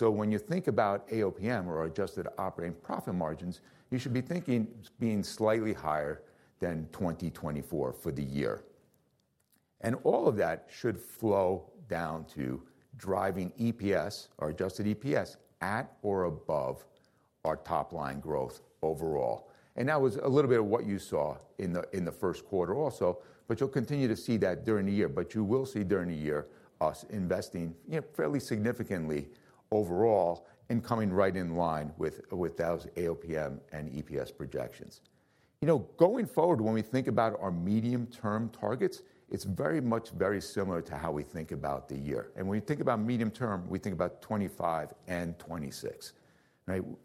When you think about AOPM or adjusted operating profit margins, you should be thinking it's being slightly higher than 2024 for the year. All of that should flow down to driving EPS or adjusted EPS at or above our top-line growth overall. That was a little bit of what you saw in the first quarter also. You will continue to see that during the year. You will see during the year us investing fairly significantly overall and coming right in line with those AOPM and EPS projections. Going forward, when we think about our medium-term targets, it is very much very similar to how we think about the year. When we think about medium-term, we think about 2025 and 2026.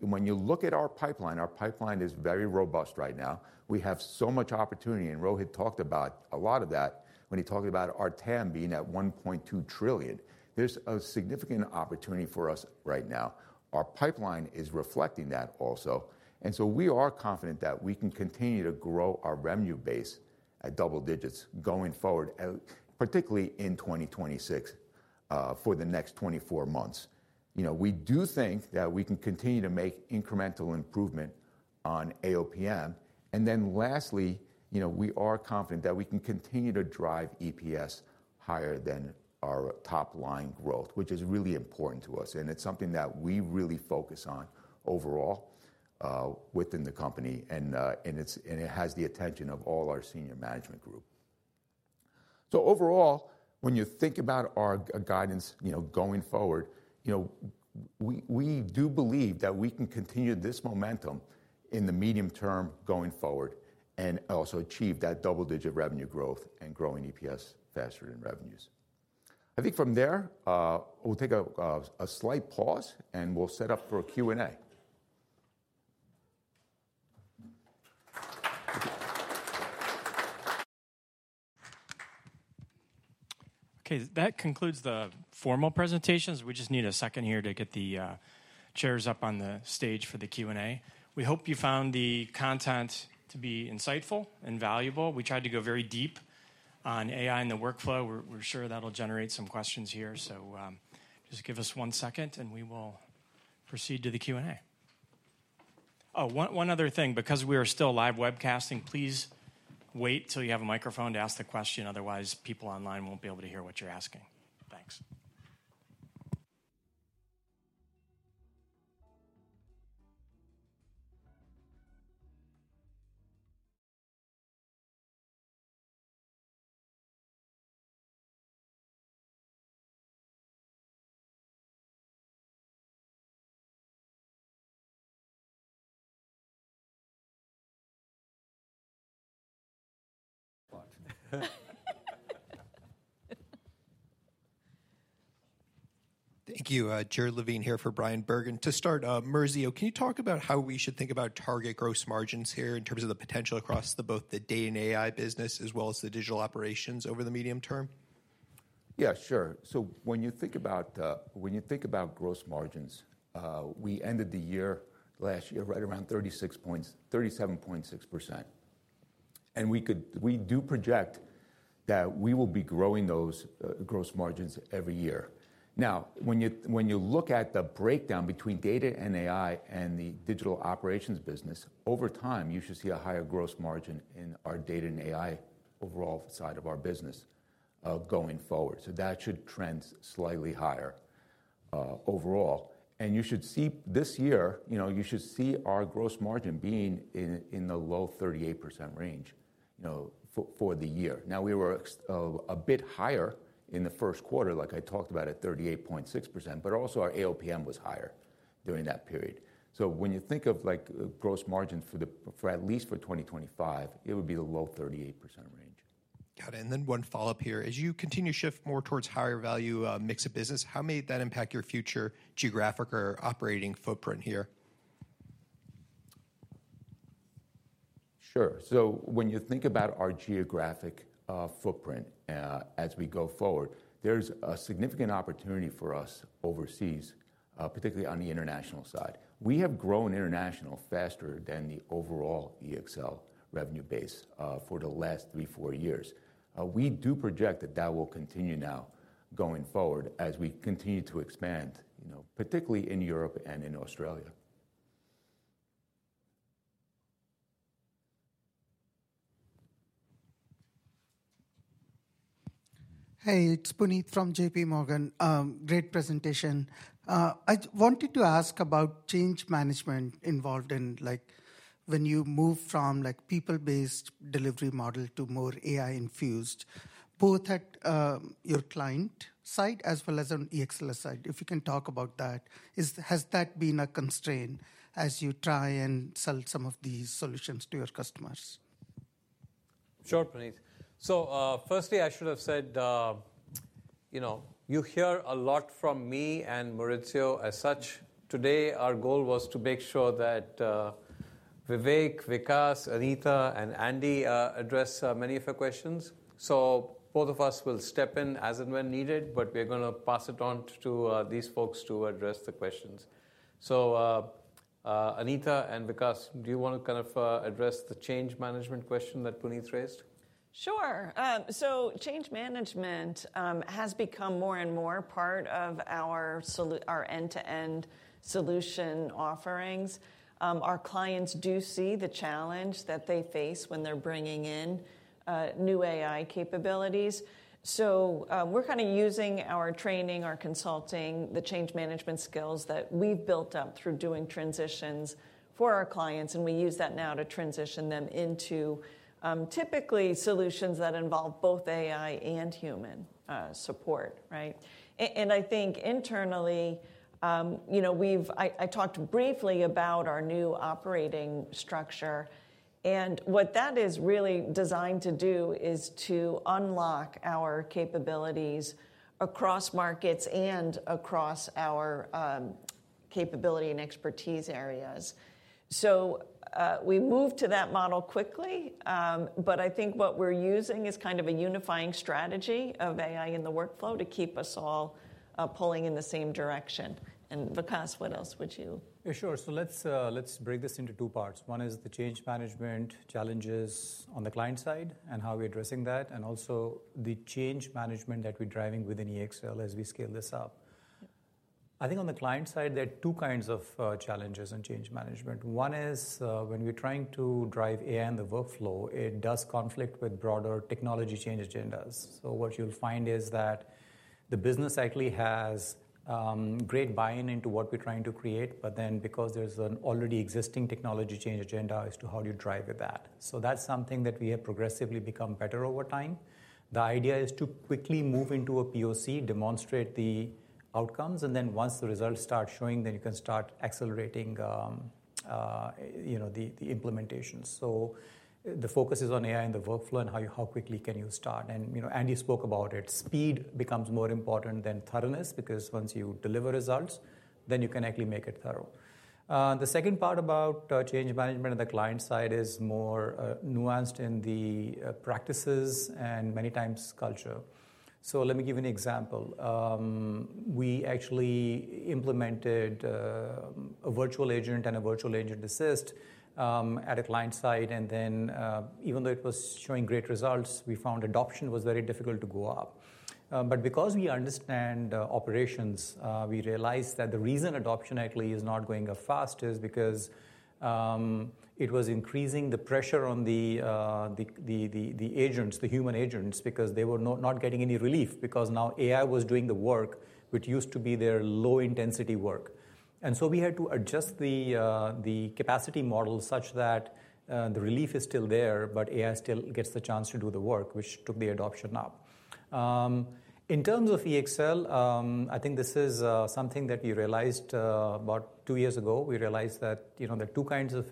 When you look at our pipeline, our pipeline is very robust right now. We have so much opportunity. Rohit talked about a lot of that when he talked about our TAM being at $1.2 trillion. There is a significant opportunity for us right now. Our pipeline is reflecting that also. We are confident that we can continue to grow our revenue base at double digits going forward, particularly in 2026 for the next 24 months. We do think that we can continue to make incremental improvement on AOPM. Lastly, we are confident that we can continue to drive EPS higher than our top-line growth, which is really important to us. It is something that we really focus on overall within the company, and it has the attention of all our senior management group. Overall, when you think about our guidance going forward, we do believe that we can continue this momentum in the medium term going forward and also achieve that double-digit revenue growth and growing EPS faster than revenues. I think from there, we will take a slight pause and we will set up for a Q&A. Okay. That concludes the formal presentations. We just need a second here to get the chairs up on the stage for the Q&A. We hope you found the content to be insightful and valuable. We tried to go very deep on AI in the workflow. We're sure that'll generate some questions here. Just give us one second and we will proceed to the Q&A. Oh, one other thing, because we are still live webcasting, please wait till you have a microphone to ask the question. Otherwise, people online won't be able to hear what you're asking. Thanks. Thank you. Jared Levine here for Bryan Bergin. To start, Maurizio, can you talk about how we should think about target gross margins here in terms of the potential across both the data and AI business as well as the digital operations over the medium term? Yeah, sure. So when you think about gross margins, we ended the year last year right around 37.6%. And we do project that we will be growing those gross margins every year. Now, when you look at the breakdown between data and AI and the digital operations business, over time, you should see a higher gross margin in our data and AI overall side of our business going forward. That should trend slightly higher overall. You should see this year, you should see our gross margin being in the low 38% range for the year. Now, we were a bit higher in the first quarter, like I talked about at 38.6%, but also our AOPM was higher during that period. When you think of gross margins for at least for 2025, it would be the low 38% range. Got it. One follow-up here. As you continue to shift more towards higher value mix of business, how may that impact your future geographic or operating footprint here? Sure. So when you think about our geographic footprint as we go forward, there is a significant opportunity for us overseas, particularly on the international side. We have grown international faster than the overall EXL revenue base for the last three, four years. We do project that that will continue now going forward as we continue to expand, particularly in Europe and in Australia. Hey, it's Puneet from JPMorgan. Great presentation. I wanted to ask about change management involved in when you move from people-based delivery model to more AI-infused, both at your client side as well as on EXL side. If you can talk about that, has that been a constraint as you try and sell some of these solutions to your customers? Sure, Puneet. Firstly, I should have said you hear a lot from me and Maurizio as such. Today, our goal was to make sure that Vivek, Vikas, Anita, and Andy address many of your questions. Both of us will step in as and when needed, but we are going to pass it on to these folks to address the questions. Anita and Vikas, do you want to kind of address the change management question that Puneet raised? Sure. Change management has become more and more part of our end-to-end solution offerings. Our clients do see the challenge that they face when they're bringing in new AI capabilities. We're kind of using our training, our consulting, the change management skills that we've built up through doing transitions for our clients. We use that now to transition them into typically solutions that involve both AI and human support. I think internally, I talked briefly about our new operating structure. What that is really designed to do is to unlock our capabilities across markets and across our capability and expertise areas. We moved to that model quickly. I think what we're using is kind of a unifying strategy of AI in the workflow to keep us all pulling in the same direction. Vikas, what else would you? Yeah, sure. Let's break this into two parts. One is the change management challenges on the client side and how we're addressing that, and also the change management that we're driving within EXL as we scale this up. I think on the client side, there are two kinds of challenges in change management. One is when we're trying to drive AI in the workflow, it does conflict with broader technology change agendas. What you'll find is that the business actually has great buy-in into what we're trying to create. Because there's an already existing technology change agenda as to how you drive with that, that's something that we have progressively become better over time. The idea is to quickly move into a POC, demonstrate the outcomes. Once the results start showing, you can start accelerating the implementation. The focus is on AI in the workflow and how quickly can you start. Andy spoke about it. Speed becomes more important than thoroughness because once you deliver results, then you can actually make it thorough. The second part about change management on the client side is more nuanced in the practices and many times culture. Let me give you an example. We actually implemented a virtual agent and a virtual Agent Assist at a client side. Even though it was showing great results, we found adoption was very difficult to go up. Because we understand operations, we realized that the reason adoption actually is not going up fast is because it was increasing the pressure on the agents, the human agents, because they were not getting any relief because now AI was doing the work, which used to be their low-intensity work. We had to adjust the capacity model such that the relief is still there, but AI still gets the chance to do the work, which took the adoption up. In terms of EXL, I think this is something that we realized about two years ago. We realized that there are two kinds of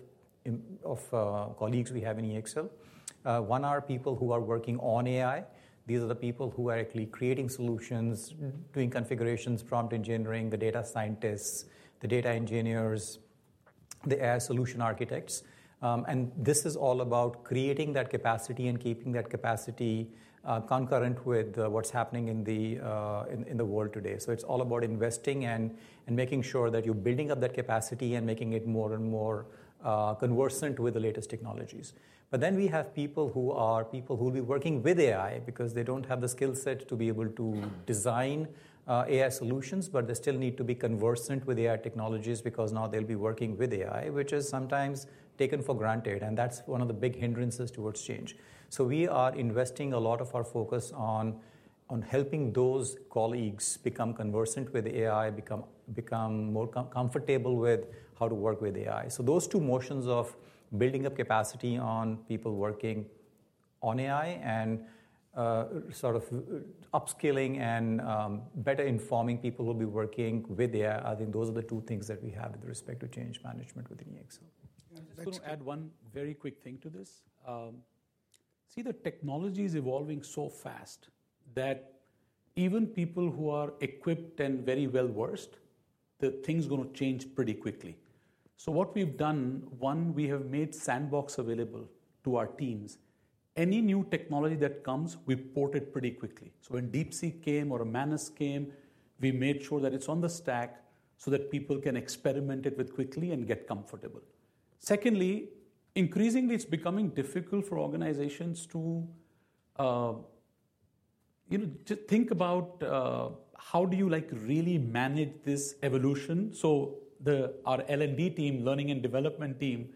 colleagues we have in EXL. One are people who are working on AI. These are the people who are actually creating solutions, doing configurations, prompt engineering, the data scientists, the data engineers, the AI solution architects. This is all about creating that capacity and keeping that capacity concurrent with what is happening in the world today. It is all about investing and making sure that you are building up that capacity and making it more and more conversant with the latest technologies. We have people who will be working with AI because they do not have the skill set to be able to design AI solutions, but they still need to be conversant with AI technologies because now they will be working with AI, which is sometimes taken for granted. That is one of the big hindrances towards change. We are investing a lot of our focus on helping those colleagues become conversant with AI, become more comfortable with how to work with AI. Those two motions of building up capacity on people working on AI and sort of upskilling and better informing people who will be working with AI, I think those are the two things that we have with respect to change management within EXL. I just want to add one very quick thing to this. See, the technology is evolving so fast that even people who are equipped and very well-versed, the thing's going to change pretty quickly. What we have done, one, we have made sandbox available to our teams. Any new technology that comes, we port it pretty quickly. When DeepSeek came or a Manus came, we made sure that it is on the stack so that people can experiment with it quickly and get comfortable. Secondly, increasingly, it is becoming difficult for organizations to think about how do you really manage this evolution. Our L&D team, learning and development team,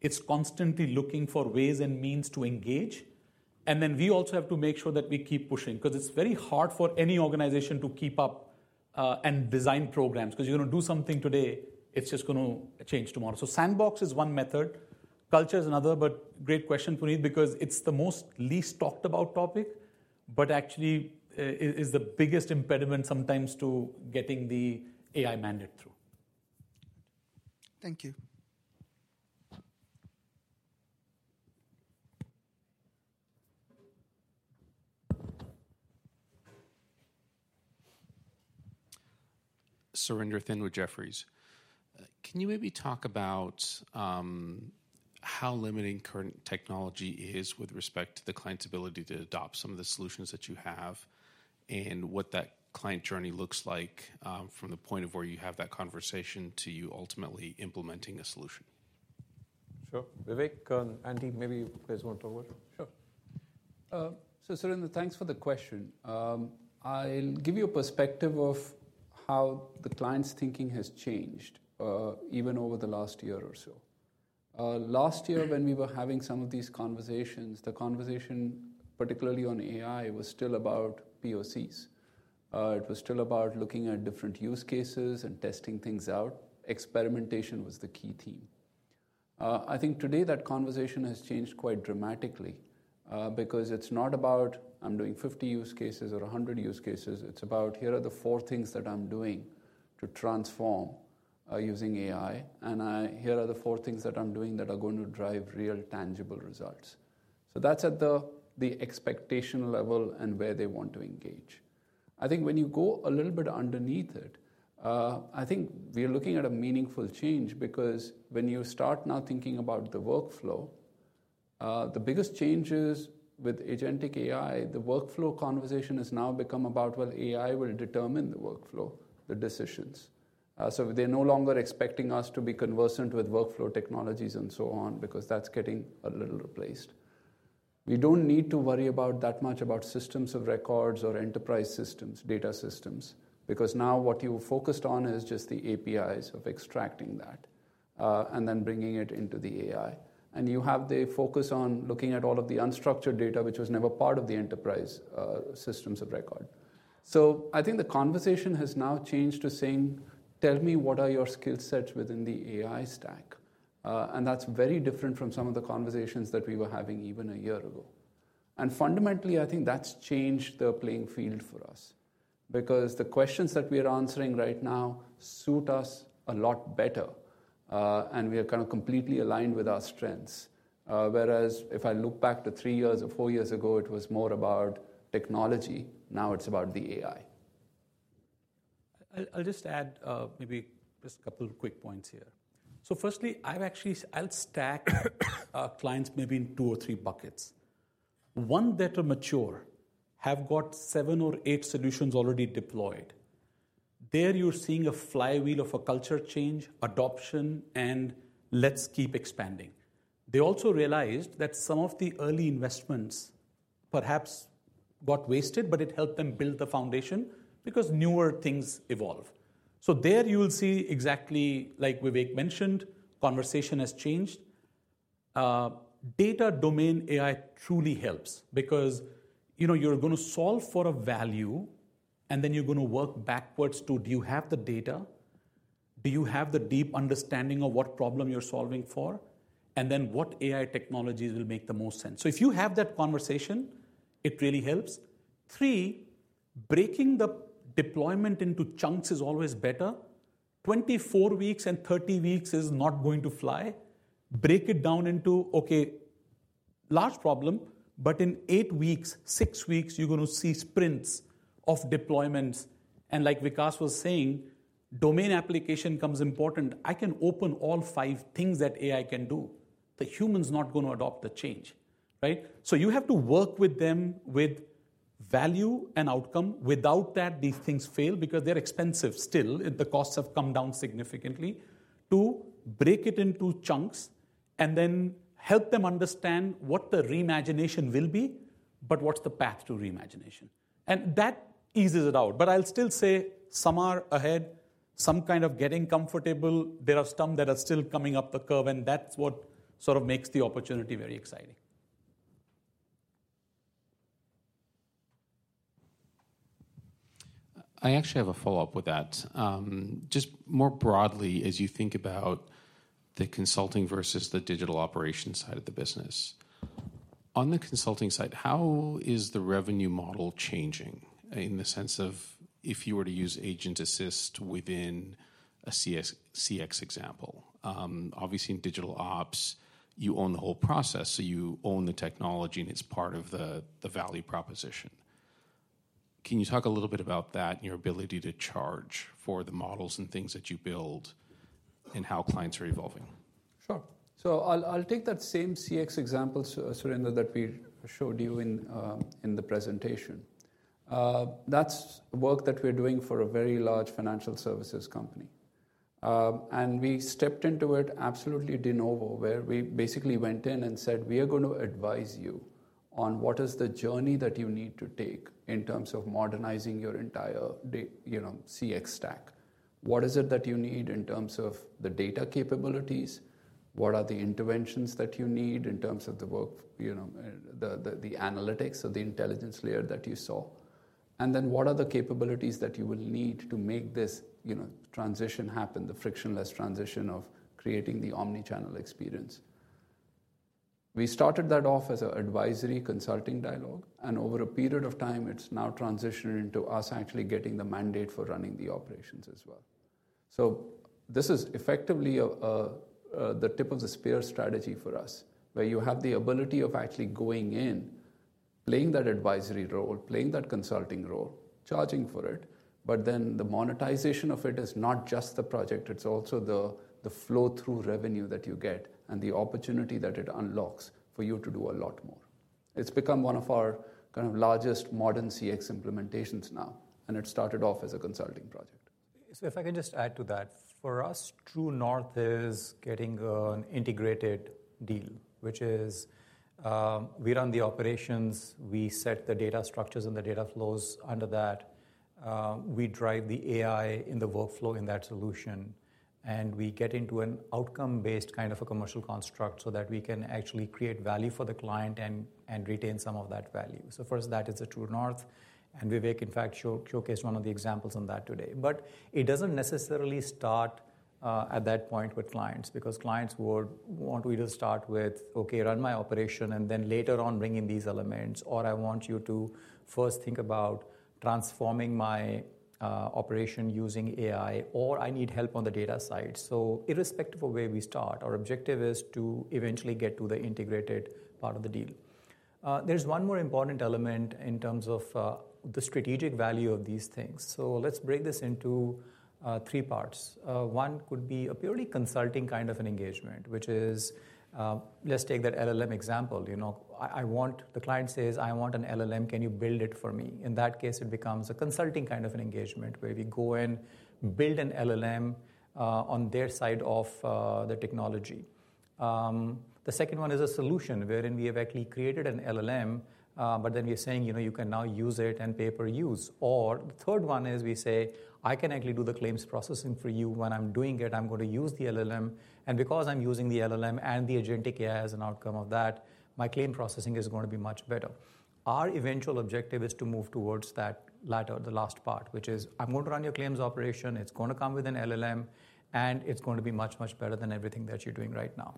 is constantly looking for ways and means to engage. We also have to make sure that we keep pushing because it's very hard for any organization to keep up and design programs because you're going to do something today, it's just going to change tomorrow. Sandbox is one method. Culture is another. Great question, Puneet, because it's the most least talked about topic, but actually is the biggest impediment sometimes to getting the AI mandate through. Thank you. Surinder Thind, Jefferies, can you maybe talk about how limiting current technology is with respect to the client's ability to adopt some of the solutions that you have and what that client journey looks like from the point of where you have that conversation to you ultimately implementing a solution? Sure. Vivek and Andy, maybe you guys want to over. Sure. Surinder, thanks for the question. I'll give you a perspective of how the client's thinking has changed even over the last year or so. Last year, when we were having some of these conversations, the conversation, particularly on AI, was still about POCs. It was still about looking at different use cases and testing things out. Experimentation was the key theme. I think today that conversation has changed quite dramatically because it's not about, "I'm doing 50 use cases or 100 use cases." It's about, "Here are the four things that I'm doing to transform using AI." "Here are the four things that I'm doing that are going to drive real tangible results." That's at the expectation level and where they want to engage. I think when you go a little bit underneath it, I think we're looking at a meaningful change because when you start now thinking about the workflow, the biggest changes with Agentic AI, the workflow conversation has now become about, "Well, AI will determine the workflow, the decisions." They are no longer expecting us to be conversant with workflow technologies and so on because that's getting a little replaced. We do not need to worry about that much about systems of records or enterprise systems, data systems, because now what you focused on is just the APIs of extracting that and then bringing it into the AI. You have the focus on looking at all of the unstructured data, which was never part of the enterprise systems of record. I think the conversation has now changed to saying, "Tell me what are your skill sets within the AI stack." That is very different from some of the conversations that we were having even a year ago. Fundamentally, I think that has changed the playing field for us because the questions that we are answering right now suit us a lot better. We are kind of completely aligned with our strengths. Whereas if I look back to three years or four years ago, it was more about technology. Now it is about the AI. I'll just add maybe just a couple of quick points here. Firstly, I'll stack clients maybe in two or three buckets. One that are mature, have got seven or eight solutions already deployed. There you're seeing a flywheel of a culture change, adoption, and let's keep expanding. They also realized that some of the early investments perhaps got wasted, but it helped them build the foundation because newer things evolve. There you'll see exactly like Vivek mentioned, conversation has changed. Data domain AI truly helps because you're going to solve for a value, and then you're going to work backwards to, "Do you have the data? Do you have the deep understanding of what problem you're solving for?" and then what AI technologies will make the most sense. If you have that conversation, it really helps. Three, breaking the deployment into chunks is always better. Twenty-four weeks and thirty weeks is not going to fly. Break it down into, "Okay, large problem, but in eight weeks, six weeks, you're going to see sprints of deployments." Like Vikas was saying, "Domain application comes important. I can open all five things that AI can do. The human's not going to adopt the change." You have to work with them with value and outcome. Without that, these things fail because they're expensive still. The costs have come down significantly. Break it into chunks and then help them understand what the reimagination will be, but what's the path to reimagination. That eases it out. I'll still say somewhere ahead, some kind of getting comfortable, there are some that are still coming up the curve, and that's what sort of makes the opportunity very exciting. I actually have a follow-up with that. Just more broadly, as you think about the consulting versus the digital operations side of the business, on the consulting side, how is the revenue model changing in the sense of if you were to use Agent Assist within a CX example? Obviously, in digital ops, you own the whole process. You own the technology, and it is part of the value proposition. Can you talk a little bit about that and your ability to charge for the models and things that you build and how clients are evolving? Sure. I'll take that same CX example, Surinder, that we showed you in the presentation. That's work that we're doing for a very large financial services company. We stepped into it absolutely de novo, where we basically went in and said, "We are going to advise you on what is the journey that you need to take in terms of modernizing your entire CX stack. What is it that you need in terms of the data capabilities? What are the interventions that you need in terms of the work, the analytics or the intelligence layer that you saw? What are the capabilities that you will need to make this transition happen, the frictionless transition of creating the omnichannel experience?" We started that off as an advisory consulting dialogue. Over a period of time, it's now transitioned into us actually getting the mandate for running the operations as well. This is effectively the tip of the spear strategy for us, where you have the ability of actually going in, playing that advisory role, playing that consulting role, charging for it. The monetization of it is not just the project. It's also the flow-through revenue that you get and the opportunity that it unlocks for you to do a lot more. It's become one of our kind of largest modern CX implementations now. It started off as a consulting project. If I can just add to that, for us, true north is getting an integrated deal, which is we run the operations. We set the data structures and the data flows under that. We drive the AI in the workflow in that solution. We get into an outcome-based kind of a commercial construct so that we can actually create value for the client and retain some of that value. For us, that is a true north. Vivek, in fact, showcased one of the examples on that today. But it doesn't necessarily start at that point with clients because clients would want to either start with, "Okay, run my operation and then later on bring in these elements," or, "I want you to first think about transforming my operation using AI," or, "I need help on the data side." Irrespective of where we start, our objective is to eventually get to the integrated part of the deal. There's one more important element in terms of the strategic value of these things. Let's break this into three parts. One could be a purely consulting kind of an engagement, which is let's take that LLM example. The client says, "I want an LLM. Can you build it for me?" In that case, it becomes a consulting kind of an engagement where we go and build an LLM on their side of the technology. The second one is a solution wherein we have actually created an LLM, but then we're saying, "You can now use it and pay per use." The third one is we say, "I can actually do the claims processing for you. When I'm doing it, I'm going to use the LLM. And because I'm using the LLM and the Agentic AI as an outcome of that, my claim processing is going to be much better." Our eventual objective is to move towards that latter, the last part, which is, "I'm going to run your claims operation. It's going to come with an LLM, and it's going to be much, much better than everything that you're doing right now.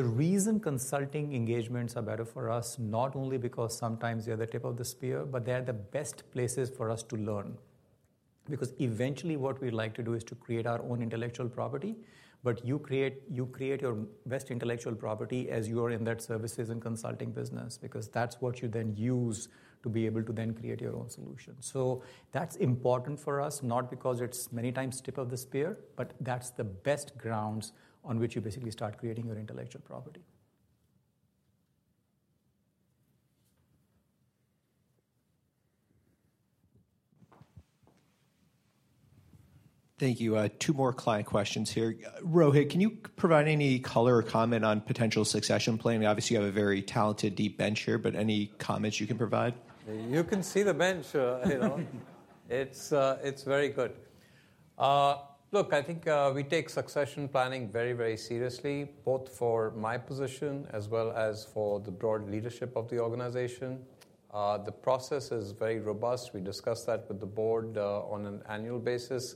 The reason consulting engagements are better for us, not only because sometimes they're the tip of the spear, but they're the best places for us to learn because eventually what we'd like to do is to create our own intellectual property. You create your best intellectual property as you are in that services and consulting business because that's what you then use to be able to then create your own solution. That's important for us, not because it's many times tip of the spear, but that's the best grounds on which you basically start creating your intellectual property. Thank you. Two more client questions here. Rohit, can you provide any color or comment on potential succession planning? Obviously, you have a very talented, deep bench here, but any comments you can provide? You can see the bench. It's very good. Look, I think we take succession planning very, very seriously, both for my position as well as for the broad leadership of the organization. The process is very robust. We discuss that with the board on an annual basis.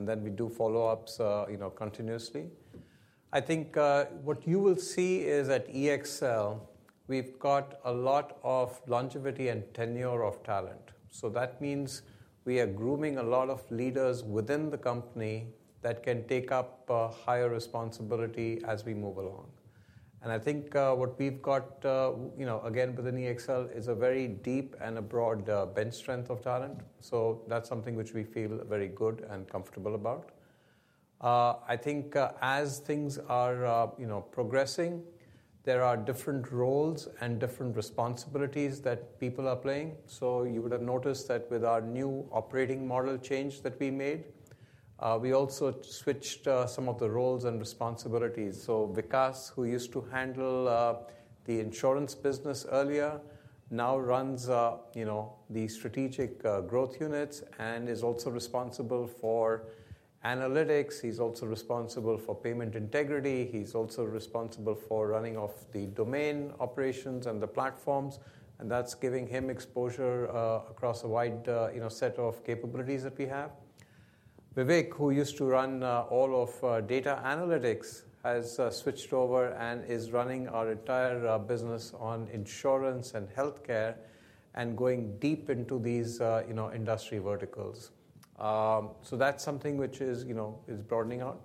We do follow-ups continuously. I think what you will see is at EXL, we've got a lot of longevity and tenure of talent. That means we are grooming a lot of leaders within the company that can take up higher responsibility as we move along. I think what we've got, again, within EXL is a very deep and a broad bench strength of talent. That's something which we feel very good and comfortable about. I think as things are progressing, there are different roles and different responsibilities that people are playing. You would have noticed that with our new operating model change that we made, we also switched some of the roles and responsibilities. Vikas, who used to handle the insurance business earlier, now runs the strategic growth units and is also responsible for analytics. He is also responsible for payment integrity. He is also responsible for running off the domain operations and the platforms. That is giving him exposure across a wide set of capabilities that we have. Vivek, who used to run all of data analytics, has switched over and is running our entire business on insurance and healthcare and going deep into these industry verticals. That is something which is broadening out.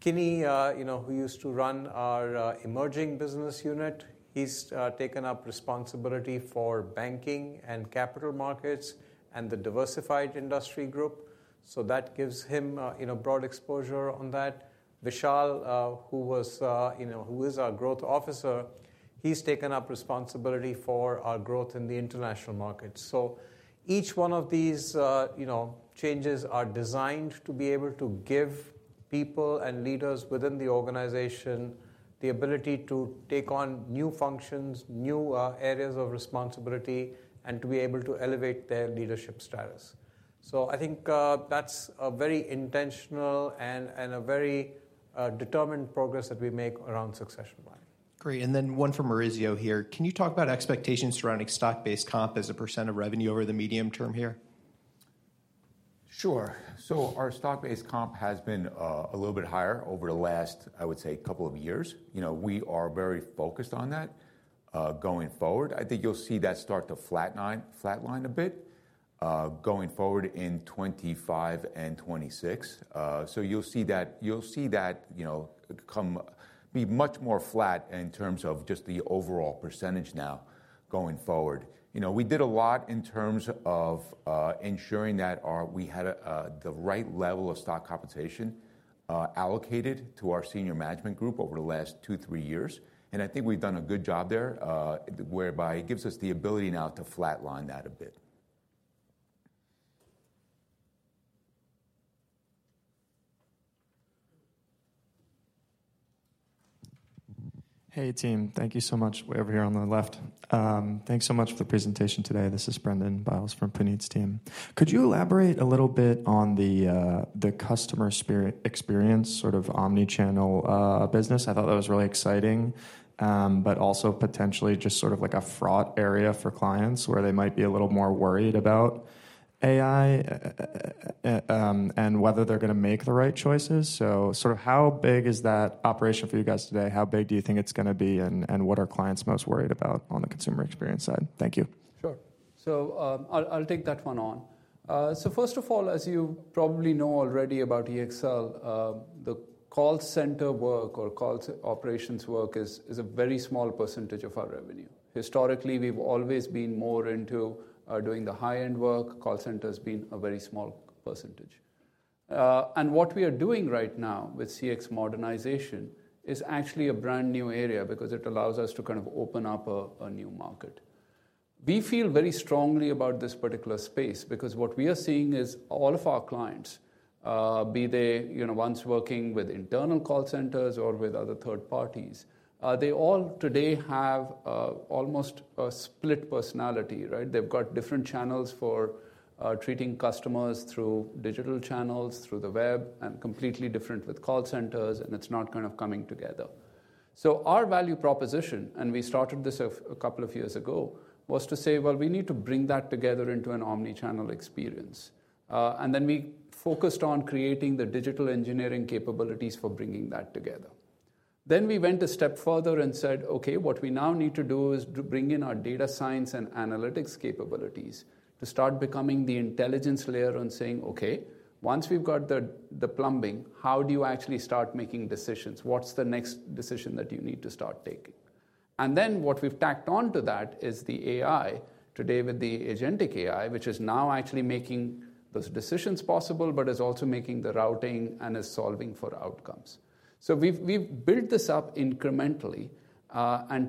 Kinney, who used to run our emerging business unit, has taken up responsibility for banking and capital markets and the diversified industry group. That gives him broad exposure on that. Vishal, who is our growth officer, he's taken up responsibility for our growth in the international markets. Each one of these changes are designed to be able to give people and leaders within the organization the ability to take on new functions, new areas of responsibility, and to be able to elevate their leadership status. I think that's a very intentional and a very determined progress that we make around succession planning. Great. One from Maurizio here. Can you talk about expectations surrounding stock-based comp as a percent of revenue over the medium term here? Sure. Our stock-based comp has been a little bit higher over the last, I would say, couple of years. We are very focused on that going forward. I think you'll see that start to flatline a bit going forward in 2025 and 2026. You'll see that be much more flat in terms of just the overall percentage now going forward. We did a lot in terms of ensuring that we had the right level of stock compensation allocated to our senior management group over the last two, three years. I think we've done a good job there, whereby it gives us the ability now to flatline that a bit. Hey, team. Thank you so much. Way over here on the left. Thanks so much for the presentation today. This is Brendan Biles from Puneet's team. Could you elaborate a little bit on the customer experience, sort of omnichannel business? I thought that was really exciting, but also potentially just sort of like a fraught area for clients where they might be a little more worried about AI and whether they're going to make the right choices. How big is that operation for you guys today? How big do you think it's going to be, and what are clients most worried about on the consumer experience side? Thank you. Sure. I'll take that one on. First of all, as you probably know already about EXL, the call center work or call operations work is a very small percentage of our revenue. Historically, we've always been more into doing the high-end work. Call center has been a very small percentage. What we are doing right now with CX modernization is actually a brand new area because it allows us to kind of open up a new market. We feel very strongly about this particular space because what we are seeing is all of our clients, be they ones working with internal call centers or with other third parties, they all today have almost a split personality. They've got different channels for treating customers through digital channels, through the web, and completely different with call centers. It's not kind of coming together. Our value proposition, and we started this a couple of years ago, was to say, we need to bring that together into an omnichannel experience. We focused on creating the digital engineering capabilities for bringing that together. We went a step further and said, okay, what we now need to do is bring in our data science and analytics capabilities to start becoming the intelligence layer and saying, okay, once we've got the plumbing, how do you actually start making decisions? What's the next decision that you need to start taking? What we've tacked on to that is the AI today with the Agentic AI, which is now actually making those decisions possible, but is also making the routing and is solving for outcomes. We've built this up incrementally.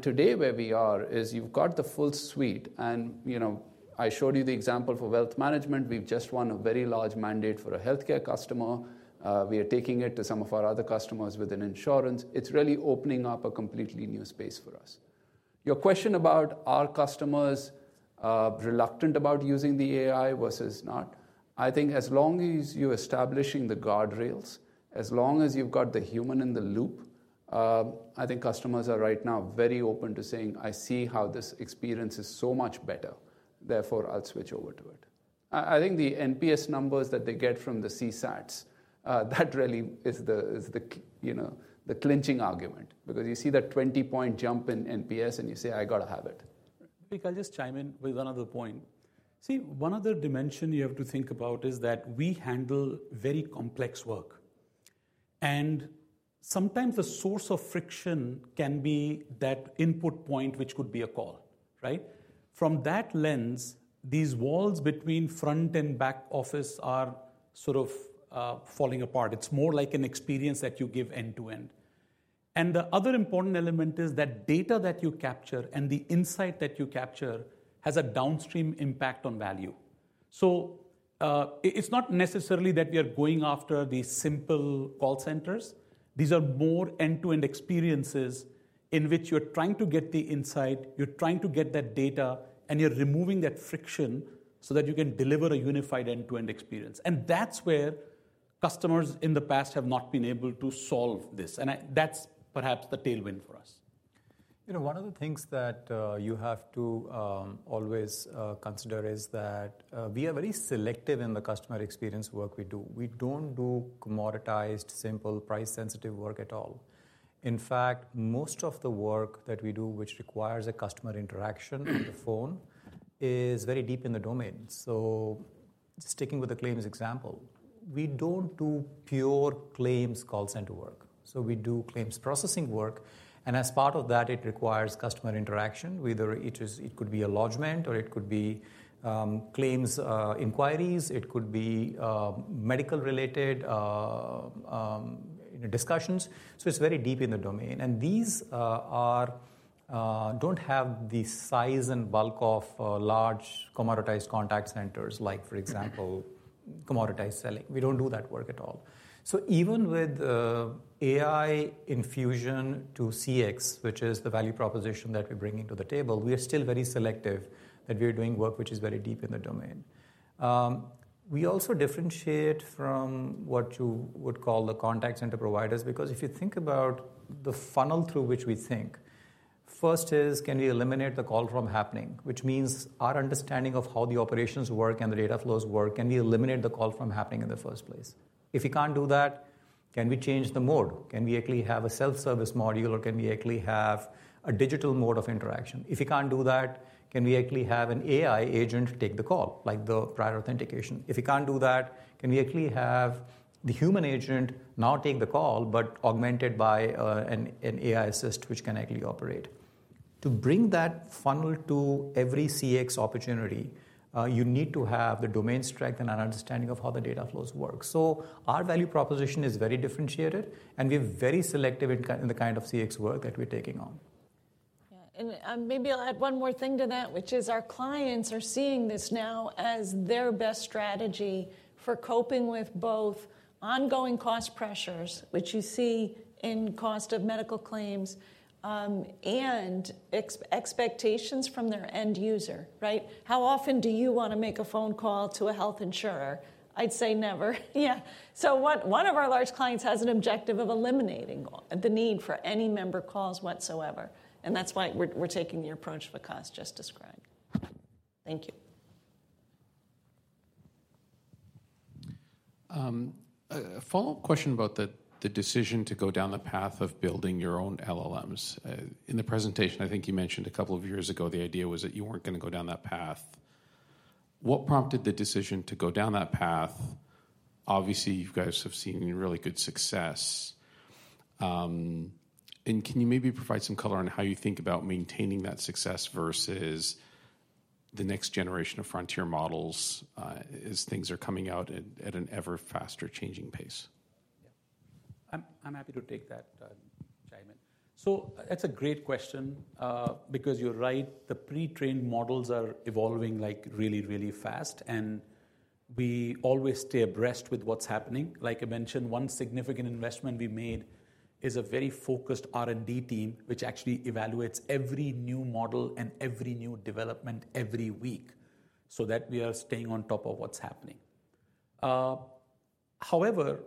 Today where we are is you've got the full suite. I showed you the example for wealth management. We have just won a very large mandate for a healthcare customer. We are taking it to some of our other customers within insurance. It is really opening up a completely new space for us. Your question about are customers reluctant about using the AI versus not, I think as long as you are establishing the guardrails, as long as you have got the human in the loop, I think customers are right now very open to saying, I see how this experience is so much better. Therefore, I will switch over to it. I think the NPS numbers that they get from the CSATs, that really is the clinching argument because you see that 20-point jump in NPS and you say, I got to have it. Vivek, I'll just chime in with another point. See, one other dimension you have to think about is that we handle very complex work. Sometimes the source of friction can be that input point, which could be a call. From that lens, these walls between front and back office are sort of falling apart. It is more like an experience that you give end to end. The other important element is that data that you capture and the insight that you capture has a downstream impact on value. It is not necessarily that we are going after these simple call centers. These are more end-to-end experiences in which you're trying to get the insight. You're trying to get that data, and you're removing that friction so that you can deliver a unified end-to-end experience. That is where customers in the past have not been able to solve this. That's perhaps the tailwind for us. You know, one of the things that you have to always consider is that we are very selective in the customer experience work we do. We do not do commoditized, simple, price-sensitive work at all. In fact, most of the work that we do, which requires a customer interaction on the phone, is very deep in the domain. Just sticking with the claims example, we do not do pure claims call center work. We do claims processing work. As part of that, it requires customer interaction. It could be a lodgement, or it could be claims inquiries. It could be medical-related discussions. It is very deep in the domain. These do not have the size and bulk of large commoditized contact centers, like, for example, commoditized selling. We do not do that work at all. Even with AI infusion to CX, which is the value proposition that we bring to the table, we are still very selective that we are doing work which is very deep in the domain. We also differentiate from what you would call the contact center providers because if you think about the funnel through which we think, first is, can we eliminate the call from happening, which means our understanding of how the operations work and the data flows work, can we eliminate the call from happening in the first place? If we cannot do that, can we change the mode? Can we actually have a self-service module, or can we actually have a digital mode of interaction? If we cannot do that, can we actually have an AI agent take the call, like the prior authentication? If we can't do that, can we actually have the human agent now take the call, but augmented by an AI assist which can actually operate? To bring that funnel to every CX opportunity, you need to have the domain strength and an understanding of how the data flows work. Our value proposition is very differentiated, and we're very selective in the kind of CX work that we're taking on. Yeah. Maybe I'll add one more thing to that, which is our clients are seeing this now as their best strategy for coping with both ongoing cost pressures, which you see in cost of medical claims, and expectations from their end user. How often do you want to make a phone call to a health insurer? I'd say never. Yeah. One of our large clients has an objective of eliminating the need for any member calls whatsoever. That's why we're taking the approach Vikas just described. Thank you. A follow-up question about the decision to go down the path of building your own LLMs. In the presentation, I think you mentioned a couple of years ago the idea was that you were not going to go down that path. What prompted the decision to go down that path? Obviously, you guys have seen really good success. Can you maybe provide some color on how you think about maintaining that success versus the next generation of frontier models as things are coming out at an ever faster changing pace? I'm happy to take that chime in. That's a great question because you're right. The pre-trained models are evolving really, really fast. We always stay abreast with what's happening. Like I mentioned, one significant investment we made is a very focused R&D team, which actually evaluates every new model and every new development every week so that we are staying on top of what's happening. However,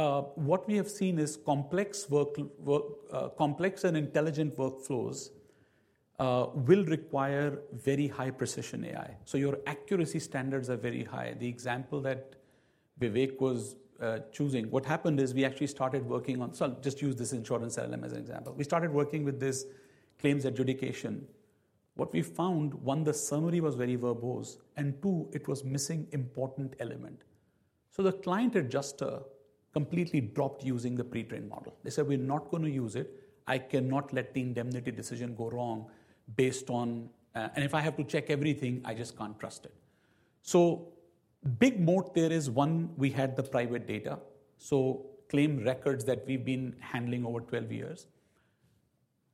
what we have seen is complex and intelligent workflows will require very high precision AI. Your accuracy standards are very high. The example that Vivek was choosing, what happened is we actually started working on, I'll just use this insurance LLM as an example. We started working with this claims adjudication. What we found, one, the summary was very verbose, and two, it was missing important elements. The client adjuster completely dropped using the pre-trained model. They said, we're not going to use it. I cannot let the indemnity decision go wrong based on, and if I have to check everything, I just can't trust it. Big moat there is, one, we had the private data. Claim records that we've been handling over 12 years,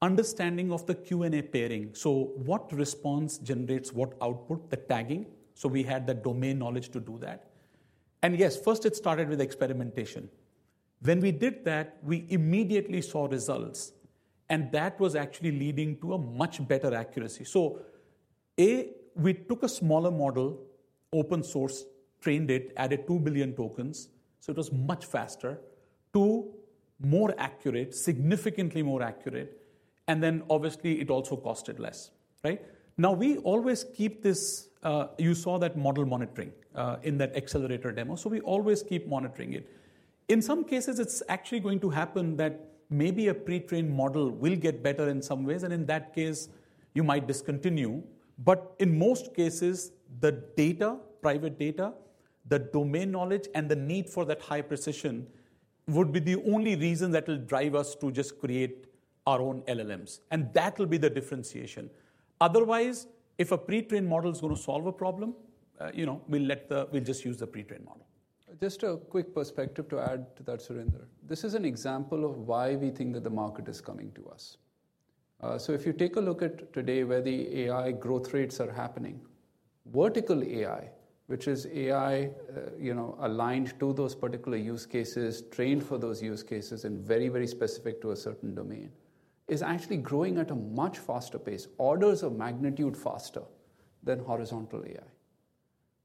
understanding of the Q&A pairing. What response generates what output, the tagging. We had the domain knowledge to do that. Yes, first it started with experimentation. When we did that, we immediately saw results. That was actually leading to a much better accuracy. A, we took a smaller model, open source, trained it, added 2 billion tokens. It was much faster. Two, more accurate, significantly more accurate. Obviously, it also costed less. We always keep this, you saw that model monitoring in that accelerator demo. We always keep monitoring it. In some cases, it's actually going to happen that maybe a pre-trained model will get better in some ways. In that case, you might discontinue. In most cases, the data, private data, the domain knowledge, and the need for that high precision would be the only reason that will drive us to just create our own LLMs. That will be the differentiation. Otherwise, if a pre-trained model is going to solve a problem, we'll just use the pre-trained model. Just a quick perspective to add to that, Surinder. This is an example of why we think that the market is coming to us. If you take a look at today where the AI growth rates are happening, vertical AI, which is AI aligned to those particular use cases, trained for those use cases, and very, very specific to a certain domain, is actually growing at a much faster pace, orders of magnitude faster than horizontal AI.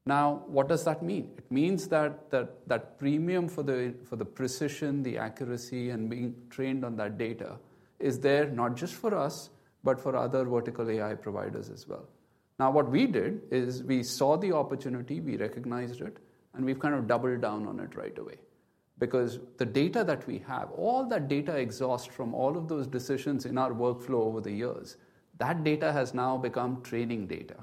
Now, what does that mean? It means that that premium for the precision, the accuracy, and being trained on that data is there not just for us, but for other vertical AI providers as well. What we did is we saw the opportunity, we recognized it, and we've kind of doubled down on it right away. Because the data that we have, all that data exhaust from all of those decisions in our workflow over the years, that data has now become training data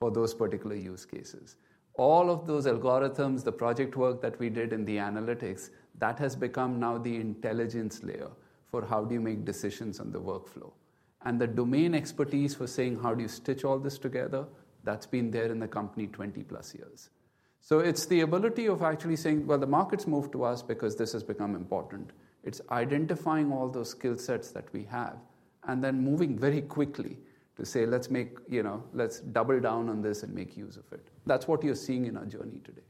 for those particular use cases. All of those algorithms, the project work that we did in the analytics, that has become now the intelligence layer for how do you make decisions on the workflow. And the domain expertise for saying, how do you stitch all this together, that's been there in the company 20-plus years. It is the ability of actually saying, well, the market's moved to us because this has become important. It is identifying all those skill sets that we have and then moving very quickly to say, let's double down on this and make use of it. That is what you are seeing in our journey today.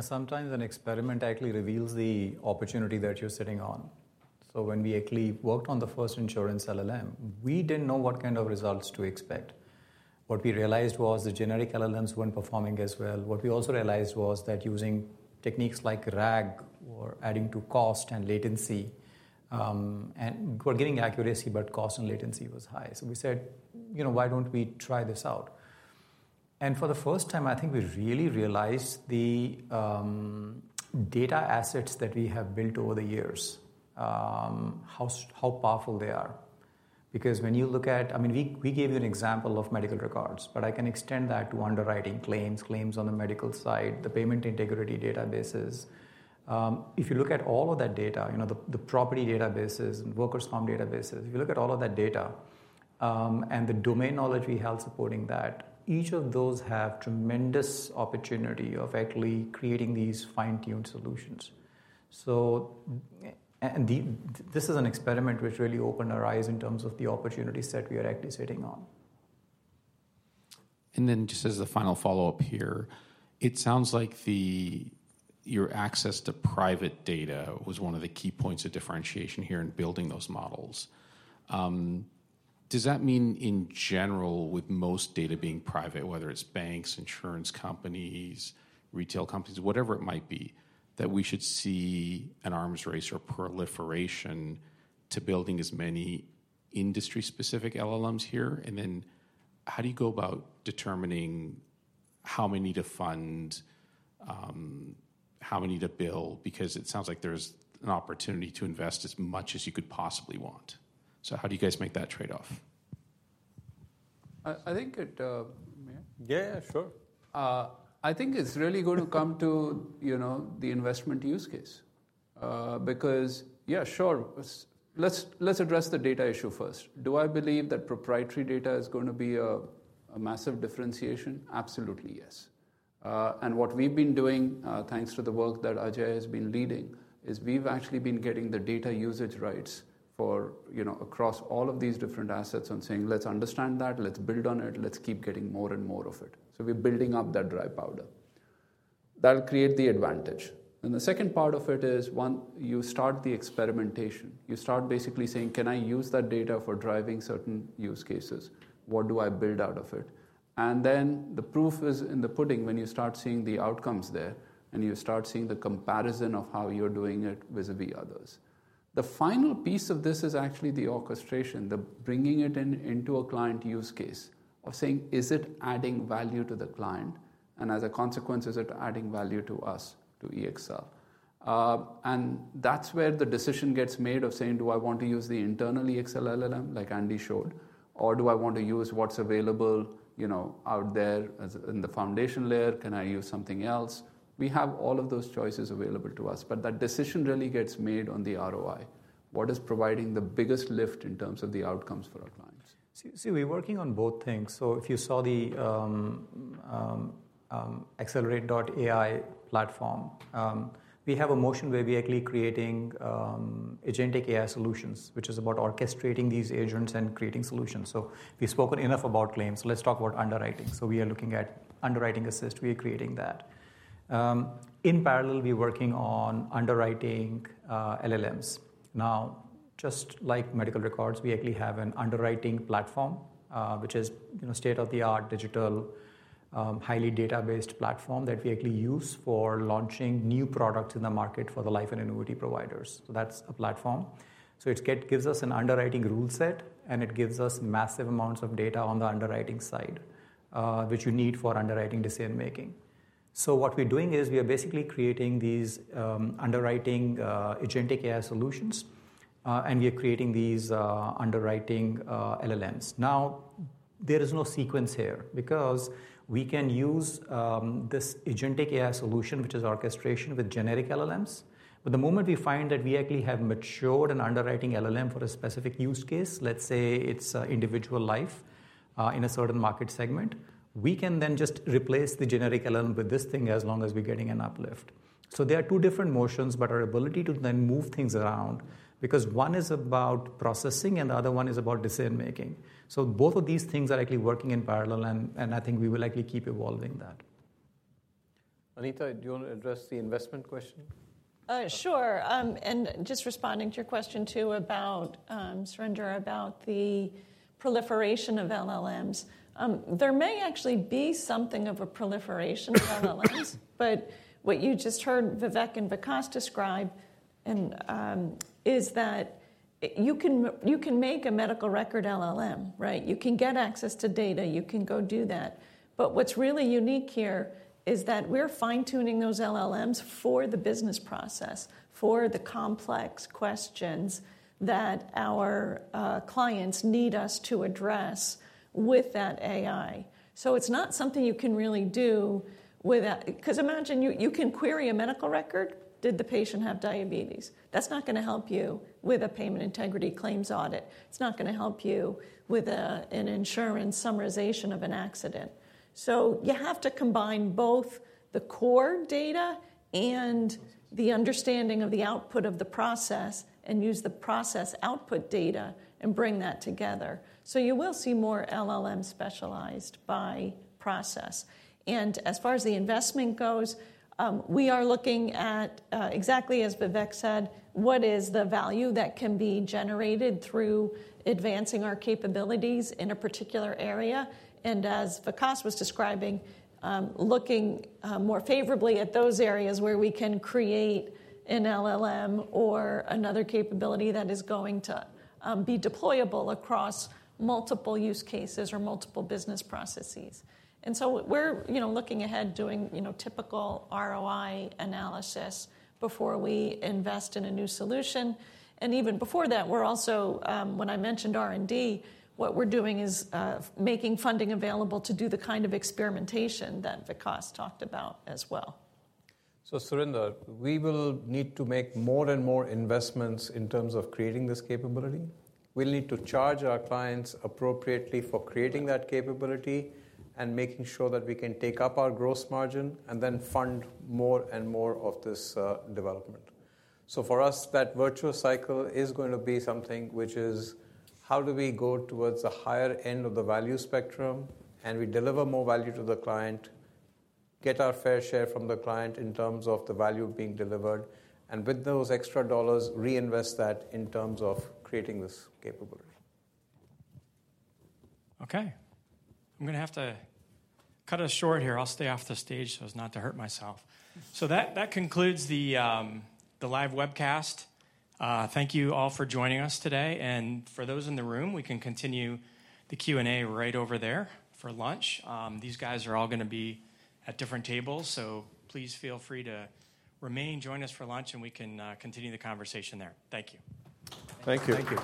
Sometimes an experiment actually reveals the opportunity that you're sitting on. When we actually worked on the first insurance LLM, we didn't know what kind of results to expect. What we realized was the generic LLMs weren't performing as well. What we also realized was that using techniques like RAG were adding to cost and latency, and we're getting accuracy, but cost and latency was high. We said, why don't we try this out? For the first time, I think we really realized the data assets that we have built over the years, how powerful they are. I mean, we gave you an example of medical records, but I can extend that to underwriting claims, claims on the medical side, the payment integrity databases. If you look at all of that data, the property databases, workers' comp databases, if you look at all of that data and the domain knowledge we have supporting that, each of those have tremendous opportunity of actually creating these fine-tuned solutions. This is an experiment which really opened our eyes in terms of the opportunity set we are actually sitting on. Just as a final follow-up here, it sounds like your access to private data was one of the key points of differentiation here in building those models. Does that mean in general, with most data being private, whether it's banks, insurance companies, retail companies, whatever it might be, that we should see an arms race or proliferation to building as many industry-specific LLMs here? How do you go about determining how many to fund, how many to build? Because it sounds like there's an opportunity to invest as much as you could possibly want. How do you guys make that trade-off? I think it. Yeah, yeah, sure. I think it's really going to come to the investment use case. Because, yeah, sure, let's address the data issue first. Do I believe that proprietary data is going to be a massive differentiation? Absolutely, yes. And what we've been doing, thanks to the work that Ajay has been leading, is we've actually been getting the data usage rights across all of these different assets and saying, let's understand that, let's build on it, let's keep getting more and more of it. We're building up that dry powder. That'll create the advantage. The second part of it is, one, you start the experimentation. You start basically saying, can I use that data for driving certain use cases? What do I build out of it? The proof is in the pudding when you start seeing the outcomes there and you start seeing the comparison of how you're doing it vis-à-vis others. The final piece of this is actually the orchestration, the bringing it into a client use case of saying, is it adding value to the client? As a consequence, is it adding value to us, to EXL? That is where the decision gets made of saying, do I want to use the internal EXL LLM, like Andy showed, or do I want to use what's available out there in the foundation layer? Can I use something else? We have all of those choices available to us. That decision really gets made on the ROI. What is providing the biggest lift in terms of the outcomes for our clients? See, we're working on both things. If you saw the EXLerate.ai Platform, we have a motion where we're actually creating Agentic AI solutions, which is about orchestrating these agents and creating solutions. We've spoken enough about claims. Let's talk about underwriting. We are looking at underwriting assist. We are creating that. In parallel, we're working on underwriting LLMs. Now, just like medical records, we actually have an underwriting platform, which is state-of-the-art digital, highly data-based platform that we actually use for launching new products in the market for the life and annuity providers. That's a platform. It gives us an underwriting rule set, and it gives us massive amounts of data on the underwriting side, which you need for underwriting decision-making. What we're doing is we are basically creating these underwriting Agentic AI solutions, and we are creating these underwriting LLMs. Now, there is no sequence here because we can use this agentic AI solution, which is orchestration with generic LLMs. The moment we find that we actually have matured an underwriting LLM for a specific use case, let's say it's individual life in a certain market segment, we can then just replace the generic LLM with this thing as long as we're getting an uplift. There are two different motions, but our ability to then move things around, because one is about processing and the other one is about decision-making. Both of these things are actually working in parallel, and I think we will actually keep evolving that. Anita, do you want to address the investment question? Sure. Just responding to your question too about, Surinder, about the proliferation of LLMs. There may actually be something of a proliferation of LLMs, but what you just heard Vivek and Vikas describe is that you can make a medical record LLM. You can get access to data. You can go do that. What is really unique here is that we are fine-tuning those LLMs for the business process, for the complex questions that our clients need us to address with that AI. It is not something you can really do with that. Because imagine you can query a medical record. Did the patient have diabetes? That is not going to help you with a payment integrity claims audit. It is not going to help you with an insurance summarization of an accident. You have to combine both the core data and the understanding of the output of the process and use the process output data and bring that together. You will see more LLM specialized by process. As far as the investment goes, we are looking at, exactly as Vivek said, what is the value that can be generated through advancing our capabilities in a particular area. As Vikas was describing, looking more favorably at those areas where we can create an LLM or another capability that is going to be deployable across multiple use cases or multiple business processes. We are looking ahead, doing typical ROI analysis before we invest in a new solution. Even before that, when I mentioned R&D, what we are doing is making funding available to do the kind of experimentation that Vikas talked about as well. Surinder, we will need to make more and more investments in terms of creating this capability. We'll need to charge our clients appropriately for creating that capability and making sure that we can take up our gross margin and then fund more and more of this development. For us, that virtuous cycle is going to be something which is how do we go towards the higher end of the value spectrum and we deliver more value to the client, get our fair share from the client in terms of the value being delivered, and with those extra dollars, reinvest that in terms of creating this capability. Okay. I'm going to have to cut it short here. I'll stay off the stage so as not to hurt myself. That concludes the live webcast. Thank you all for joining us today. For those in the room, we can continue the Q&A right over there for lunch. These guys are all going to be at different tables. Please feel free to remain, join us for lunch, and we can continue the conversation there. Thank you. Thank you. Thank you.